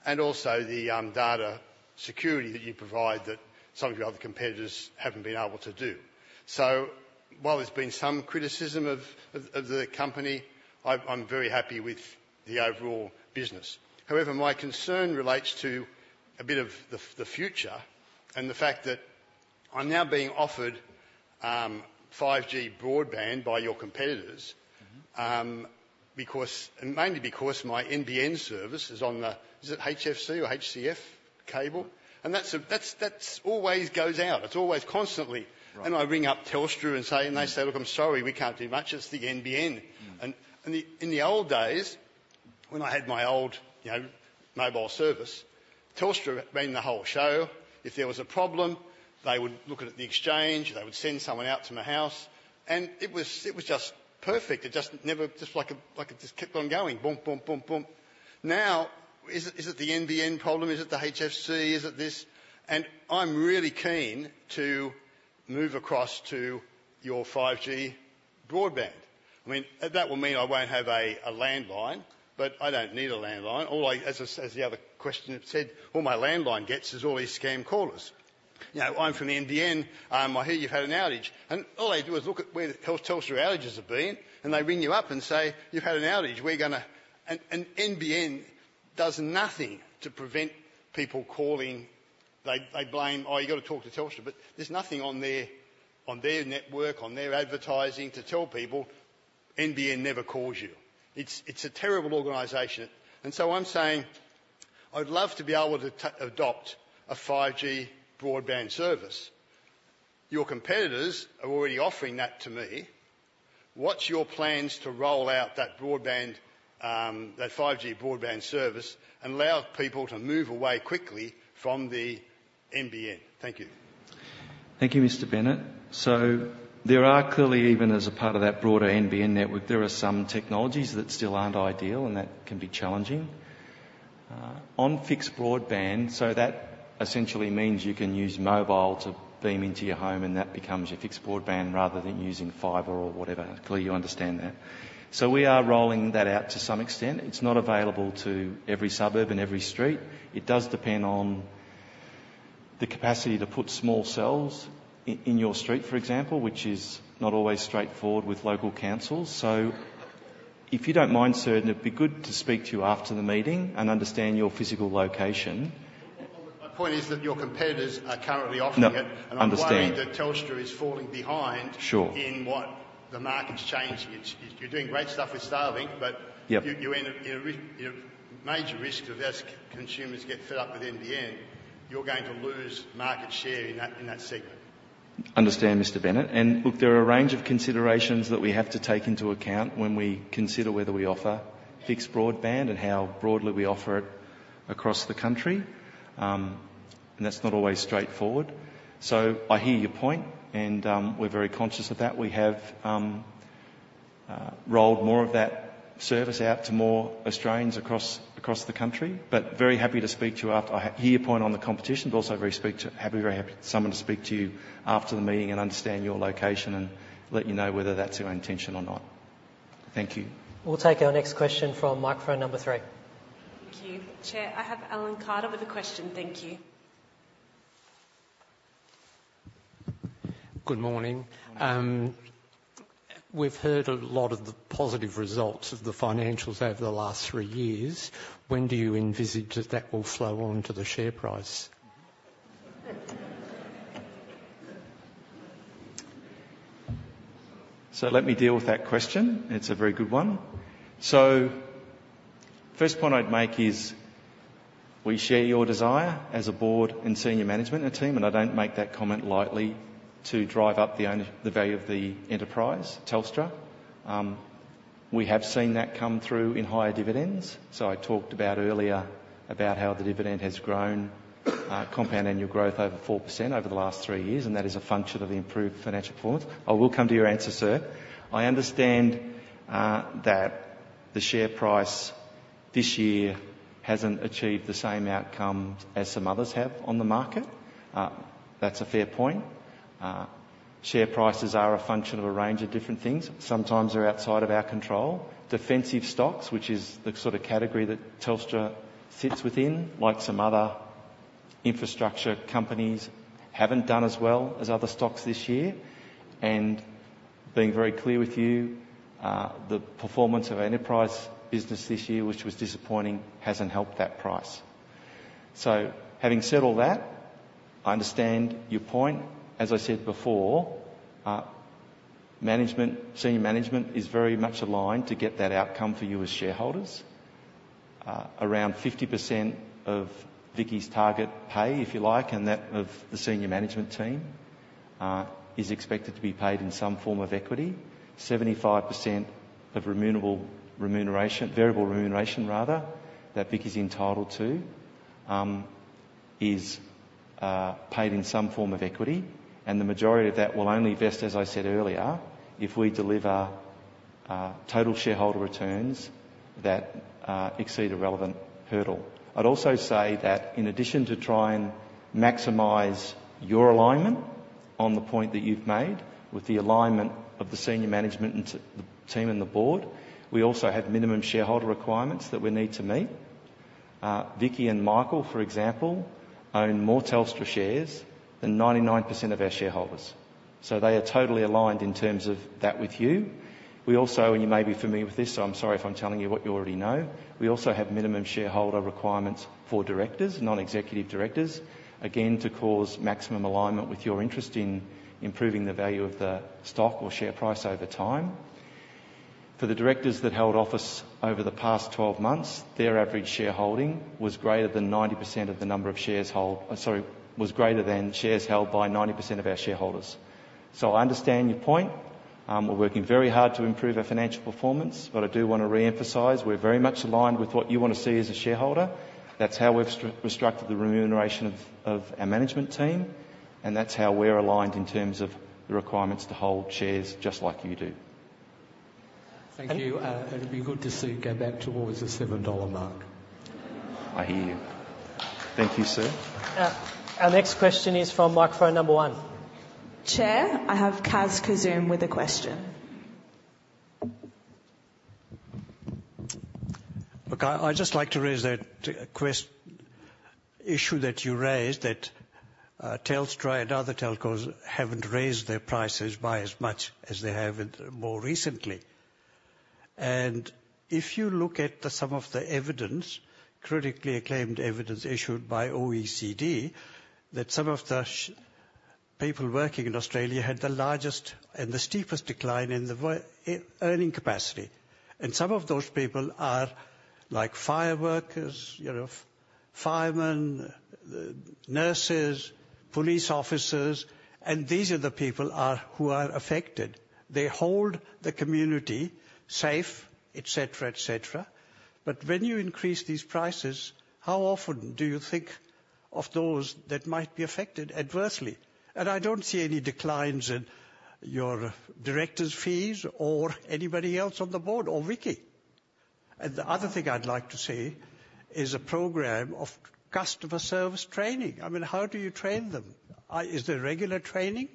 and also the data security that you provide, that some of your other competitors haven't been able to do. So while there's been some criticism of the company, I'm very happy with the overall business. However, my concern relates to a bit of the future and the fact that I'm now being offered 5G broadband by your competitors- Mm-hmm. because, mainly because my NBN service is on the, is it HFC or HFC cable? And that's always goes out. It's always constantly. Right. I ring up Telstra and say, and they say: "Look, I'm sorry, we can't do much. It's the NBN. Mm. In the old days, when I had my old, you know, mobile service, Telstra ran the whole show. If there was a problem, they would look at the exchange. They would send someone out to my house, and it was just perfect. It just never just like it just kept on going, boom, boom, boom, boom. Now, is it the NBN problem? Is it the HFC? Is it this? And I'm really keen to move across to your 5G broadband. I mean, that will mean I won't have a landline, but I don't need a landline. All I... As the other questioner said, "All my landline gets is all these scam callers." You know, "I'm from the NBN. I hear you've had an outage." And all they do is look at where the Telstra outages have been, and they ring you up and say, "You've had an outage. We're gonna..." And NBN does nothing to prevent people calling. They blame, "Oh, you've got to talk to Telstra," but there's nothing on their network, on their advertising to tell people, "NBN never calls you." It's a terrible organization. And so I'm saying, I'd love to be able to adopt a 5G broadband service. Your competitors are already offering that to me. What's your plans to roll out that broadband, that 5G broadband service and allow people to move away quickly from the NBN? Thank you. Thank you, Mr. Bennett. So there are clearly, even as a part of that broader NBN network, there are some technologies that still aren't ideal and that can be challenging. On fixed broadband, so that essentially means you can use mobile to beam into your home, and that becomes your fixed broadband rather than using fibre or whatever. Clearly, you understand that. So we are rolling that out to some extent. It's not available to every suburb and every street. It does depend on the capacity to put small cells in, in your street, for example, which is not always straightforward with local councils. So if you don't mind, sir, it'd be good to speak to you after the meeting and understand your physical location. My point is that your competitors are currently offering it- No, understand. and I'm worried that Telstra is falling behind. Sure... in what the market's changing. It's, you're doing great stuff with Starlink, but- Yep... you're at major risk, as consumers get fed up with NBN, you're going to lose market share in that segment. Understand, Mr. Bennett. And look, there are a range of considerations that we have to take into account when we consider whether we offer fixed broadband and how broadly we offer it across the country. And that's not always straightforward. So I hear your point, and we're very conscious of that. We have rolled more of that service out to more Australians across the country. But very happy to speak to you after. I hear your point on the competition, but also very happy for someone to speak to you after the meeting and understand your location and let you know whether that's our intention or not. Thank you. We'll take our next question from microphone number three. Thank you. Chair, I have Alan Carter with a question. Thank you. Good morning. Morning. We've heard a lot of the positive results of the financials over the last three years. When do you envisage that that will flow on to the share price? Let me deal with that question. It's a very good one. First point I'd make is, we share your desire as a board and senior management team, and I don't make that comment lightly, to drive up the value of the enterprise, Telstra. We have seen that come through in higher dividends. I talked about earlier about how the dividend has grown, compound annual growth over 4% over the last three years, and that is a function of the improved financial performance. I will come to your answer, sir. I understand that the share price this year hasn't achieved the same outcome as some others have on the market. That's a fair point. Share prices are a function of a range of different things. Sometimes they're outside of our control. Defensive stocks, which is the sort of category that Telstra sits within, like some other infrastructure companies, haven't done as well as other stocks this year. And being very clear with you, the performance of our enterprise business this year, which was disappointing, hasn't helped that price. So having said all that, I understand your point. As I said before, management, senior management is very much aligned to get that outcome for you as shareholders. Around 50% of Vicki's target pay, if you like, and that of the senior management team, is expected to be paid in some form of equity. 75% of remuneration, variable remuneration rather, that Vicki's entitled to is paid in some form of equity, and the majority of that will only vest, as I said earlier, if we deliver total shareholder returns that exceed a relevant hurdle. I'd also say that in addition to try and maximize your alignment on the point that you've made with the alignment of the senior management and the team and the board, we also have minimum shareholder requirements that we need to meet. Vicki and Michael, for example, own more Telstra shares than 99% of our shareholders, so they are totally aligned in terms of that with you. We also, and you may be familiar with this, so I'm sorry if I'm telling you what you already know, we also have minimum shareholder requirements for directors, non-executive directors, again, to cause maximum alignment with your interest in improving the value of the stock or share price over time. For the directors that held office over the past 12 months, their average shareholding was greater than shares held by 90% of our shareholders. So I understand your point. We're working very hard to improve our financial performance, but I do want to reemphasize, we're very much aligned with what you want to see as a shareholder. That's how we've restructured the remuneration of our management team, and that's how we're aligned in terms of the requirements to hold shares, just like you do. Thank you. It'll be good to see it go back towards the 7 dollar mark. I hear you. Thank you, sir. Our next question is from microphone number one. Chair, I have Koz Kassem with a question. Look, I'd just like to raise that issue that you raised, that Telstra and other telcos haven't raised their prices by as much as they have more recently. And if you look at some of the evidence, critically acclaimed evidence issued by OECD, that some of the people working in Australia had the largest and the steepest decline in the earning capacity. And some of those people are like fireworkers, you know, firemen, nurses, police officers, and these are the people who are affected. They hold the community safe, et cetera, et cetera, but when you increase these prices, how often do you think of those that might be affected adversely? And I don't see any declines in your directors' fees or anybody else on the board or Vicki. The other thing I'd like to say is a program of customer service training. I mean, how do you train them? Is there regular training?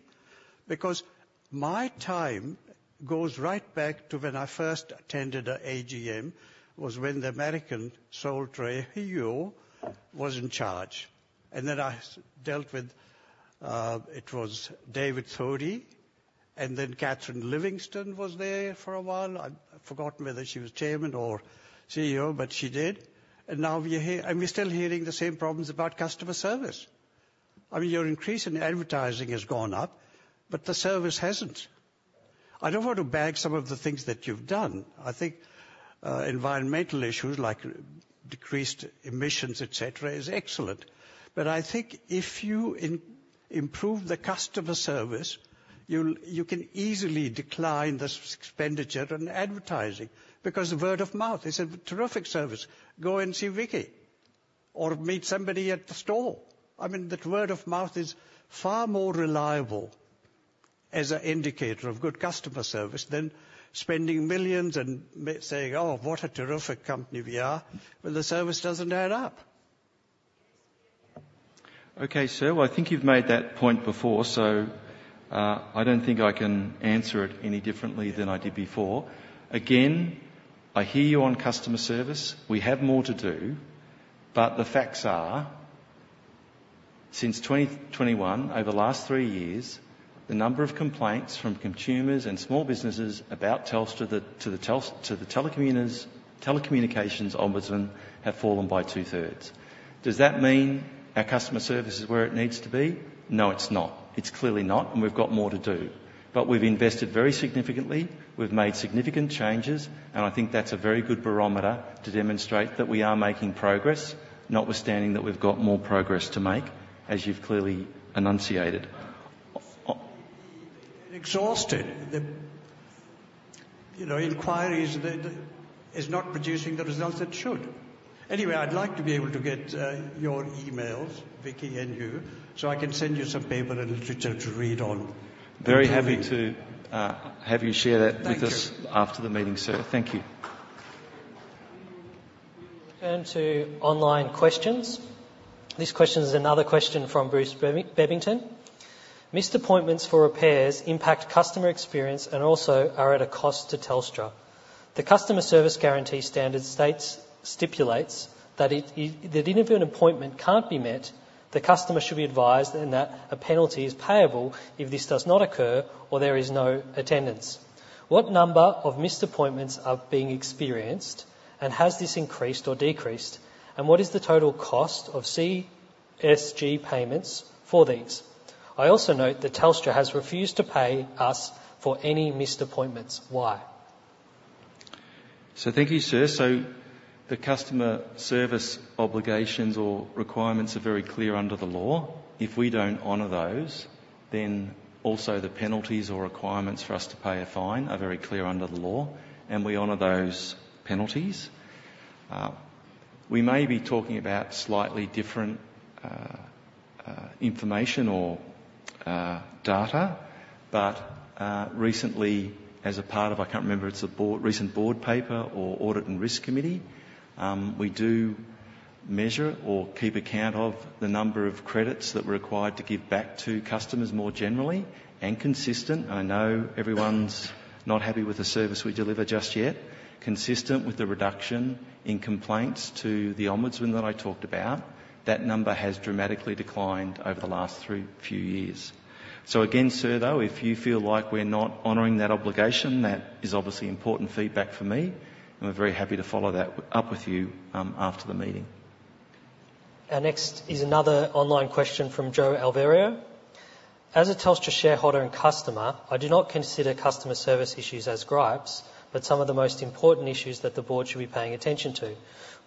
Because my time goes right back to when I first attended an AGM, was when the American, Sol Trujillo, was in charge, and then I dealt with. It was David Thodey, and then Catherine Livingstone was there for a while. I've forgotten whether she was chairman or CEO, but she did. Now we hear, and we're still hearing the same problems about customer service. I mean, your increase in advertising has gone up, but the service hasn't. I don't want to bag some of the things that you've done. I think environmental issues, like decreased emissions, et cetera, is excellent, but I think if you improve the customer service, you can easily decline the expenditure on advertising because of word of mouth. They said, "Terrific service. Go and see Vicki or meet somebody at the store." I mean, that word of mouth is far more reliable as a indicator of good customer service than spending millions and saying, "Oh, what a terrific company we are," but the service doesn't add up. Okay, sir, well, I think you've made that point before, so I don't think I can answer it any differently than I did before. Again, I hear you on customer service. We have more to do, but the facts are, since twenty twenty-one, over the last three years, the number of complaints from consumers and small businesses about Telstra to the Telecommunications Ombudsman have fallen by two-thirds. Does that mean our customer service is where it needs to be? No, it's not. It's clearly not, and we've got more to do. But we've invested very significantly, we've made significant changes, and I think that's a very good barometer to demonstrate that we are making progress, notwithstanding that we've got more progress to make, as you've clearly enunciated.... Exhausted. The, you know, inquiries is not producing the results it should. Anyway, I'd like to be able to get your emails, Vicki and you, so I can send you some paper and literature to read on. Very happy to have you share that- Thank you. With us after the meeting, sir. Thank you. To online questions. This question is another question from Bruce Bebbington: Missed appointments for repairs impact customer experience and also are at a cost to Telstra. The Customer Service Guarantee standard stipulates that even if an appointment can't be met, the customer should be advised, and that a penalty is payable if this does not occur or there is no attendance. What number of missed appointments are being experienced, and has this increased or decreased? And what is the total cost of CSG payments for these? I also note that Telstra has refused to pay us for any missed appointments. Why? Thank you, sir. The customer service obligations or requirements are very clear under the law. If we don't honor those, then also the penalties or requirements for us to pay a fine are very clear under the law, and we honor those penalties. We may be talking about slightly different information or data, but recently, as a part of... I can't remember, it's a Board, recent Board paper or Audit and Risk Committee, we do measure or keep account of the number of credits that we're required to give back to customers more generally and consistent. I know everyone's not happy with the service we deliver just yet. Consistent with the reduction in complaints to the ombudsman that I talked about, that number has dramatically declined over the last three, few years. So again, sir, though, if you feel like we're not honoring that obligation, that is obviously important feedback for me, and we're very happy to follow that up with you after the meeting. Our next is another online question from Joe Alvaro: As a Telstra shareholder and customer, I do not consider customer service issues as gripes, but some of the most important issues that the board should be paying attention to.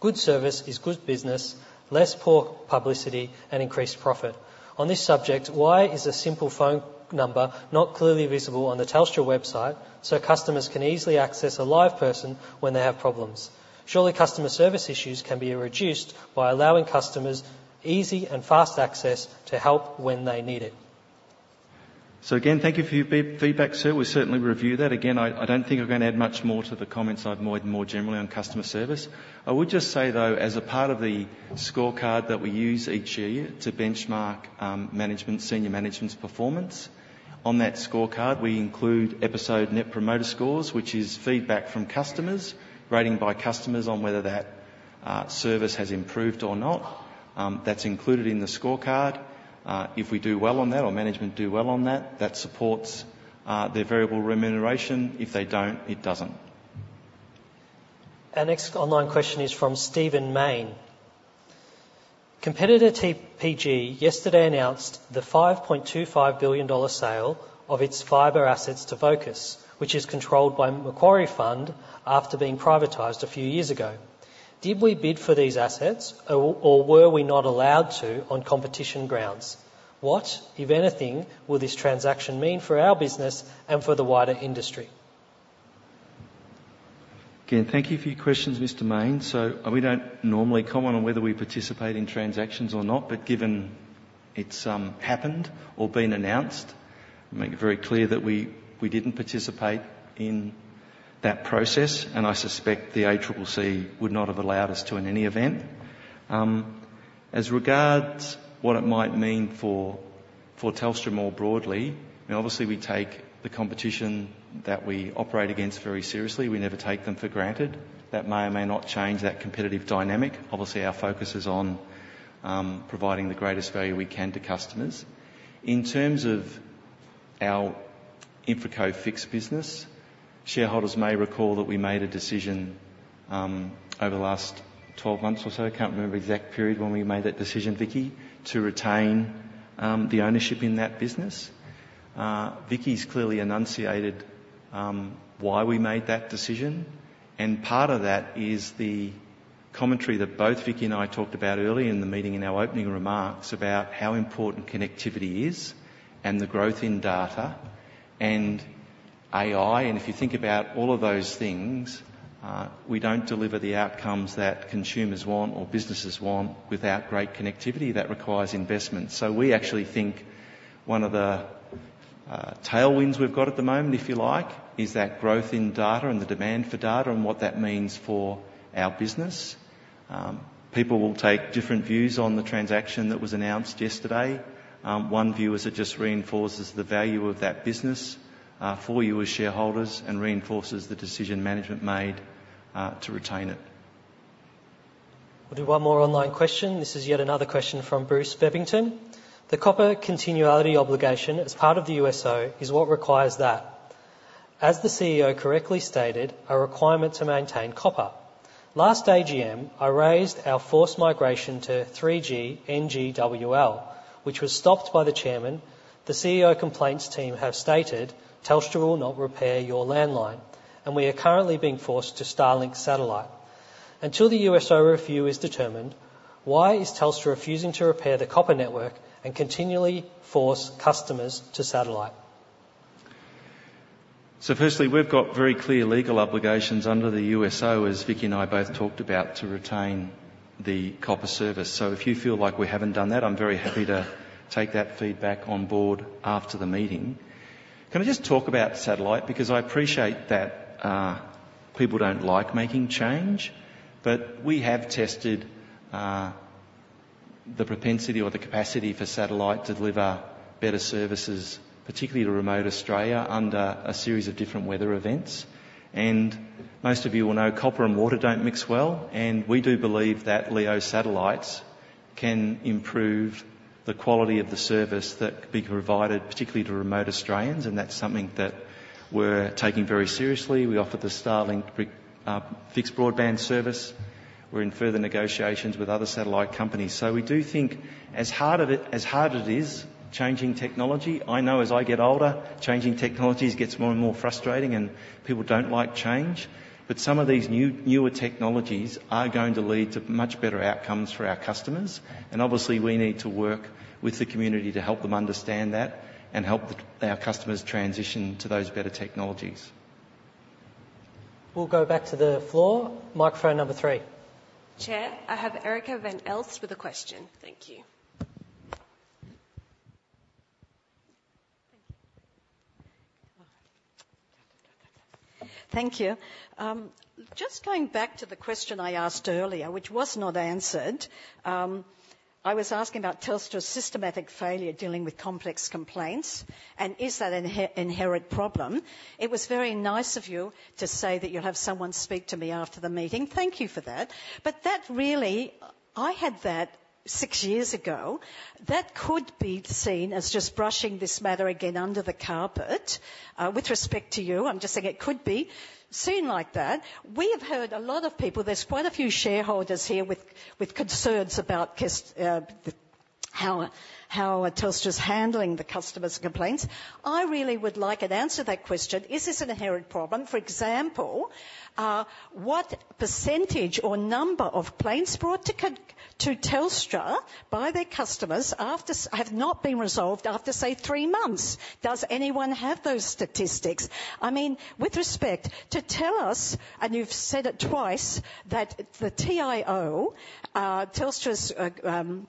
Good service is good business, less poor publicity, and increased profit. On this subject, why is a simple phone number not clearly visible on the Telstra website so customers can easily access a live person when they have problems? Surely, customer service issues can be reduced by allowing customers easy and fast access to help when they need it. So again, thank you for your feedback, sir. We certainly review that. Again, I don't think I'm gonna add much more to the comments I've made more generally on customer service. I would just say, though, as a part of the scorecard that we use each year to benchmark management, senior management's performance, on that scorecard, we include Episode Net Promoter Scores, which is feedback from customers, rating by customers on whether that service has improved or not. That's included in the scorecard. If we do well on that or management do well on that, that supports their variable remuneration. If they don't, it doesn't. Our next online question is from Stephen Mayne: Competitor TPG yesterday announced the 5.25 billion dollar sale of its fibre assets to Vocus, which is controlled by Macquarie Fund, after being privatized a few years ago. Did we bid for these assets or, or were we not allowed to on competition grounds? What, if anything, will this transaction mean for our business and for the wider industry? Again, thank you for your questions, Mr. Mayne. So we don't normally comment on whether we participate in transactions or not, but given it's happened or been announced, I make it very clear that we didn't participate in that process, and I suspect the ACCC would not have allowed us to, in any event. As regards what it might mean for Telstra more broadly, I mean, obviously, we take the competition that we operate against very seriously. We never take them for granted. That may or may not change that competitive dynamic. Obviously, our focus is on providing the greatest value we can to customers. In terms of our InfraCo Fixed business, shareholders may recall that we made a decision, over the last twelve months or so, I can't remember the exact period when we made that decision, Vicki, to retain, the ownership in that business. Vicki's clearly enunciated, why we made that decision, and part of that is the commentary that both Vicki and I talked about earlier in the meeting in our opening remarks about how important connectivity is and the growth in data and AI. And if you think about all of those things, we don't deliver the outcomes that consumers want or businesses want without great connectivity that requires investment. So we actually think one of the, tailwinds we've got at the moment, if you like, is that growth in data and the demand for data and what that means for our business. People will take different views on the transaction that was announced yesterday. One view is it just reinforces the value of that business, for you as shareholders and reinforces the decision management made, to retain it. We'll do one more online question. This is yet another question from Bruce Bebbington: The copper continuity obligation, as part of the USO, is what requires that. As the CEO correctly stated, a requirement to maintain copper. Last AGM, I raised our forced migration to 3G NGWL, which was stopped by the chairman. The CEO complaints team have stated, "Telstra will not repair your landline," and we are currently being forced to Starlink Satellite. Until the USO review is determined, why is Telstra refusing to repair the copper network and continually force customers to satellite? So firstly, we've got very clear legal obligations under the USO, as Vicki and I both talked about, to retain the copper service. So if you feel like we haven't done that, I'm very happy to take that feedback on board after the meeting. Can we just talk about satellite? Because I appreciate that people don't like making change, but we have tested the propensity or the capacity for satellite to deliver better services, particularly to remote Australia, under a series of different weather events. And most of you will know copper and water don't mix well, and we do believe that LEO satellites can improve the quality of the service that could be provided, particularly to remote Australians, and that's something that we're taking very seriously. We offered the Starlink fixed broadband service. We're in further negotiations with other satellite companies. So, we do think as hard of it, as hard as it is, changing technology. I know as I get older, changing technologies gets more and more frustrating, and people don't like change. But some of these new, newer technologies are going to lead to much better outcomes for our customers. And obviously, we need to work with the community to help them understand that and help the, our customers transition to those better technologies. We'll go back to the floor. Microphone number three. Chair, I have Erica van Elst with a question. Thank you. Thank you. Just going back to the question I asked earlier, which was not answered. I was asking about Telstra's systematic failure dealing with complex complaints, and is that an inherent problem? It was very nice of you to say that you'll have someone speak to me after the meeting. Thank you for that. But that really... I had that six years ago. That could be seen as just brushing this matter again under the carpet. With respect to you, I'm just saying it could be seen like that. We have heard a lot of people, there's quite a few shareholders here with concerns about customers, how Telstra's handling the customers' complaints. I really would like an answer to that question: Is this an inherent problem? For example, what percentage or number of complaints brought to Telstra by their customers that have not been resolved after, say, three months? Does anyone have those statistics? I mean, with respect, to tell us, and you've said it twice, that the TIO, Telstra's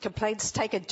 complaints taken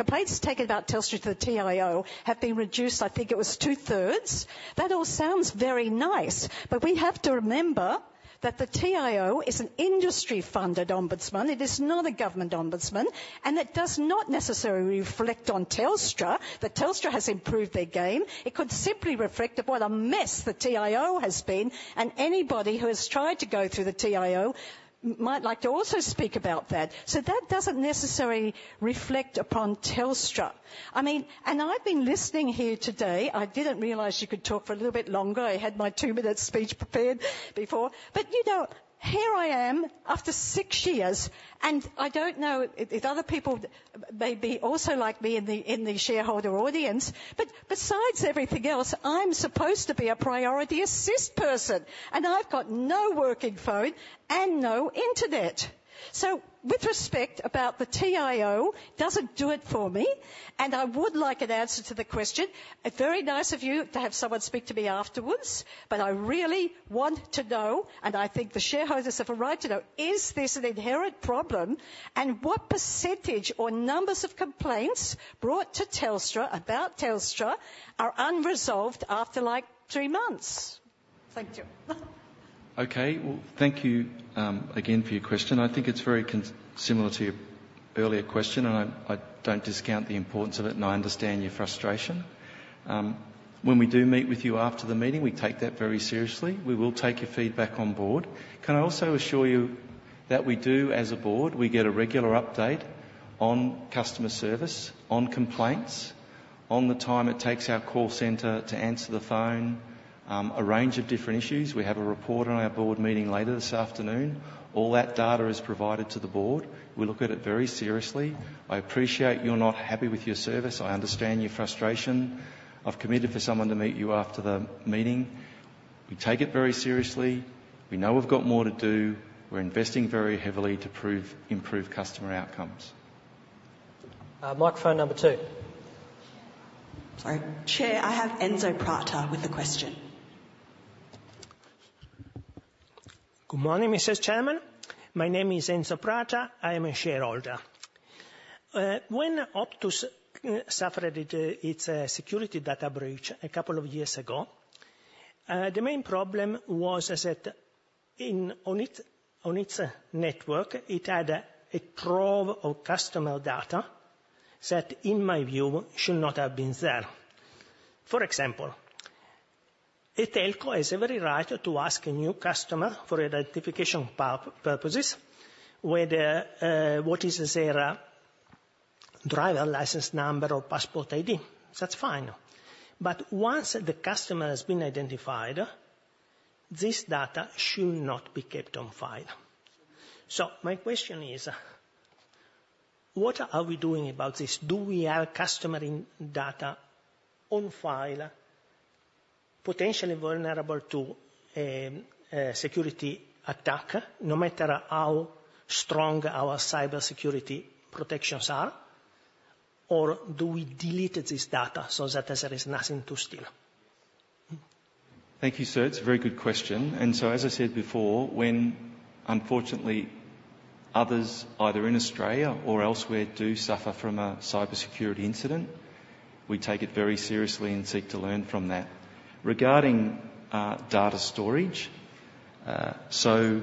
about Telstra to the TIO have been reduced, I think it was two-thirds. That all sounds very nice, but we have to remember that the TIO is an industry-funded ombudsman. It is not a government ombudsman, and it does not necessarily reflect on Telstra that Telstra has improved their game. It could simply reflect upon a mess the TIO has been, and anybody who has tried to go through the TIO might like to also speak about that. So that doesn't necessarily reflect upon Telstra. I mean, and I've been listening here today. I didn't realize you could talk for a little bit longer. I had my two-minute speech prepared before. But, you know, here I am, after six years, and I don't know if other people may be also like me in the shareholder audience. But besides everything else, I'm supposed to be a Priority Assist person, and I've got no working phone and no internet. So with respect about the TIO, doesn't do it for me, and I would like an answer to the question. It's very nice of you to have someone speak to me afterwards, but I really want to know, and I think the shareholders have a right to know, is this an inherent problem? And what percentage or numbers of complaints brought to Telstra about Telstra are unresolved after, like, three months? Thank you. Okay. Thank you, again for your question. I think it's very similar to your earlier question, and I don't discount the importance of it, and I understand your frustration. When we do meet with you after the meeting, we take that very seriously. We will take your feedback on board. Can I also assure you that we do, as a board, we get a regular update on customer service, on complaints, on the time it takes our call center to answer the phone, a range of different issues. We have a report on our board meeting later this afternoon. All that data is provided to the board. We look at it very seriously. I appreciate you're not happy with your service. I understand your frustration. I've committed for someone to meet you after the meeting. We take it very seriously. We know we've got more to do. We're investing very heavily to prove improved customer outcomes. Microphone number two. Sorry. Chair, I have Enzo Prata with a question. Good morning, Mrs. Chairman. My name is Enzo Prata. I am a shareholder. When Optus suffered its security data breach a couple of years ago, the main problem was that on its network, it had a trove of customer data that, in my view, should not have been there. For example, a telco has every right to ask a new customer, for identification purposes, what is their driver's license number or passport ID. That's fine. But once the customer has been identified, this data should not be kept on file. So my question is, what are we doing about this? Do we have customer data on file, potentially vulnerable to security attack, no matter how strong our cybersecurity protections are? Or do we delete this data so that there is nothing to steal? Thank you, sir. It's a very good question, and so, as I said before, when unfortunately, others, either in Australia or elsewhere, do suffer from a cybersecurity incident, we take it very seriously and seek to learn from that. Regarding data storage, so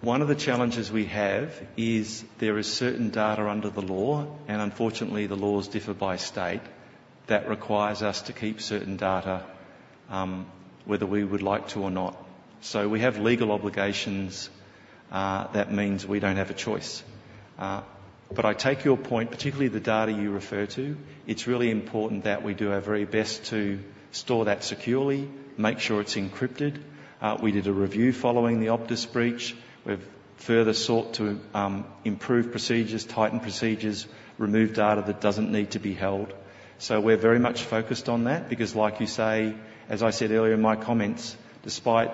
one of the challenges we have is there is certain data under the law, and unfortunately, the laws differ by state, that requires us to keep certain data, whether we would like to or not, so we have legal obligations that means we don't have a choice, but I take your point, particularly the data you refer to. It's really important that we do our very best to store that securely, make sure it's encrypted. We did a review following the Optus breach. We've further sought to improve procedures, tighten procedures, remove data that doesn't need to be held. We're very much focused on that because, like you say, as I said earlier in my comments, despite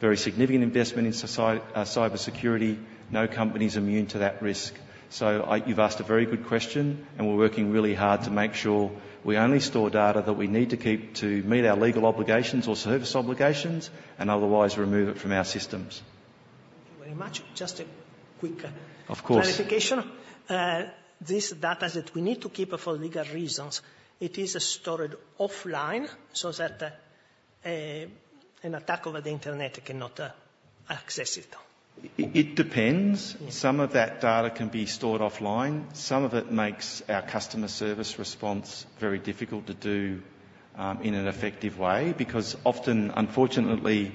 very significant investment in cybersecurity, no company is immune to that risk. You've asked a very good question, and we're working really hard to make sure we only store data that we need to keep to meet our legal obligations or service obligations, and otherwise remove it from our systems. Thank you very much. Just a quick- Of course. Clarification. This data that we need to keep for legal reasons, it is stored offline so that an attacker over the internet cannot access it? It depends. Yes. Some of that data can be stored offline. Some of it makes our customer service response very difficult to do in an effective way, because often, unfortunately,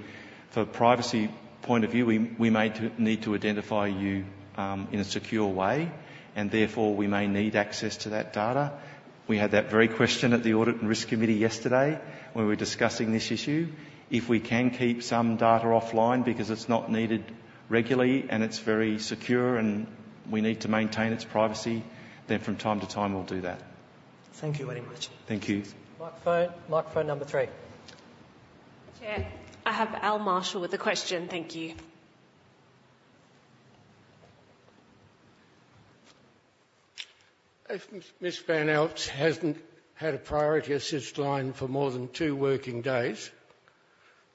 for privacy point of view, we may need to identify you in a secure way, and therefore, we may need access to that data. We had that very question at the Audit and Risk Committee yesterday when we were discussing this issue. If we can keep some data offline because it's not needed regularly, and it's very secure, and we need to maintain its privacy, then from time to time, we'll do that. Thank you very much. Thank you. Microphone, microphone number three. Chair, I have Al Marshall with a question. Thank you. If Ms. van Elst hasn't had a Priority Assistance line for more than two working days,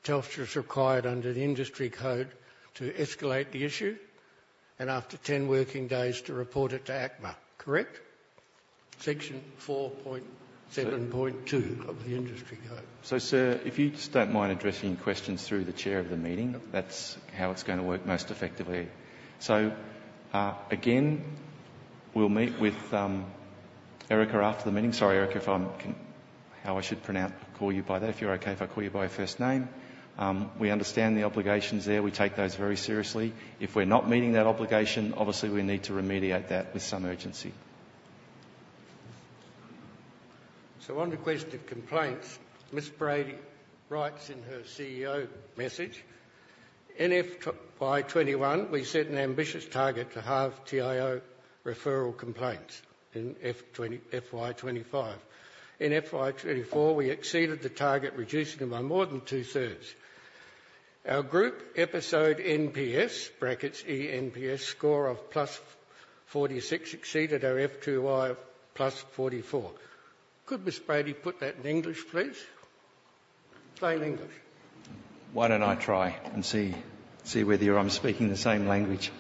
Telstra is required under the industry code to escalate the issue, and after 10 working days, to report it to ACMA, correct? Section 4.7.2 of the industry code. So, sir, if you just don't mind addressing questions through the chair of the meeting, that's how it's gonna work most effectively. So, again, we'll meet with Erica after the meeting. Sorry, Erica, if I'm how I should pronounce, call you by that, if you're okay if I call you by your first name. We understand the obligations there. We take those very seriously. If we're not meeting that obligation, obviously, we need to remediate that with some urgency. So on the question of complaints, Ms. Brady writes in her CEO message: "In FY2021, we set an ambitious target to halve TIO referral complaints in FY2025. In FY2024, we exceeded the target, reducing them by more than two-thirds. Our group Episode NPS (eNPS) score of +46 exceeded our FY +44." Could Ms. Brady put that in English, please? Plain English. Why don't I try and see whether I'm speaking the same language?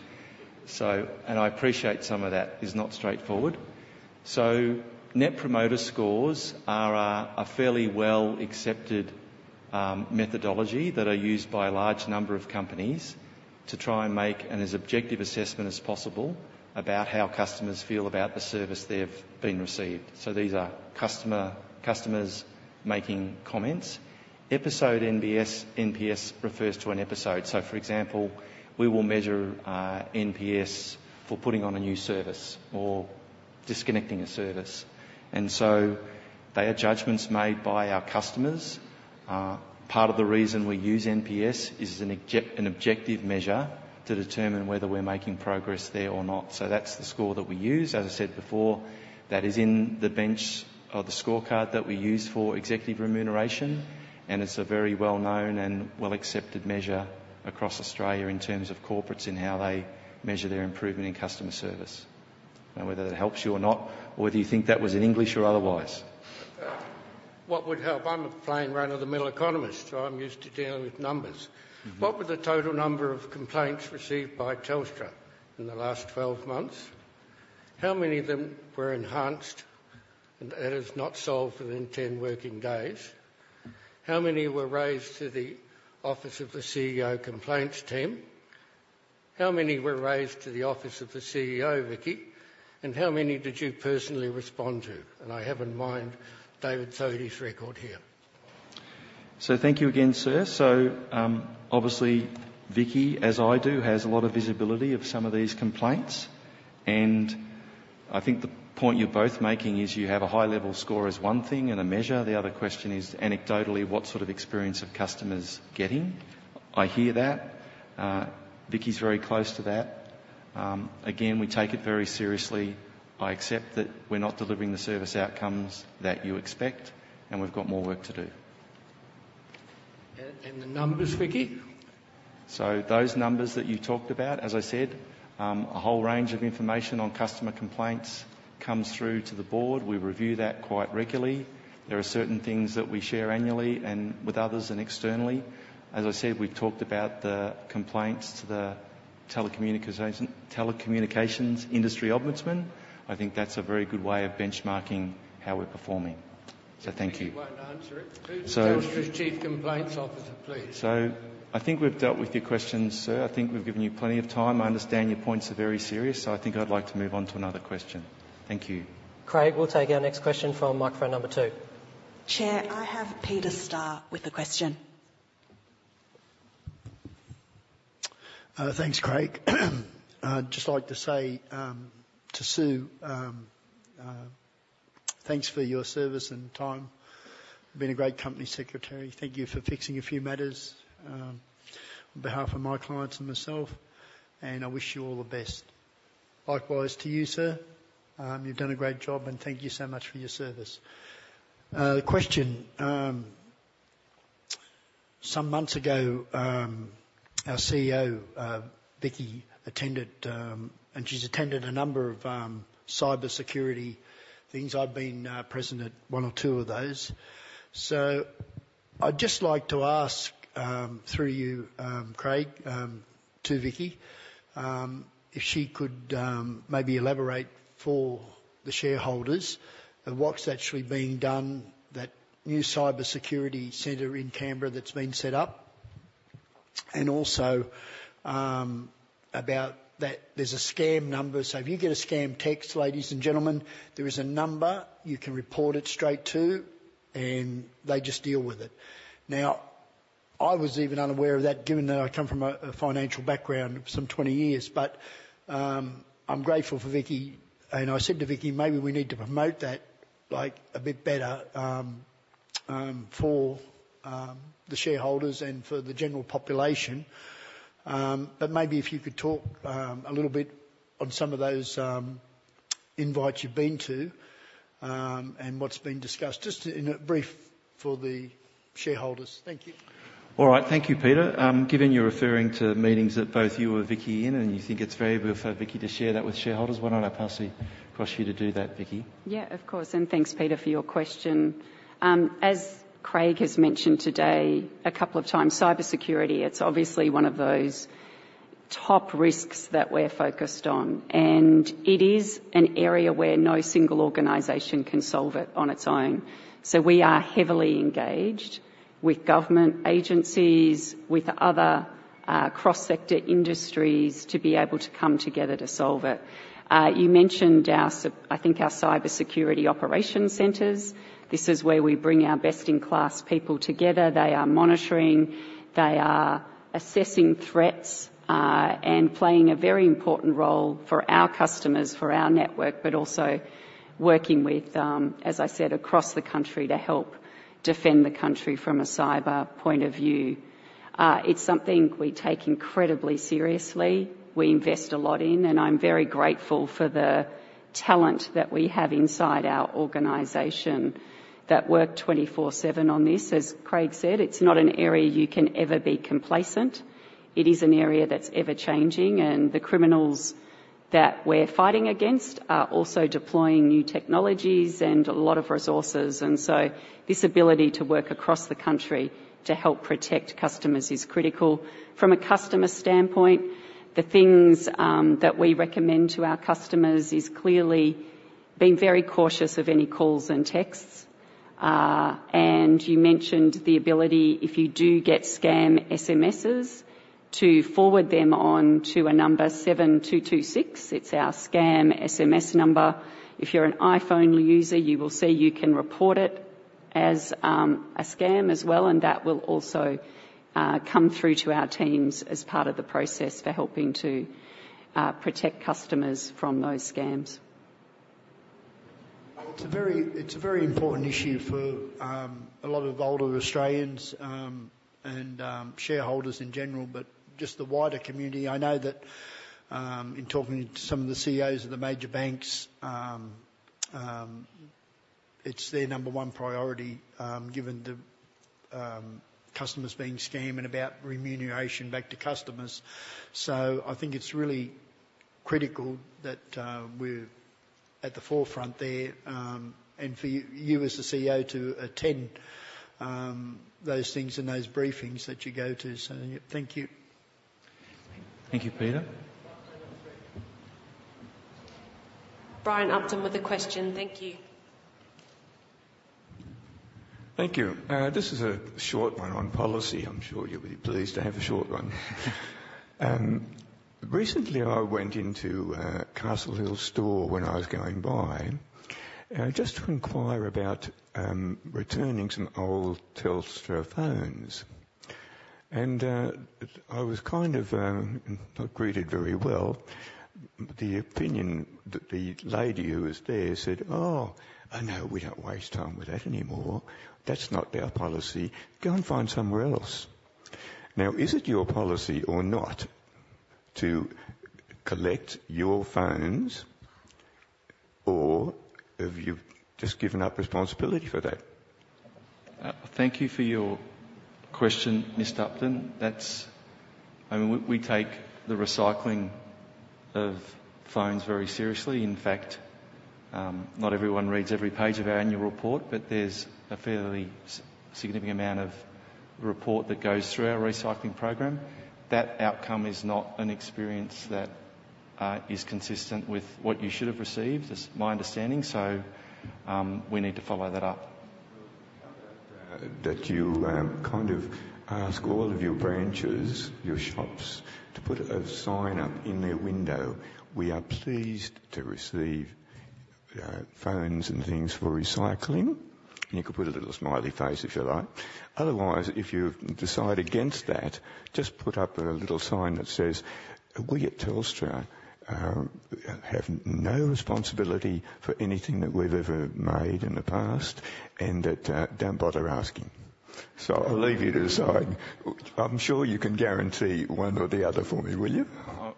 So... And I appreciate some of that is not straightforward. So Net Promoter Scores are a fairly well-accepted methodology that are used by a large number of companies to try and make an as objective assessment as possible about how customers feel about the service they've received. So these are customers making comments. Episode NPS, NPS refers to an episode. So for example, we will measure NPS for putting on a new service or disconnecting a service. And so they are judgments made by our customers. Part of the reason we use NPS is an objective measure to determine whether we're making progress there or not. So that's the score that we use. As I said before, that is in the balanced scorecard that we use for executive remuneration, and it's a very well-known and well-accepted measure across Australia in terms of corporates and how they measure their improvement in customer service. Now, whether that helps you or not, or whether you think that was in English or otherwise. What would help, I'm a plain, run-of-the-mill economist, so I'm used to dealing with numbers. Mm-hmm. What was the total number of complaints received by Telstra in the last 12 months? How many of them were escalated, and that is not solved within 10 working days? How many were raised to the Office of the CEO Complaints team? How many were raised to the Office of the CEO, Vicki? How many did you personally respond to? I have in mind David Thodey's record here. So thank you again, sir. So, obviously, Vicki, as I do, has a lot of visibility of some of these complaints. And I think the point you're both making is you have a high-level score is one thing and a measure. The other question is, anecdotally, what sort of experience are customers getting? I hear that. Vicki is very close to that. Again, we take it very seriously. I accept that we're not delivering the service outcomes that you expect, and we've got more work to do.... And the numbers, Vicki? So those numbers that you talked about, as I said, a whole range of information on customer complaints comes through to the board. We review that quite regularly. There are certain things that we share annually and with others and externally. As I said, we've talked about the complaints to the Telecommunications Industry Ombudsman. I think that's a very good way of benchmarking how we're performing. So thank you. If you won't answer it- So- Telstra's chief complaints officer, please. So I think we've dealt with your question, sir. I think we've given you plenty of time. I understand your points are very serious, so I think I'd like to move on to another question. Thank you. Craig, we'll take our next question from microphone number two. Chair, I have Peter Starr with a question. Thanks, Craig. I'd just like to say to Sue, thanks for your service and time. You've been a great company secretary. Thank you for fixing a few matters on behalf of my clients and myself, and I wish you all the best. Likewise to you, sir, you've done a great job, and thank you so much for your service. The question... Some months ago, our CEO Vicki attended, and she's attended a number of cybersecurity things. I've been present at one or two of those. So I'd just like to ask through you, Craig, to Vicki, if she could maybe elaborate for the shareholders of what's actually being done, that new cybersecurity center in Canberra that's been set up, and also about that there's a scam number. So if you get a scam text, ladies and gentlemen, there is a number you can report it straight to, and they just deal with it. Now, I was even unaware of that, given that I come from a financial background of some twenty years. But, I'm grateful for Vicki, and I said to Vicki: "Maybe we need to promote that, like, a bit better, for the shareholders and for the general population." But maybe if you could talk a little bit on some of those invites you've been to, and what's been discussed, just in a brief for the shareholders. Thank you. All right. Thank you, Peter. Given you're referring to meetings that both you and Vicki are in, and you think it's very good for Vicki to share that with shareholders, why don't I pass it across you to do that, Vicki? Yeah, of course, and thanks, Peter, for your question. As Craig has mentioned today a couple of times, cybersecurity, it's obviously one of those top risks that we're focused on, and it is an area where no single organization can solve it on its own. So we are heavily engaged with government agencies, with other, cross-sector industries, to be able to come together to solve it. You mentioned our cybersecurity operations centers. This is where we bring our best-in-class people together. They are monitoring, they are assessing threats, and playing a very important role for our customers, for our network, but also working with, as I said, across the country, to help defend the country from a cyber point of view. It's something we take incredibly seriously, we invest a lot in, and I'm very grateful for the talent that we have inside our organization that work twenty-four seven on this. As Craig said, it's not an area you can ever be complacent. It is an area that's ever-changing, and the criminals that we're fighting against are also deploying new technologies and a lot of resources, and so this ability to work across the country to help protect customers is critical. From a customer standpoint, the things that we recommend to our customers is clearly being very cautious of any calls and texts. You mentioned the ability, if you do get scam SMSs, to forward them on to a number, 7226. It's our scam SMS number. If you're an iPhone user, you will see you can report it as a scam as well, and that will also come through to our teams as part of the process for helping to protect customers from those scams. It's a very important issue for a lot of older Australians, and shareholders in general, but just the wider community. I know that in talking to some of the CEOs of the major banks, it's their number one priority, given the customers being scammed and about remuneration back to customers. So I think it's really critical that we're at the forefront there, and for you, you as the CEO, to attend those things and those briefings that you go to. So thank you. Thank you, Peter. Brian Upton with a question. Thank you. Thank you. This is a short one on policy. I'm sure you'll be pleased to have a short one. Recently, I went into a Castle Hill store when I was going by, just to inquire about returning some old Telstra phones, and I was kind of not greeted very well. The lady who was there said: "Oh, no, we don't waste time with that anymore. That's not our policy. Go and find somewhere else." Now, is it your policy or not to collect your phones? Or have you just given up responsibility for that? Thank you for your question, Ms. Upton. That's, I mean, we take the recycling of phones very seriously. In fact, not everyone reads every page of our annual report, but there's a fairly significant amount of report that goes through our recycling program. That outcome is not an experience that is consistent with what you should have received, is my understanding, so we need to follow that up. That you, kind of ask all of your branches, your shops, to put a sign up in their window: "We are pleased to receive, phones and things for recycling." And you can put a little smiley face if you like. Otherwise, if you decide against that, just put up a little sign that says, "We at Telstra have no responsibility for anything that we've ever made in the past, and that don't bother asking." So I'll leave you to decide. I'm sure you can guarantee one or the other for me, will you?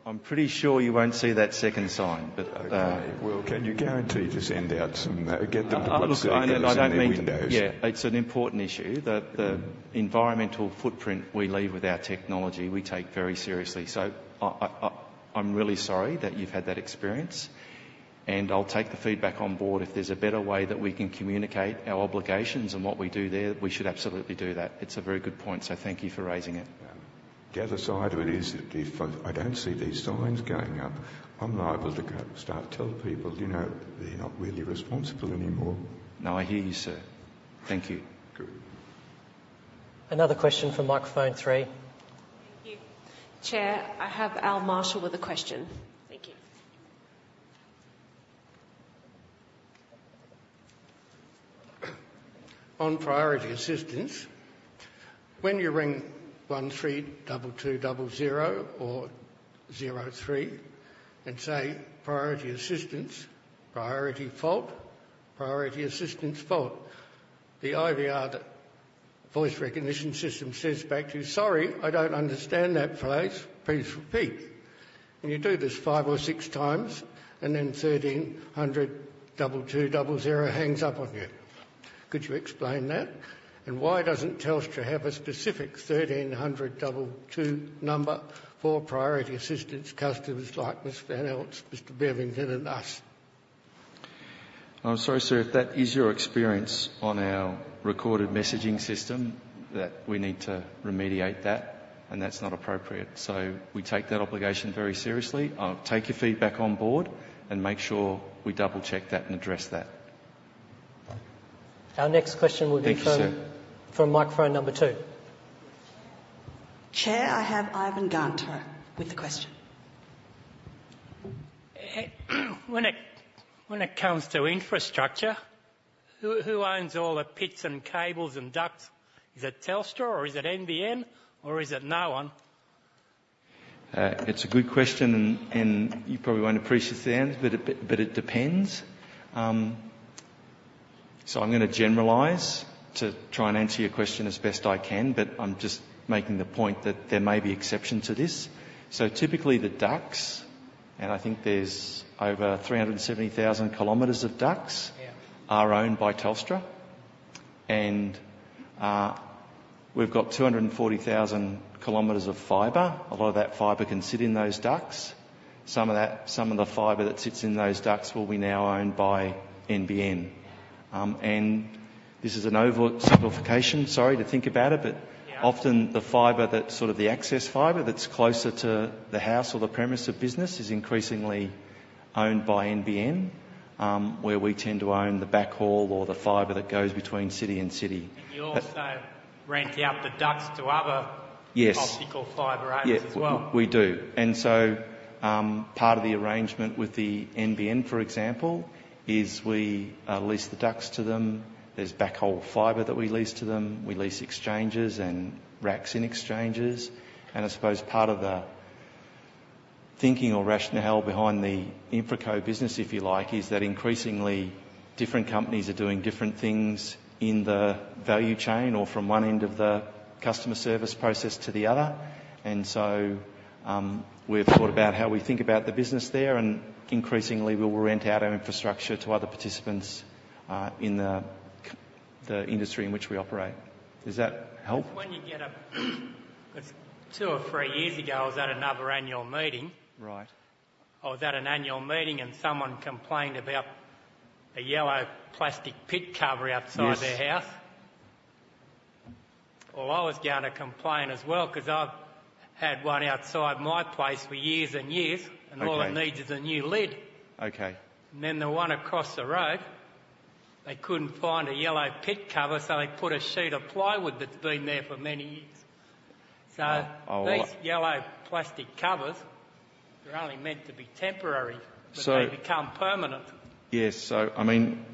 I'm pretty sure you won't see that second sign, but. Okay. Well, can you guarantee to send out some, get them to put stickers in their windows? Look, I don't mean... Yeah, it's an important issue. The, the- Mm. Environmental footprint we leave with our technology, we take very seriously. So, I'm really sorry that you've had that experience, and I'll take the feedback on board. If there's a better way that we can communicate our obligations and what we do there, we should absolutely do that. It's a very good point, so thank you for raising it. The other side of it is, if I don't see these signs going up, I'm liable to go out and start telling people, "You know, they're not really responsible anymore. No, I hear you, sir. Thank you. Good. Another question from microphone three. Thank you. Chair, I have Al Marshall with a question. Thank you. On Priority Assistance, when you ring one three double two double zero or zero three, and say, "Priority assistance, priority fault, priority assistance fault," the IVR, the voice recognition system, says back to you, "Sorry, I don't understand that, please. Please repeat." And you do this five or six times, and then thirteen hundred double two double zero hangs up on you. Could you explain that? And why doesn't Telstra have a specific thirteen hundred double two number for Priority Assistance customers like Ms. van Elst, Mr. Bebbington, and us? I'm sorry, sir, if that is your experience on our recorded messaging system, that we need to remediate that, and that's not appropriate. So we take that obligation very seriously. I'll take your feedback on board and make sure we double-check that and address that. Our next question will be from- Thank you, sir. from microphone number two. Chair, I have Ivan Gantar with a question. When it comes to infrastructure, who owns all the pits and cables and ducts? Is it Telstra, or is it NBN, or is it no one? It's a good question, and you probably won't appreciate the answer, but it depends. So I'm gonna generalize to try and answer your question as best I can, but I'm just making the point that there may be exceptions to this. So typically, the ducts, and I think there's over three hundred and seventy thousand kilometers of ducts- Yeah are owned by Telstra. And we've got 240,000 kilometers of fibre. A lot of that fibre can sit in those ducts. Some of that, some of the fibre that sits in those ducts will be now owned by NBN. And this is an oversimplification, sorry to think about it, but- Yeah... often the fibre that, sort of the access fibre that's closer to the house or the premises of business is increasingly owned by NBN, where we tend to own the backhaul or the fibre that goes between city and city. And you also rent out the ducts to other- Yes optical fibre owners as well. Yeah, we do. And so, part of the arrangement with the NBN, for example, is we lease the ducts to them. There's backhaul fibre that we lease to them. We lease exchanges and racks in exchanges, and I suppose part of the thinking or rationale behind the InfraCo business, if you like, is that increasingly different companies are doing different things in the value chain or from one end of the customer service process to the other. And so, we've thought about how we think about the business there, and increasingly, we will rent out our infrastructure to other participants in the industry in which we operate. Does that help? Two or three years ago, I was at another annual meeting. Right. I was at an annual meeting, and someone complained about a yellow plastic pit cover outside. Yes their house. Well, I was gonna complain as well, 'cause I've had one outside my place for years and years- Okay and all it needs is a new lid. Okay. Then the one across the road, they couldn't find a yellow pit cover, so they put a sheet of plywood that's been there for many years. Oh, well- So these yellow plastic covers, they're only meant to be temporary. So- but they've become permanent. Yes. So I mean,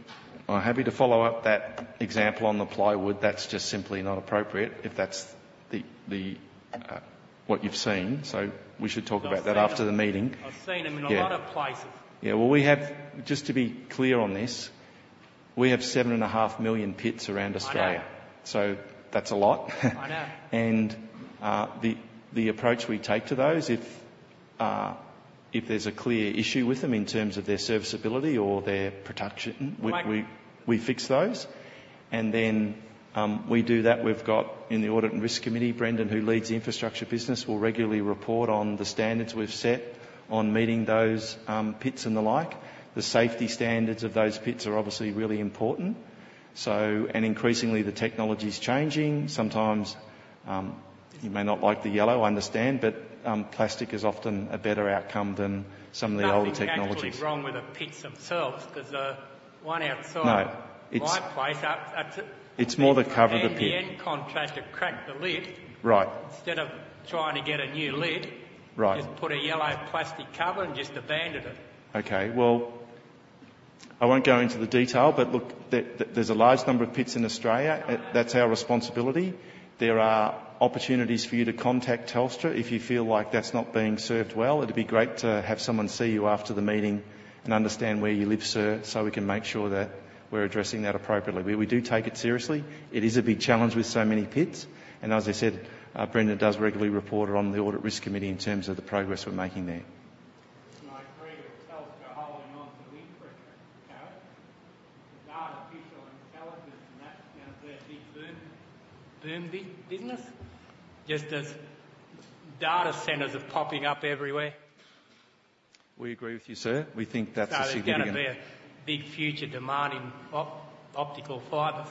I'm happy to follow up that example on the plywood. That's just simply not appropriate, if that's what you've seen. So we should talk about that after the meeting. I've seen them in a lot of places. Just to be clear on this, we have 7.5 million pits around Australia. I know. So that's a lot. I know. The approach we take to those, if there's a clear issue with them in terms of their serviceability or their production- Right. We fix those, and then we do that. We've got in the Audit and Risk Committee, Brendan, who leads the infrastructure business, will regularly report on the standards we've set on meeting those, pits and the like. The safety standards of those pits are obviously really important. So and increasingly, the technology's changing. Sometimes, you may not like the yellow, I understand, but plastic is often a better outcome than some of the older technologies. Nothing actually wrong with the pits themselves, 'cause the one outside- No my place, t- It's more the cover of the pit. And the NBN contract had cracked the lid. Right. Instead of trying to get a new lid- Right Just put a yellow plastic cover and just abandoned it. Okay. Well, I won't go into the detail, but look, there's a large number of pits in Australia. I know. That's our responsibility. There are opportunities for you to contact Telstra if you feel like that's not being served well. It'd be great to have someone see you after the meeting and understand where you live, sir, so we can make sure that we're addressing that appropriately. We do take it seriously. It is a big challenge with so many pits, and as I said, Brendan does regularly report on the Audit Risk Committee in terms of the progress we're making there. I agree with Telstra holding on to the infrastructure, okay? The artificial intelligence and that, gonna be a big boom business, just as data centers are popping up everywhere. We agree with you, sir. We think that's a significant- So there's gonna be a big future demand in optical fibres.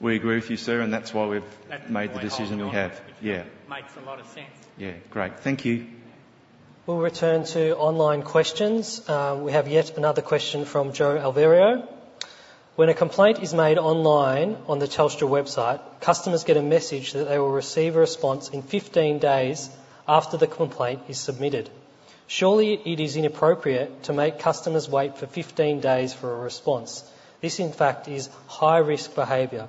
We agree with you, sir, and that's why we've- That's why- made the decision we have. Yeah. Makes a lot of sense. Yeah, great. Thank you. We'll return to online questions. We have yet another question from Joe Alvaro: When a complaint is made online on the Telstra website, customers get a message that they will receive a response in fifteen days after the complaint is submitted. Surely, it is inappropriate to make customers wait for fifteen days for a response. This, in fact, is high-risk behavior.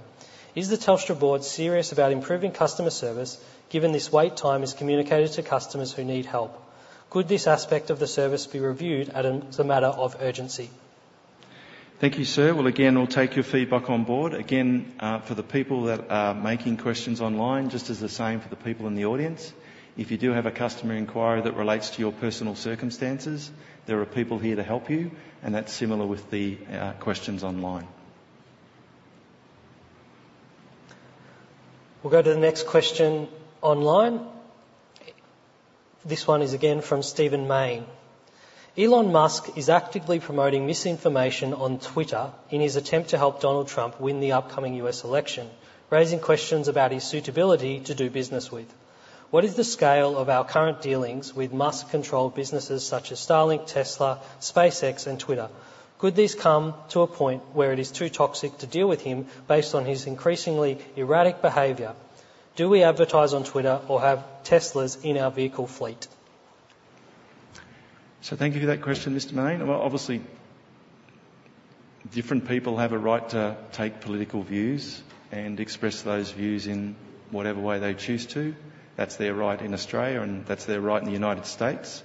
Is the Telstra board serious about improving customer service, given this wait time is communicated to customers who need help? Could this aspect of the service be reviewed as a matter of urgency? Thank you, sir. Again, we'll take your feedback on board. Again, for the people that are making questions online, just as the same for the people in the audience, if you do have a customer inquiry that relates to your personal circumstances, there are people here to help you, and that's similar with the questions online. We'll go to the next question online. This one is again from Stephen Mayne: Elon Musk is actively promoting misinformation on Twitter in his attempt to help Donald Trump win the upcoming U.S. election, raising questions about his suitability to do business with. What is the scale of our current dealings with Musk-controlled businesses such as Starlink, Tesla, SpaceX, and Twitter? Could this come to a point where it is too toxic to deal with him based on his increasingly erratic behavior? Do we advertise on Twitter or have Teslas in our vehicle fleet? So thank you for that question, Mr. Mayne. Well, obviously, different people have a right to take political views and express those views in whatever way they choose to. That's their right in Australia, and that's their right in the United States.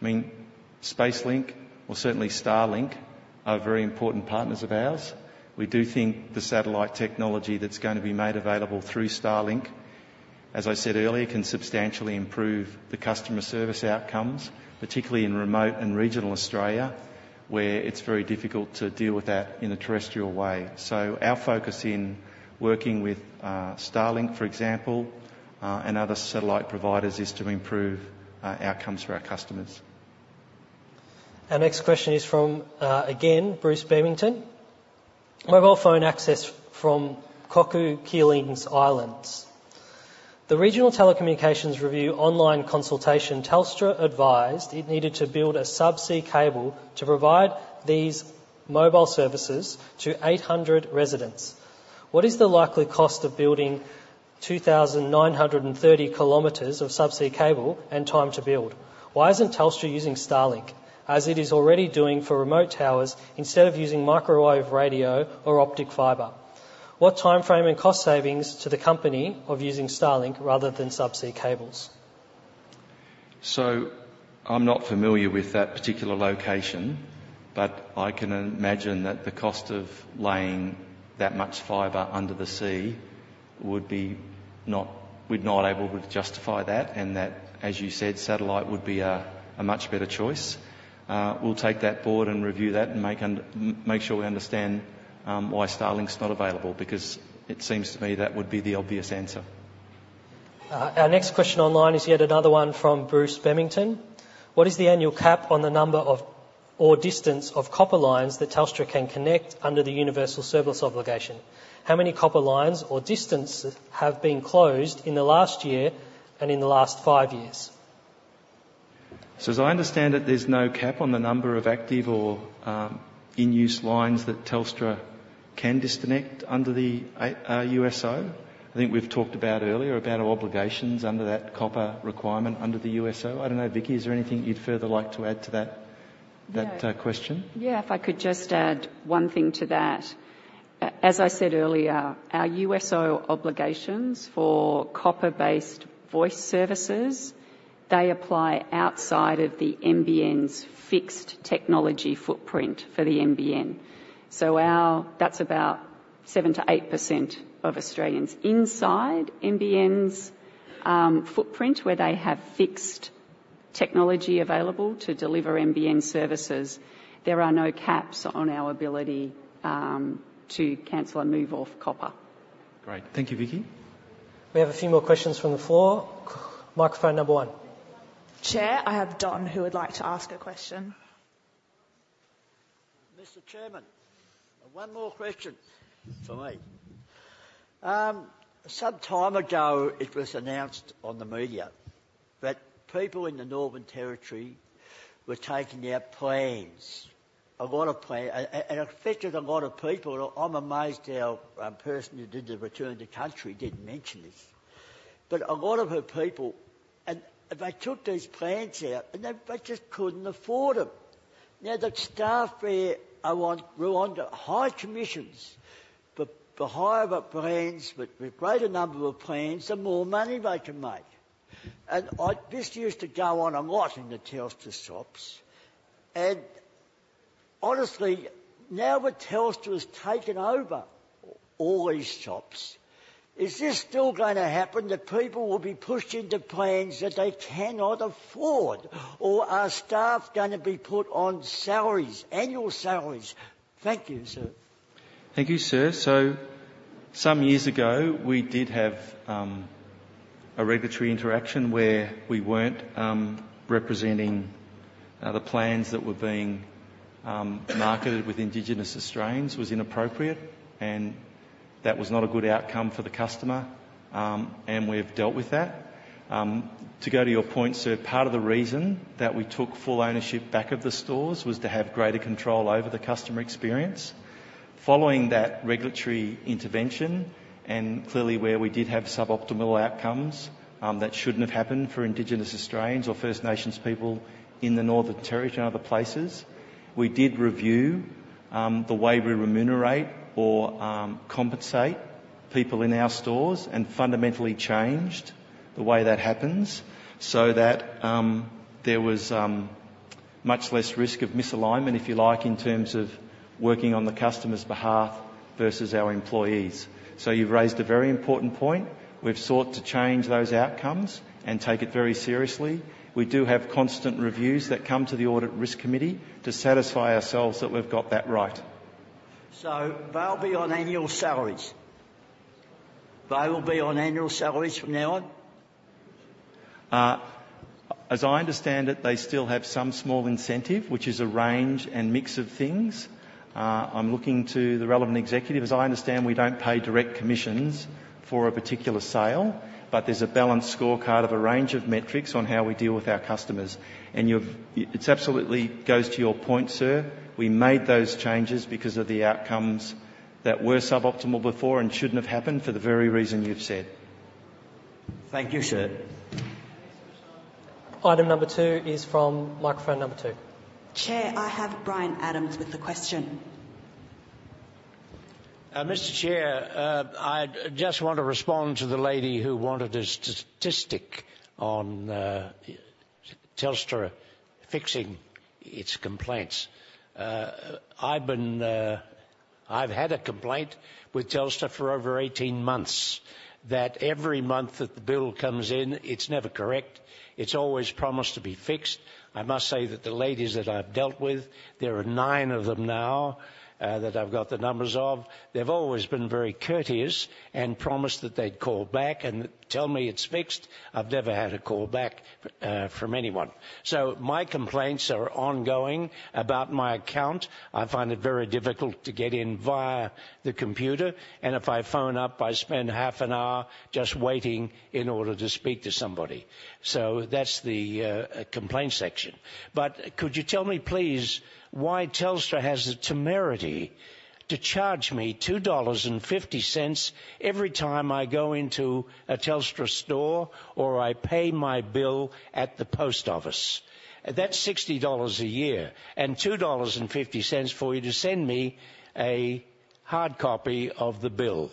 I mean, SpaceX or certainly Starlink are very important partners of ours. We do think the satellite technology that's gonna be made available through Starlink, as I said earlier, can substantially improve the customer service outcomes, particularly in remote and regional Australia, where it's very difficult to deal with that in a terrestrial way. So our focus in working with, Starlink, for example, and other satellite providers, is to improve, outcomes for our customers. Our next question is from, again, Bruce Bebbington: Mobile phone access from Cocos (Keeling) Islands. The Regional Telecommunications Review online consultation, Telstra advised it needed to build a subsea cable to provide these mobile services to eight hundred residents. What is the likely cost of building two thousand nine hundred and thirty kilometers of subsea cable and time to build? Why isn't Telstra using Starlink, as it is already doing for remote towers, instead of using microwave, radio, or optic fibre? What timeframe and cost savings to the company of using Starlink rather than subsea cables? So I'm not familiar with that particular location, but I can imagine that the cost of laying that much fibre under the sea we'd not be able to justify that, and that, as you said, satellite would be a much better choice. We'll take that forward and review that, and make sure we understand why Starlink's not available, because it seems to me that would be the obvious answer. Our next question online is yet another one from Bruce Bebbington: What is the annual cap on the number of, or distance of copper lines that Telstra can connect under the Universal Service Obligation? How many copper lines or distances have been closed in the last year and in the last five years? So as I understand it, there's no cap on the number of active or in-use lines that Telstra can disconnect under the USO. I think we've talked about earlier about our obligations under that copper requirement under the USO. I don't know, Vicki, is there anything you'd further like to add to that? question? Yeah. If I could just add one thing to that. As I said earlier, our USO obligations for copper-based voice services they apply outside of the NBN's fixed technology footprint for the NBN. So that's about 7%-8% of Australians inside NBN's footprint, where they have fixed technology available to deliver NBN services. There are no caps on our ability to cancel and move off copper. Great. Thank you, Vicki. We have a few more questions from the floor. Microphone number one. Chair, I have Don, who would like to ask a question. Mr. Chairman, one more question for me. Some time ago, it was announced on the media that people in the Northern Territory were taking out plans, a lot of plans, and it affected a lot of people. I'm amazed how a person who did the Welcome to Country didn't mention this. But a lot of her people, and they took these plans out, and they just couldn't afford them. Now, the staff there were on high commissions, but the higher the plans, with greater number of plans, the more money they can make. And I just used to go in a lot in the Telstra shops, and honestly, now that Telstra has taken over all these shops, is this still gonna happen, that people will be pushed into plans that they cannot afford? Or are staff gonna be put on salaries, annual salaries? Thank you, sir. Thank you, sir, so some years ago, we did have a regulatory interaction where we weren't representing the plans that were being marketed with Indigenous Australians was inappropriate, and that was not a good outcome for the customer, and we've dealt with that. To go to your point, sir, part of the reason that we took full ownership back of the stores was to have greater control over the customer experience. Following that regulatory intervention, and clearly, where we did have suboptimal outcomes, that shouldn't have happened for Indigenous Australians or First Nations people in the Northern Territory and other places. We did review the way we remunerate or compensate people in our stores and fundamentally changed the way that happens so that there was much less risk of misalignment, if you like, in terms of working on the customer's behalf versus our employees. So you've raised a very important point. We've sought to change those outcomes and take it very seriously. We do have constant reviews that come to the Audit Risk Committee to satisfy ourselves that we've got that right. So they'll be on annual salaries? They will be on annual salaries from now on? As I understand it, they still have some small incentive, which is a range and mix of things. I'm looking to the relevant executive. As I understand, we don't pay direct commissions for a particular sale, but there's a balanced scorecard of a range of metrics on how we deal with our customers. And you've... It absolutely goes to your point, sir, we made those changes because of the outcomes that were suboptimal before and shouldn't have happened for the very reason you've said. Thank you, sir. Item number two is from microphone number two. Chair, I have Brian Adams with a question. Mr. Chair, I just want to respond to the lady who wanted a statistic on Telstra fixing its complaints. I've been... I've had a complaint with Telstra for over eighteen months, that every month that the bill comes in, it's never correct. It's always promised to be fixed. I must say that the ladies that I've dealt with, there are nine of them now, that I've got the numbers of, they've always been very courteous and promised that they'd call back and tell me it's fixed. I've never had a call back from anyone. So my complaints are ongoing about my account. I find it very difficult to get in via the computer, and if I phone up, I spend half an hour just waiting in order to speak to somebody. So that's the complaint section. But could you tell me, please, why Telstra has the temerity to charge me 2.50 dollars every time I go into a Telstra store, or I pay my bill at the post office? That's 60 dollars a year and 2.50 dollars for you to send me a hard copy of the bill.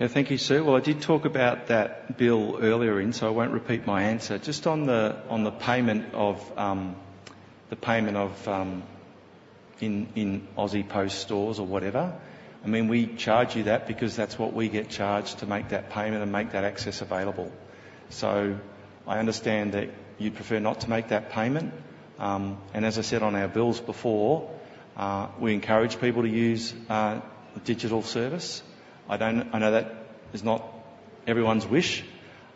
Thank you, sir. Well, I did talk about that bill earlier, so I won't repeat my answer. Just on the payment of in Aussie Post stores or whatever, I mean, we charge you that because that's what we get charged to make that payment and make that access available. So I understand that you'd prefer not to make that payment, and as I said on our bills before, we encourage people to use a digital service. I know that is not everyone's wish,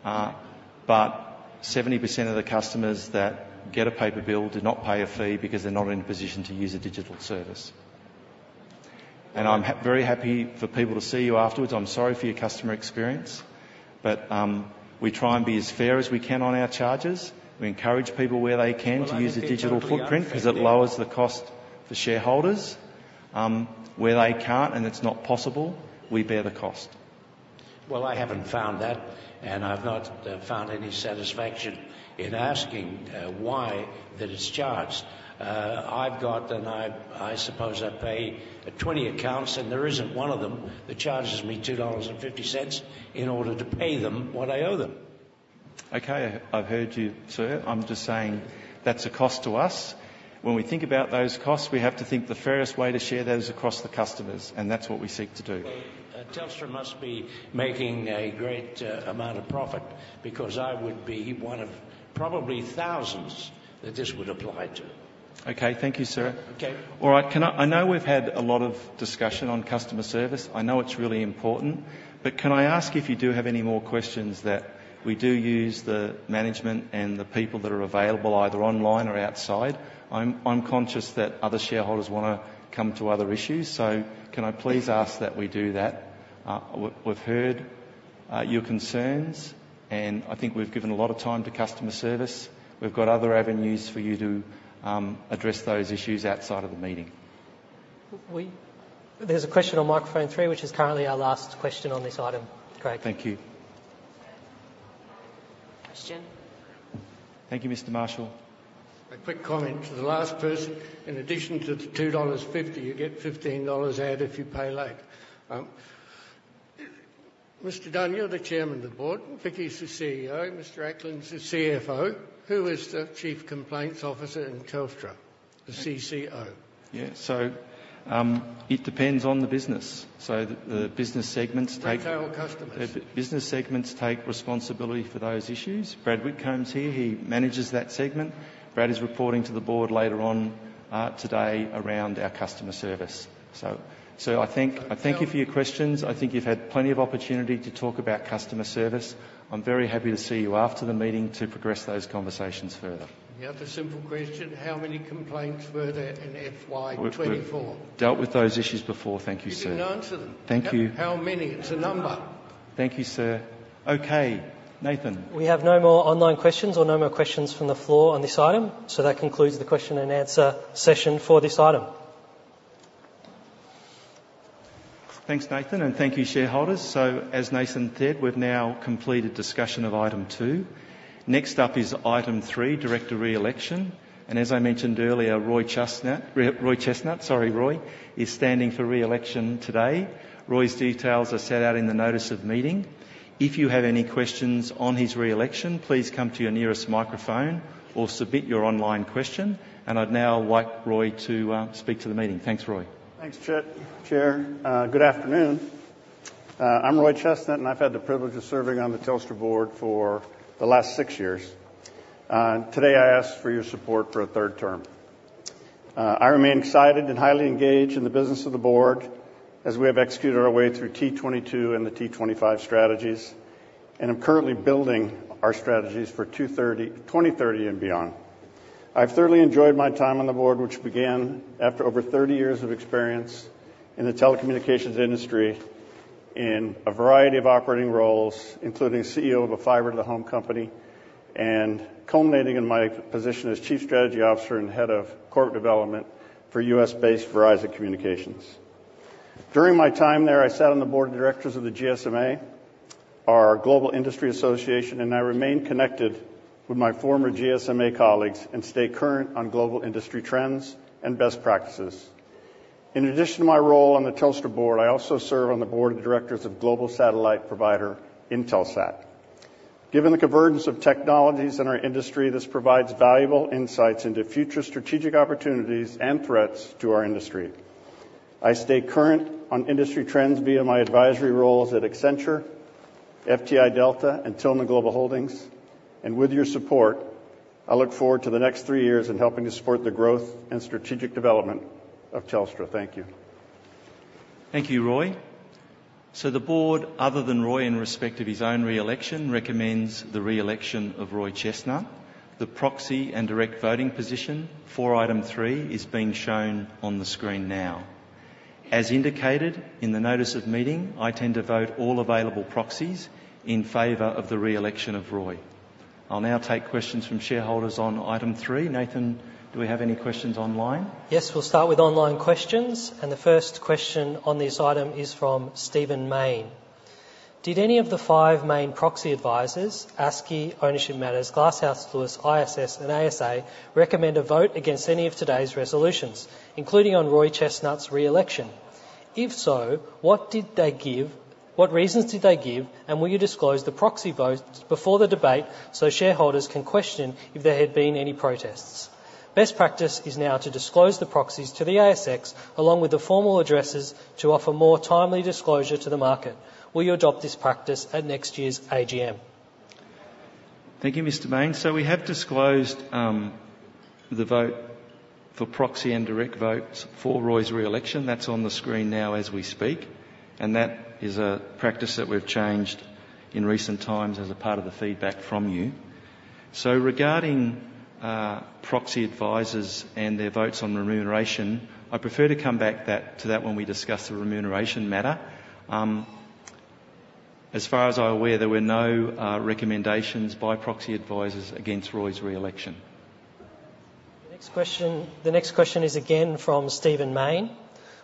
but 70% of the customers that get a paper bill do not pay a fee because they're not in a position to use a digital service. And I'm very happy for people to see you afterwards. I'm sorry for your customer experience, but, we try and be as fair as we can on our charges. We encourage people, where they can, to use a- I think they aren't fair.... digital footprint because it lowers the cost for shareholders. Where they can't, and it's not possible, we bear the cost. I haven't found that, and I've not found any satisfaction in asking why that it's charged. I've got. I suppose I pay 20 accounts, and there isn't one of them that charges me 2.50 dollars in order to pay them what I owe them.... Okay, I've heard you, sir. I'm just saying that's a cost to us. When we think about those costs, we have to think the fairest way to share those across the customers, and that's what we seek to do. Telstra must be making a great amount of profit, because I would be one of probably thousands that this would apply to. Okay. Thank you, sir. Okay. All right. I know we've had a lot of discussion on customer service. I know it's really important, but can I ask if you do have any more questions, that we do use the management and the people that are available, either online or outside? I'm conscious that other shareholders wanna come to other issues, so can I please ask that we do that? We've heard your concerns, and I think we've given a lot of time to customer service. We've got other avenues for you to address those issues outside of the meeting. There's a question on microphone three, which is currently our last question on this item, Craig. Thank you. Question. Thank you, Mr. Marshall. A quick comment to the last person. In addition to the 2.50 dollars, you get 15 dollars added if you pay late. Mr. Dunn, you're the chairman of the board, Vicki is the CEO, Mr. Ackland is the CFO. Who is the Chief Complaints Officer in Telstra, the CCO? Yeah, so, it depends on the business. So the business segments take- But they're all customers. The business segments take responsibility for those issues. Brad Whitcomb's here, he manages that segment. Brad is reporting to the board later on today around our customer service. So, sir, I thank you for your questions. I think you've had plenty of opportunity to talk about customer service. I'm very happy to see you after the meeting to progress those conversations further. You have a simple question: How many complaints were there in FY2024? We've dealt with those issues before. Thank you, sir. You didn't answer them. Thank you. How many? It's a number. Thank you, sir. Okay, Nathan? We have no more online questions or no more questions from the floor on this item, so that concludes the question and answer session for this item. Thanks, Nathan, and thank you, shareholders. So as Nathan said, we've now completed discussion of item two. Next up is item three, director re-election, and as I mentioned earlier, Roy Chestnutt, Roy Chestnutt, sorry, Roy, is standing for re-election today. Roy's details are set out in the Notice of Meeting. If you have any questions on his re-election, please come to your nearest microphone or submit your online question, and I'd now like Roy to speak to the meeting. Thanks, Roy. Thanks, Chair. Good afternoon. I'm Roy Chestnutt, and I've had the privilege of serving on the Telstra board for the last six years. Today, I ask for your support for a third term. I remain excited and highly engaged in the business of the board as we have executed our way through T22 and the T25 strategies, and I'm currently building our strategies for 2030 and beyond. I've thoroughly enjoyed my time on the board, which began after over 30 years of experience in the telecommunications industry in a variety of operating roles, including CEO of a fibre-to-the-home company, and culminating in my position as Chief Strategy Officer and Head of Corporate Development for U.S.-based Verizon Communications. During my time there, I sat on the board of directors of the GSMA, our global industry association, and I remain connected with my former GSMA colleagues and stay current on global industry trends and best practices. In addition to my role on the Telstra board, I also serve on the board of directors of global satellite provider Intelsat. Given the convergence of technologies in our industry, this provides valuable insights into future strategic opportunities and threats to our industry. I stay current on industry trends via my advisory roles at Accenture, FTI Delta, and Tillman Global Holdings, and with your support, I look forward to the next three years in helping to support the growth and strategic development of Telstra. Thank you. Thank you, Roy. So the board, other than Roy, in respect of his own re-election, recommends the re-election of Roy Chestnutt. The proxy and direct voting position for item three is being shown on the screen now. As indicated in the Notice of Meeting, I tend to vote all available proxies in favor of the re-election of Roy. I'll now take questions from shareholders on item three. Nathan, do we have any questions online? Yes, we'll start with online questions, and the first question on this item is from Stephen Mayne: Did any of the five main proxy advisors, ACSI, Ownership Matters, Glass Lewis, ISS, and ASA, recommend a vote against any of today's resolutions, including on Roy Chestnutt's re-election? If so, what reasons did they give, and will you disclose the proxy votes before the debate so shareholders can question if there had been any protests? Best practice is now to disclose the proxies to the ASX, along with the formal addresses, to offer more timely disclosure to the market. Will you adopt this practice at next year's AGM? Thank you, Mr. Mayne. So we have disclosed the vote for proxy and direct votes for Roy's re-election. That's on the screen now as we speak, and that is a practice that we've changed in recent times as a part of the feedback from you. So regarding proxy advisors and their votes on remuneration, I prefer to come back to that when we discuss the remuneration matter. As far as I'm aware, there were no recommendations by proxy advisors against Roy's re-election. The next question is again from Stephen Mayne: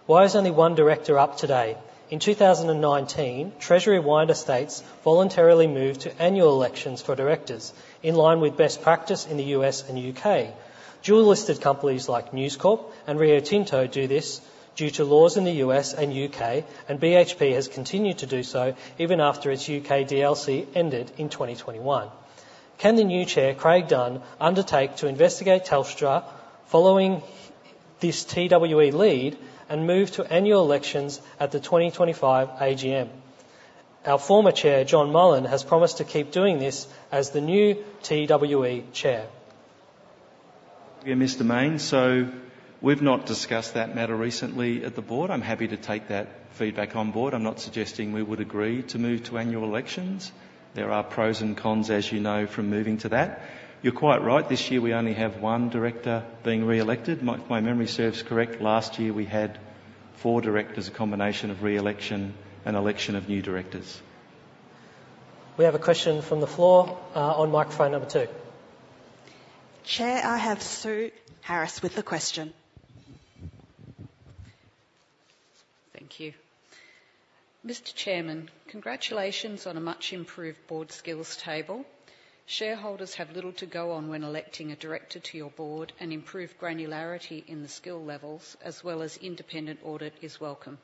Why is only one director up today? In 2019, Treasury Wine Estates voluntarily moved to annual elections for directors, in line with best practice in the U.S. and U.K. Dual-listed companies like News Corp and Rio Tinto do this due to laws in the U.S. and U.K., and BHP has continued to do so even after its U.K. DLC ended in 2021. Can the new chair, Craig Dunn, undertake to investigate Telstra following this TWE lead and move to annual elections at the 2025 AGM? Our former chair, John Mullen, has promised to keep doing this as the new TWE chair. Yeah, Mr. Mayne, so we've not discussed that matter recently at the board. I'm happy to take that feedback on board. I'm not suggesting we would agree to move to annual elections. There are pros and cons, as you know, from moving to that. You're quite right, this year we only have one director being reelected. My, if my memory serves correct, last year we had four directors, a combination of re-election and election of new directors. We have a question from the floor, on microphone number two. Chair, I have Sue Howes with the question. Thank you. Mr. Chairman, congratulations on a much-improved board skills table. Shareholders have little to go on when electing a director to your board, and improved granularity in the skill levels as well as independent audit is welcome.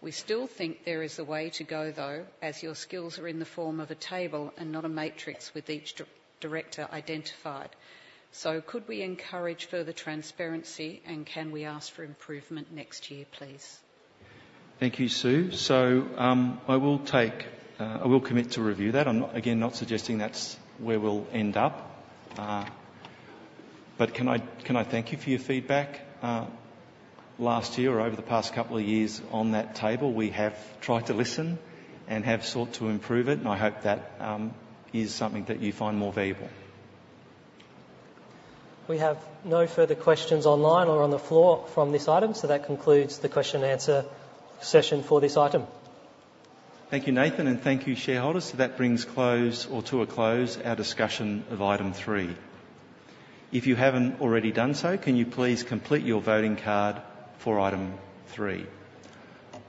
We still think there is a way to go, though, as your skills are in the form of a table and not a matrix with each director identified. So could we encourage further transparency, and can we ask for improvement next year, please? Thank you, Sue. So, I will commit to review that. I'm not, again, not suggesting that's where we'll end up, but can I, can I thank you for your feedback? Last year or over the past couple of years on that table, we have tried to listen and have sought to improve it, and I hope that is something that you find more valuable. We have no further questions online or on the floor from this item, so that concludes the question and answer session for this item. Thank you, Nathan, and thank you, shareholders. So that brings close or to a close, our discussion of item three. If you haven't already done so, can you please complete your voting card for item three?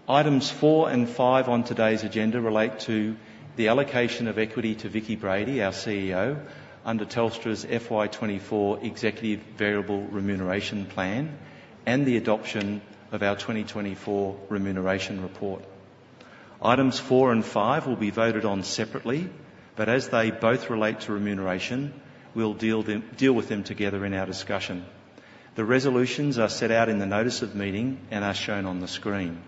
Items four and five on today's agenda relate to the allocation of equity to Vicki Brady, our CEO, under Telstra's FY2024 executive variable remuneration plan and the adoption of our twenty twenty-four remuneration report. Items four and five will be voted on separately, but as they both relate to remuneration, we'll deal with them together in our discussion. The resolutions are set out in the Notice of Meeting and are shown on the screen.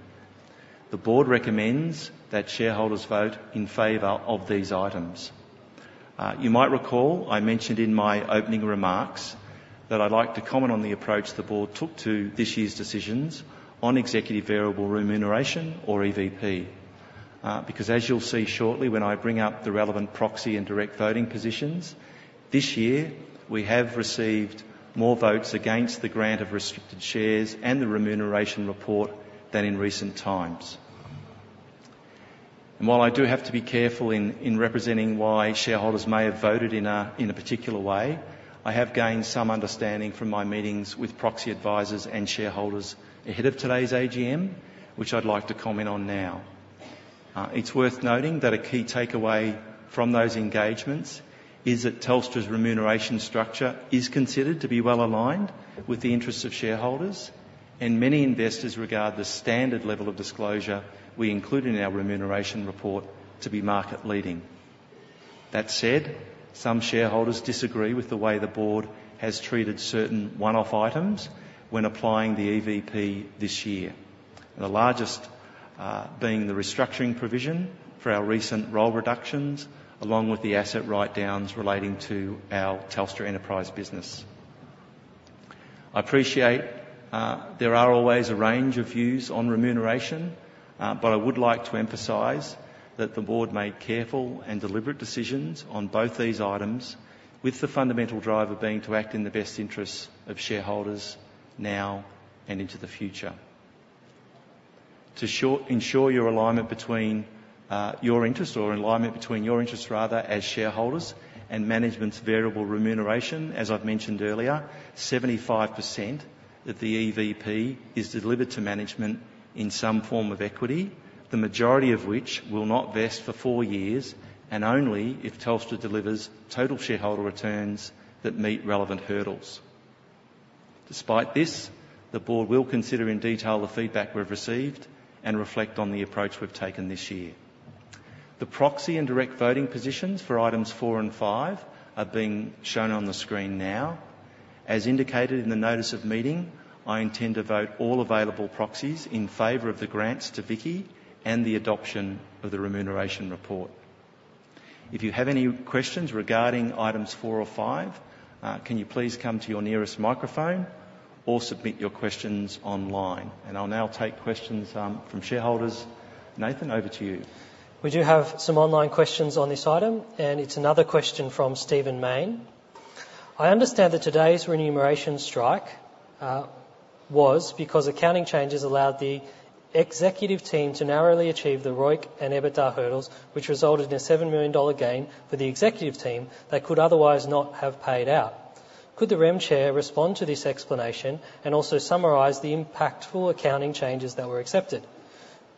The board recommends that shareholders vote in favor of these items. You might recall, I mentioned in my opening remarks that I'd like to comment on the approach the board took to this year's decisions on executive variable remuneration or EVP. Because as you'll see shortly when I bring up the relevant proxy and direct voting positions, this year, we have received more votes against the grant of restricted shares and the remuneration report than in recent times. While I do have to be careful in representing why shareholders may have voted in a particular way, I have gained some understanding from my meetings with proxy advisors and shareholders ahead of today's AGM, which I'd like to comment on now. It's worth noting that a key takeaway from those engagements is that Telstra's remuneration structure is considered to be well aligned with the interests of shareholders, and many investors regard the standard level of disclosure we include in our remuneration report to be market-leading. That said, some shareholders disagree with the way the board has treated certain one-off items when applying the EVP this year. The largest being the restructuring provision for our recent role reductions, along with the asset write-downs relating to our Telstra Enterprise business. I appreciate there are always a range of views on remuneration, but I would like to emphasize that the board made careful and deliberate decisions on both these items, with the fundamental driver being to act in the best interests of shareholders now and into the future. To ensure alignment between your interests, rather, as shareholders and management's variable remuneration, as I've mentioned earlier, 75% of the EVP is delivered to management in some form of equity, the majority of which will not vest for four years and only if Telstra delivers total shareholder returns that meet relevant hurdles. Despite this, the board will consider in detail the feedback we've received and reflect on the approach we've taken this year. The proxy and direct voting positions for items four and five are being shown on the screen now. As indicated in the Notice of Meeting, I intend to vote all available proxies in favor of the grants to Vicki and the adoption of the remuneration report. If you have any questions regarding items four or five, can you please come to your nearest microphone or submit your questions online? And I'll now take questions from shareholders. Nathan, over to you. We do have some online questions on this item, and it's another question from Stephen Mayne. I understand that today's remuneration strike was because accounting changes allowed the executive team to narrowly achieve the ROIC and EBITDA hurdles, which resulted in an 7 million dollar gain for the executive team that could otherwise not have paid out. Could the Rem chair respond to this explanation and also summarize the impactful accounting changes that were accepted?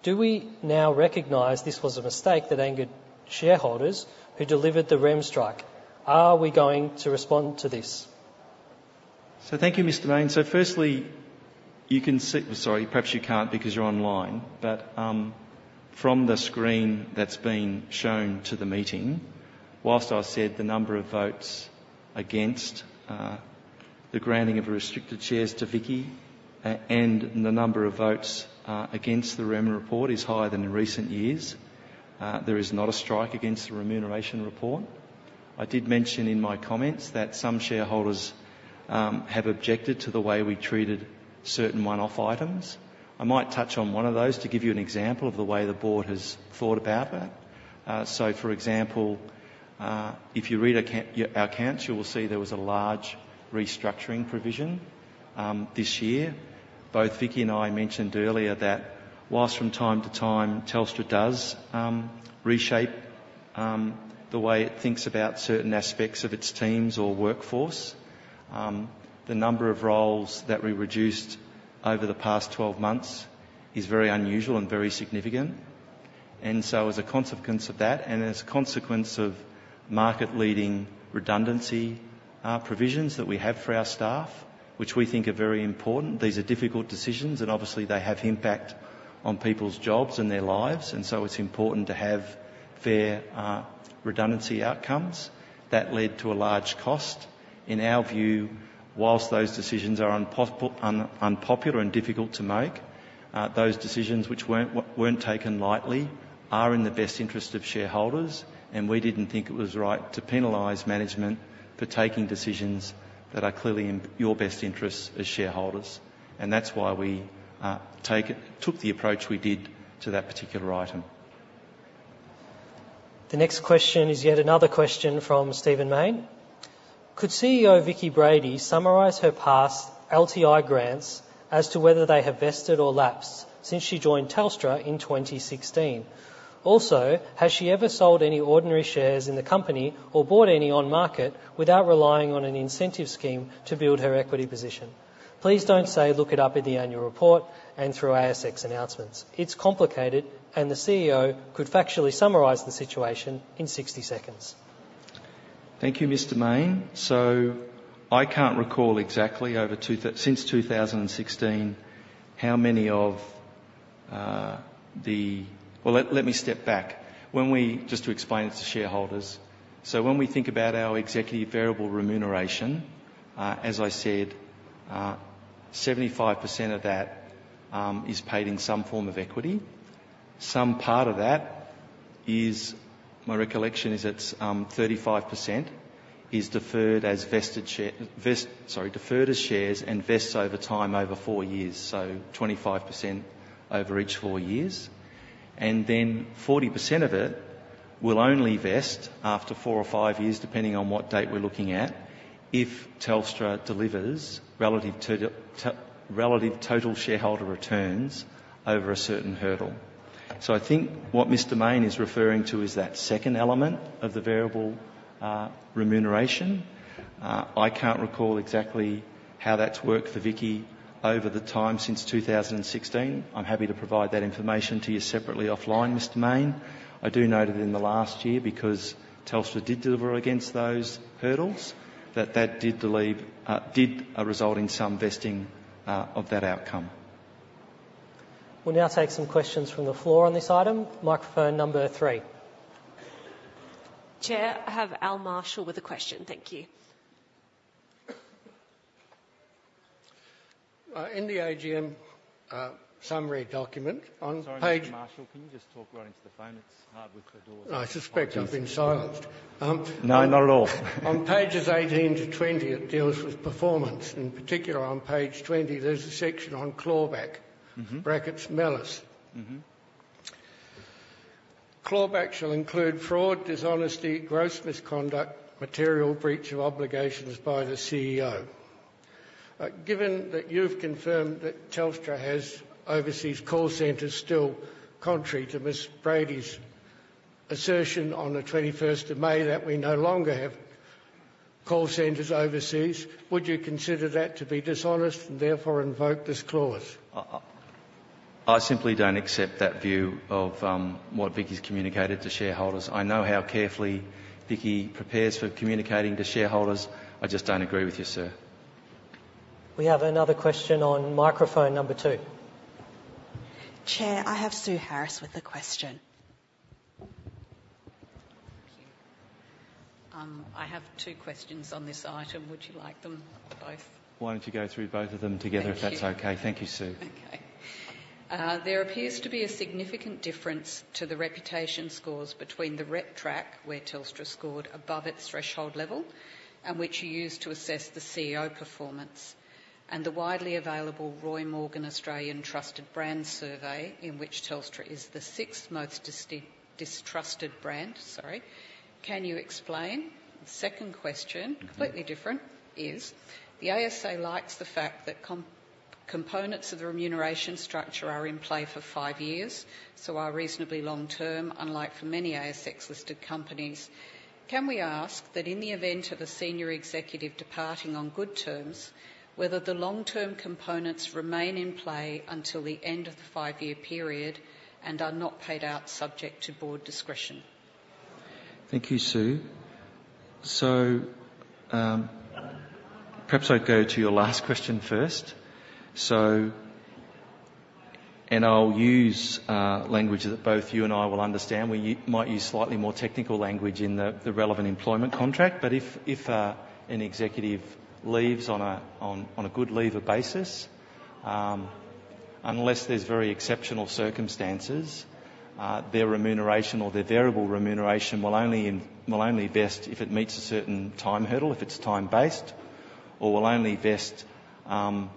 Do we now recognize this was a mistake that angered shareholders who delivered the rem strike? Are we going to respond to this? So thank you, Mr. Mayne. So firstly, you can see. Sorry, perhaps you can't because you're online. But from the screen that's being shown to the meeting, while I said the number of votes against the granting of restricted shares to Vicki and the number of votes against the remuneration report is higher than in recent years, there is not a strike against the remuneration report. I did mention in my comments that some shareholders have objected to the way we treated certain one-off items. I might touch on one of those to give you an example of the way the board has thought about that. So for example, if you read our accounts, you will see there was a large restructuring provision this year. Both Vicki and I mentioned earlier that while from time to time, Telstra does reshape the way it thinks about certain aspects of its teams or workforce, the number of roles that we reduced over the past twelve months is very unusual and very significant. And so as a consequence of that, and as a consequence of market-leading redundancy provisions that we have for our staff, which we think are very important, these are difficult decisions, and obviously they have impact on people's jobs and their lives, and so it's important to have fair redundancy outcomes. That led to a large cost. In our view, while those decisions are unpopular and difficult to make, those decisions, which weren't taken lightly, are in the best interest of shareholders, and we didn't think it was right to penalize management for taking decisions that are clearly in your best interests as shareholders. And that's why we took the approach we did to that particular item. The next question is yet another question from Stephen Mayne: Could CEO Vicki Brady summarize her past LTI grants as to whether they have vested or lapsed since she joined Telstra in 2016? Also, has she ever sold any ordinary shares in the company or bought any on market without relying on an incentive scheme to build her equity position? Please don't say, "Look it up in the annual report and through ASX announcements." It's complicated, and the CEO could factually summarize the situation in 60 seconds. Thank you, Mr. Mayne. I can't recall exactly since two thousand and sixteen how many of the. Well, let me step back. To explain it to shareholders. When we think about our executive variable remuneration, as I said, 75% of that is paid in some form of equity. Some part of that is, my recollection, is it's 35% is deferred as shares and vests over time, over four years, so 25% over each four years. And then 40% of it will only vest after four or five years, depending on what date we're looking at, if Telstra delivers relative total shareholder returns over a certain hurdle. I think what Mr. Mayne is referring to is that second element of the variable remuneration. I can't recall exactly how that's worked for Vicki over the time since 2016. I'm happy to provide that information to you separately offline, Mr. Mayne. I do note that in the last year, because Telstra did deliver against those hurdles, that did result in some vesting of that outcome. We'll now take some questions from the floor on this item. Microphone number three. Chair, I have Al Marshall with a question. Thank you. In the AGM summary document on page- Sorry, Mr. Marshall, can you just talk right into the phone? It's hard with the doors. I suspect I've been silenced. No, not at all. On pages 18-20, it deals with performance. In particular, on page 20, there's a section on clawback- Mm-hmm. Brackets, malice. Mm-hmm. Clawback shall include fraud, dishonesty, gross misconduct, material breach of obligations by the CEO. Given that you've confirmed that Telstra has overseas call centers still, contrary to Ms. Brady's assertion on the twenty-first of May, that we no longer have call centers overseas, would you consider that to be dishonest and therefore invoke this clause? I simply don't accept that view of what Vicki's communicated to shareholders. I just don't agree with you, sir. We have another question on microphone number two. Chair, I have Sue Howes with a question. Thank you. I have two questions on this item. Would you like them both? Why don't you go through both of them together? Thank you. -if that's okay. Thank you, Sue. Okay. There appears to be a significant difference to the reputation scores between the RepTrak, where Telstra scored above its threshold level, and which you used to assess the CEO performance, and the widely available Roy Morgan Australian Trusted Brand Survey, in which Telstra is the sixth most distrusted brand. Sorry. Can you explain? The second question- Mm-hmm. completely different. The ASA likes the fact that components of the remuneration structure are in play for five years, so are reasonably long term, unlike for many ASX-listed companies. Can we ask that in the event of a senior executive departing on good terms, whether the long-term components remain in play until the end of the five-year period and are not paid out, subject to board discretion? Thank you, Sue. So, perhaps I'd go to your last question first. So and I'll use language that both you and I will understand. We might use slightly more technical language in the relevant employment contract, but if an executive leaves on a good leaver basis, unless there's very exceptional circumstances, their remuneration or their variable remuneration will only vest if it meets a certain time hurdle, if it's time-based, or will only vest on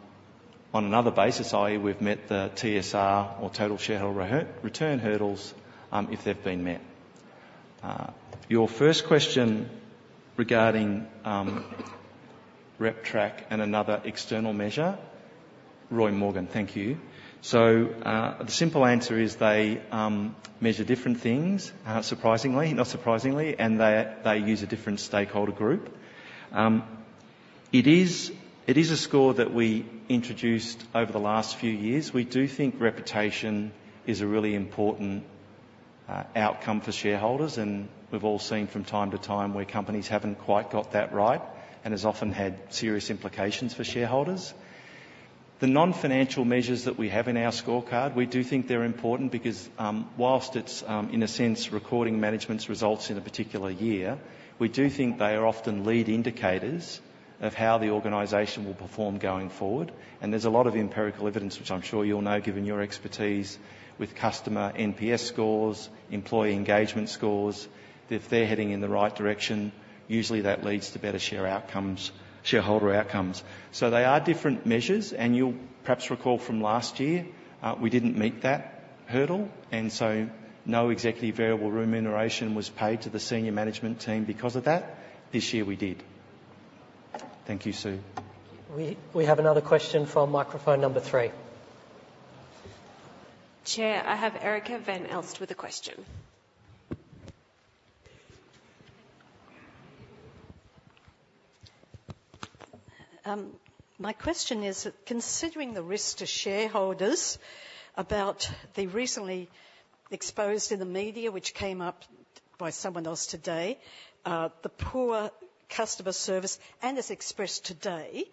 another basis, i.e., we've met the TSR or total shareholder return hurdles, if they've been met. Your first question regarding RepTrak and another external measure, Roy Morgan, thank you. So the simple answer is they measure different things, surprisingly, not surprisingly, and they use a different stakeholder group. It is a score that we introduced over the last few years. We do think reputation is a really important outcome for shareholders, and we've all seen from time to time where companies haven't quite got that right, and has often had serious implications for shareholders. The non-financial measures that we have in our scorecard, we do think they're important because, whilst it's, in a sense, recording management's results in a particular year, we do think they are often lead indicators of how the organization will perform going forward. And there's a lot of empirical evidence, which I'm sure you'll know, given your expertise with customer NPS scores, employee engagement scores. If they're heading in the right direction, usually that leads to better share outcomes, shareholder outcomes. So they are different measures, and you'll perhaps recall from last year, we didn't meet that hurdle, and so no executive variable remuneration was paid to the senior management team because of that. This year, we did. Thank you, Sue. We have another question from microphone number three. Chair, I have Erica van Elst with a question. My question is, considering the risk to shareholders about the recently exposed in the media, which came up by someone else today, the poor customer service and as expressed today,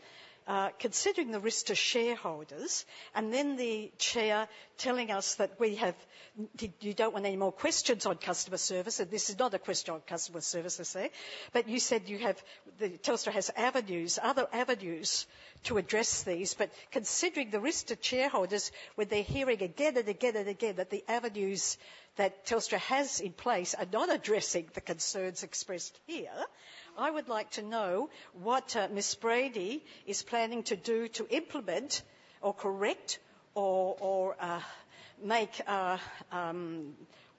considering the risk to shareholders, and then the chair telling us that we have... d- you don't want any more questions on customer service, and this is not a question on customer service, I say. But you said you have, the Telstra has avenues, other avenues to address these. But considering the risk to shareholders, where they're hearing again and again and again, that the avenues that Telstra has in place are not addressing the concerns expressed here, I would like to know what, Ms. Brady is planning to do to implement or correct or, or, make,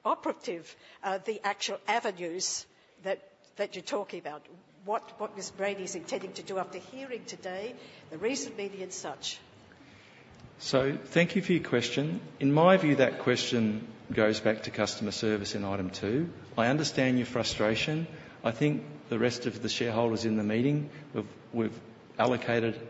operative, the actual avenues that, that you're talking about? What, what Ms. Brady is intending to do after hearing today, the recent media and such. So thank you for your question. In my view, that question goes back to customer service in item two. I understand your frustration. I think the rest of the shareholders in the meeting, we've allocated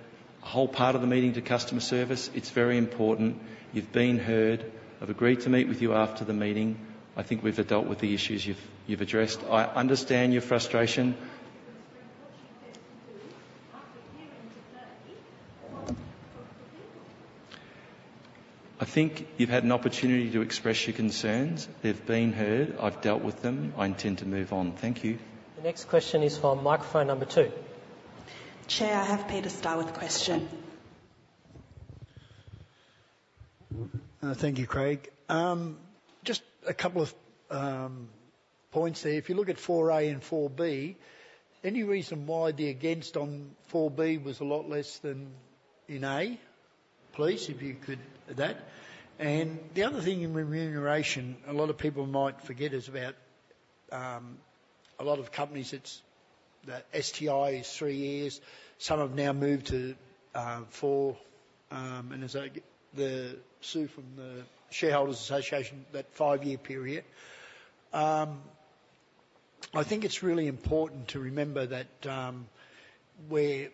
a whole part of the meeting to customer service. It's very important. You've been heard. I've agreed to meet with you after the meeting. I think we've dealt with the issues you've addressed. I understand your frustration. But what are you going to do after hearing today from the people? I think you've had an opportunity to express your concerns. They've been heard. I've dealt with them. I intend to move on. Thank you. The next question is from microphone number two. Chair, I have Peter Starr with a question. Thank you, Craig. Just a couple of points there. If you look at four A and four B, any reason why the against on four B was a lot less than in A? Please, if you could, that. And the other thing in remuneration, a lot of people might forget, is about a lot of companies, it's the STI is three years. Some have now moved to four, and as I get the view from the Shareholders Association, that five-year period. I think it's really important to remember that, where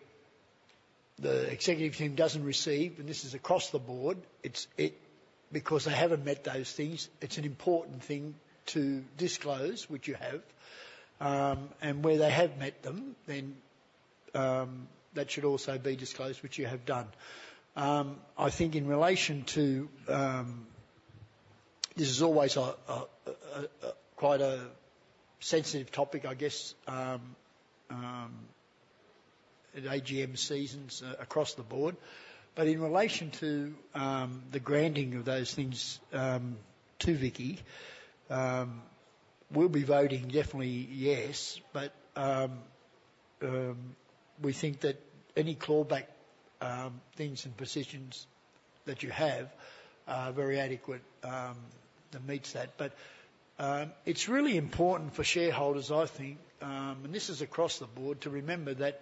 the executive team doesn't receive, and this is across the board, it's because they haven't met those things, it's an important thing to disclose, which you have. And where they have met them, then, that should also be disclosed, which you have done. I think in relation to. This is always quite a sensitive topic, I guess, at AGM seasons across the board, but in relation to, the granting of those things, to Vicki, we'll be voting definitely yes. But, we think that any clawback, things and positions that you have are very adequate, that meets that. But, it's really important for shareholders, I guess, and this is across the board, to remember that...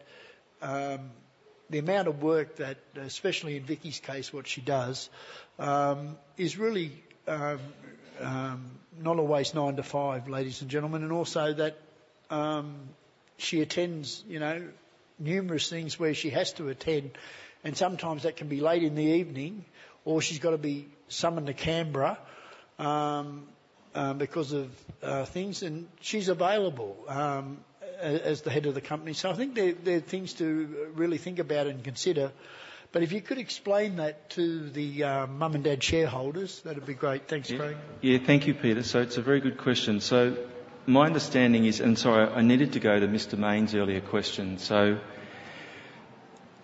The amount of work that, especially in Vicki's case, what she does, is really, not always nine to five, ladies and gentlemen, and also that, she attends, you know, numerous things where she has to attend, and sometimes that can be late in the evening, or she's got to be summoned to Canberra, because of, things, and she's available, as, as the head of the company. So I think there are things to really think about and consider. But if you could explain that to the, mum and dad shareholders, that'd be great. Thanks, Craig. Yeah. Thank you, Peter. So it's a very good question. So my understanding is. And sorry, I needed to go to Mr. Mayne's earlier question. So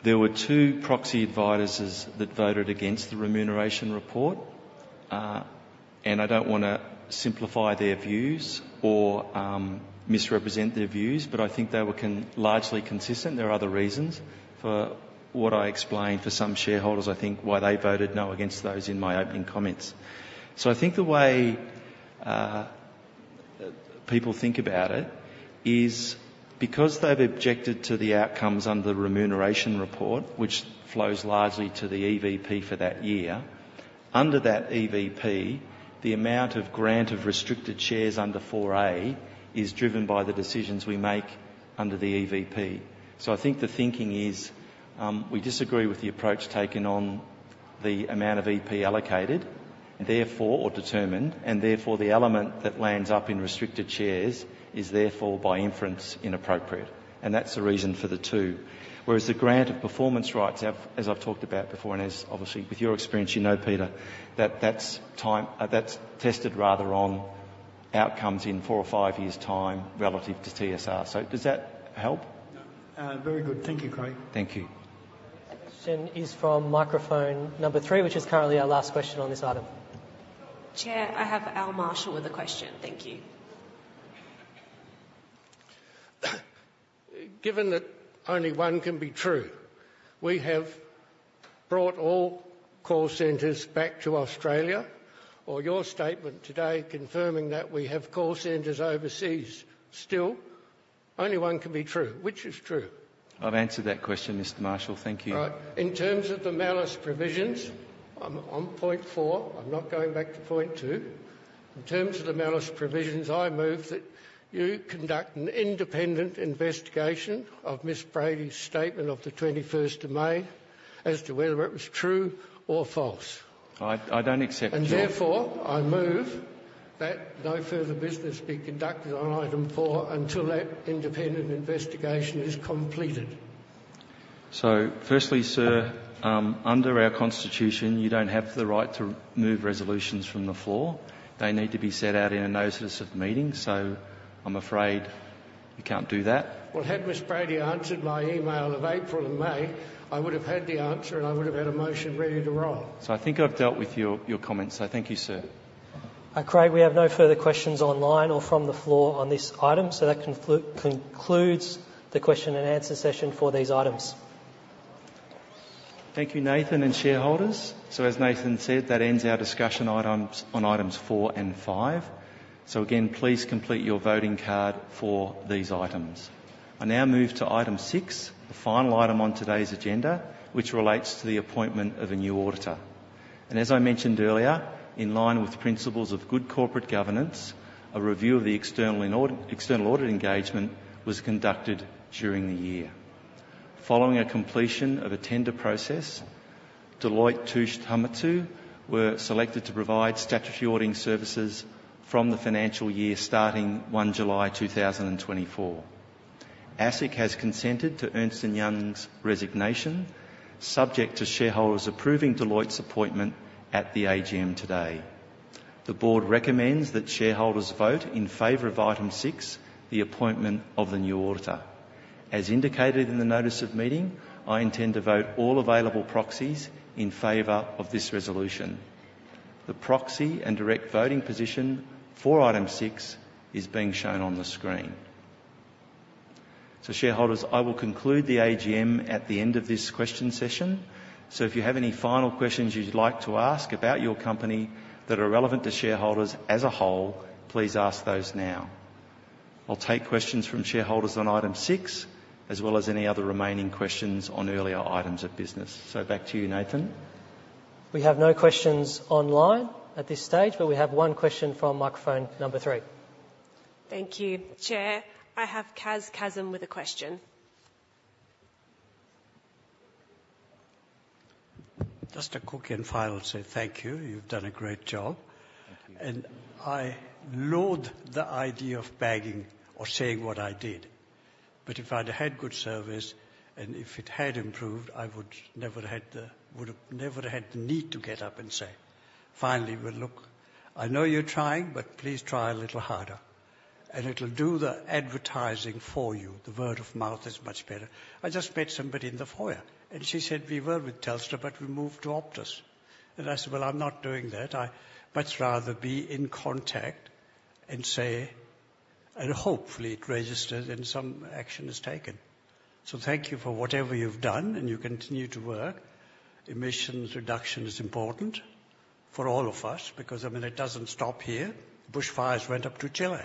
there were two proxy advisers that voted against the remuneration report, and I don't want to simplify their views or misrepresent their views, but I think they were largely consistent. There are other reasons for what I explained to some shareholders, I think, why they voted no against those in my opening comments. So I think the way people think about it is because they've objected to the outcomes under the remuneration report, which flows largely to the EVP for that year, under that EVP, the amount of grant of restricted shares under four A is driven by the decisions we make under the EVP. So I think the thinking is, we disagree with the approach taken on the amount of EVP allocated, therefore or determined, and therefore, the element that lands up in restricted shares is therefore, by inference, inappropriate, and that's the reason for the two. Whereas the grant of performance rights, as I've talked about before, and as obviously with your experience, you know, Peter, that's tested rather on outcomes in four or five years' time relative to TSR. So does that help? Very good. Thank you, Craig. Thank you. Question is from microphone number three, which is currently our last question on this item. Chair, I have Al Marshall with a question. Thank you. Given that only one can be true, we have brought all call centers back to Australia, or your statement today confirming that we have call centers overseas still. Only one can be true. Which is true? I've answered that question, Mr. Marshall. Thank you. All right. In terms of the malus provisions, on point four, I'm not going back to point two. In terms of the malus provisions, I move that you conduct an independent investigation of Ms. Brady's statement of the twenty-first of May as to whether it was true or false. I don't accept your- Therefore, I move that no further business be conducted on item four until that independent investigation is completed. So firstly, sir, under our constitution, you don't have the right to move resolutions from the floor. They need to be set out in a Notice of Meeting, so I'm afraid you can't do that. Had Ms. Brady answered my email of April and May, I would have had the answer, and I would have had a motion ready to roll. So I think I've dealt with your comments. So thank you, sir. Craig, we have no further questions online or from the floor on this item, so that concludes the question and answer session for these items. Thank you, Nathan and shareholders. So as Nathan said, that ends our discussion items on items four and five. So again, please complete your voting card for these items. I now move to item six, the final item on today's agenda, which relates to the appointment of a new auditor. And as I mentioned earlier, in line with the principles of good corporate governance, a review of the external audit engagement was conducted during the year. Following a completion of a tender process, Deloitte Touche Tohmatsu were selected to provide statutory auditing services from the financial year starting 1 July 2024. ASIC has consented to Ernst & Young's resignation, subject to shareholders approving Deloitte's appointment at the AGM today. The board recommends that shareholders vote in favor of item six, the appointment of the new auditor. As indicated in the Notice of Meeting, I intend to vote all available proxies in favor of this resolution. The proxy and direct voting position for item six is being shown on the screen. So shareholders, I will conclude the AGM at the end of this question session. So if you have any final questions you'd like to ask about your company that are relevant to shareholders as a whole, please ask those now. I'll take questions from shareholders on item six, as well as any other remaining questions on earlier items of business. So back to you, Nathan. We have no questions online at this stage, but we have one question from microphone number three. Thank you, Chair. I have Koz Kassem with a question. Just a quick info, I would say thank you. You've done a great job. Thank you. I loathe the idea of begging or saying what I did, but if I'd had good service, and if it had improved, I would have never had the need to get up and say, "Finally, well, look, I know you're trying, but please try a little harder," and it'll do the advertising for you. The word of mouth is much better. I just met somebody in the foyer, and she said, "We were with Telstra, but we moved to Optus." I said, "Well, I'm not doing that." I much rather be in contact and say... and hopefully it registers, and some action is taken. So thank you for whatever you've done, and you continue to work. Emissions reduction is important for all of us because, I mean, it doesn't stop here. Bushfires went up to Chile.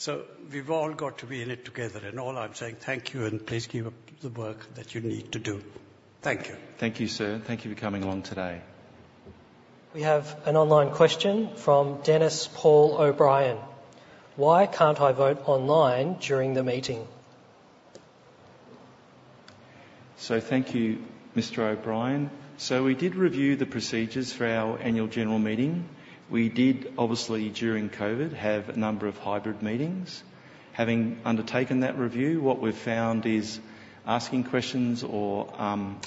So we've all got to be in it together, and all I'm saying, thank you, and please keep up the work that you need to do. Thank you. Thank you, sir. Thank you for coming along today. We have an online question from Dennis Paul O'Brien: Why can't I vote online during the meeting? So thank you, Mr. O'Brien. So we did review the procedures for our Annual General Meeting. We did, obviously, during COVID, have a number of hybrid meetings. Having undertaken that review, what we've found is asking questions or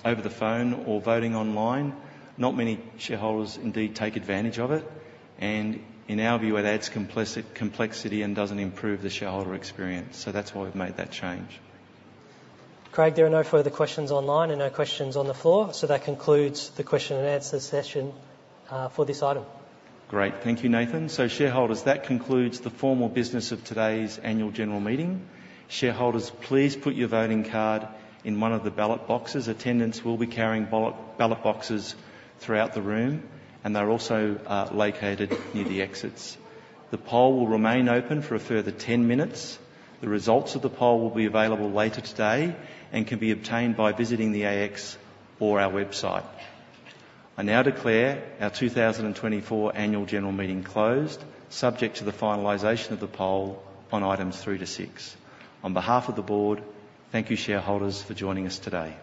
over the phone or voting online, not many shareholders indeed take advantage of it. And in our view, it adds complexity and doesn't improve the shareholder experience, so that's why we've made that change. Craig, there are no further questions online and no questions on the floor, so that concludes the question and answer session for this item. Great. Thank you, Nathan. So, shareholders, that concludes the formal business of today's Annual General Meeting. Shareholders, please put your voting card in one of the ballot boxes. Attendants will be carrying ballot boxes throughout the room, and they're also located near the exits. The poll will remain open for a further ten minutes. The results of the poll will be available later today and can be obtained by visiting the ASX or our website. I now declare our two thousand and twenty-four Annual General Meeting closed, subject to the finalization of the poll on items three to six. On behalf of the board, thank you, shareholders, for joining us today.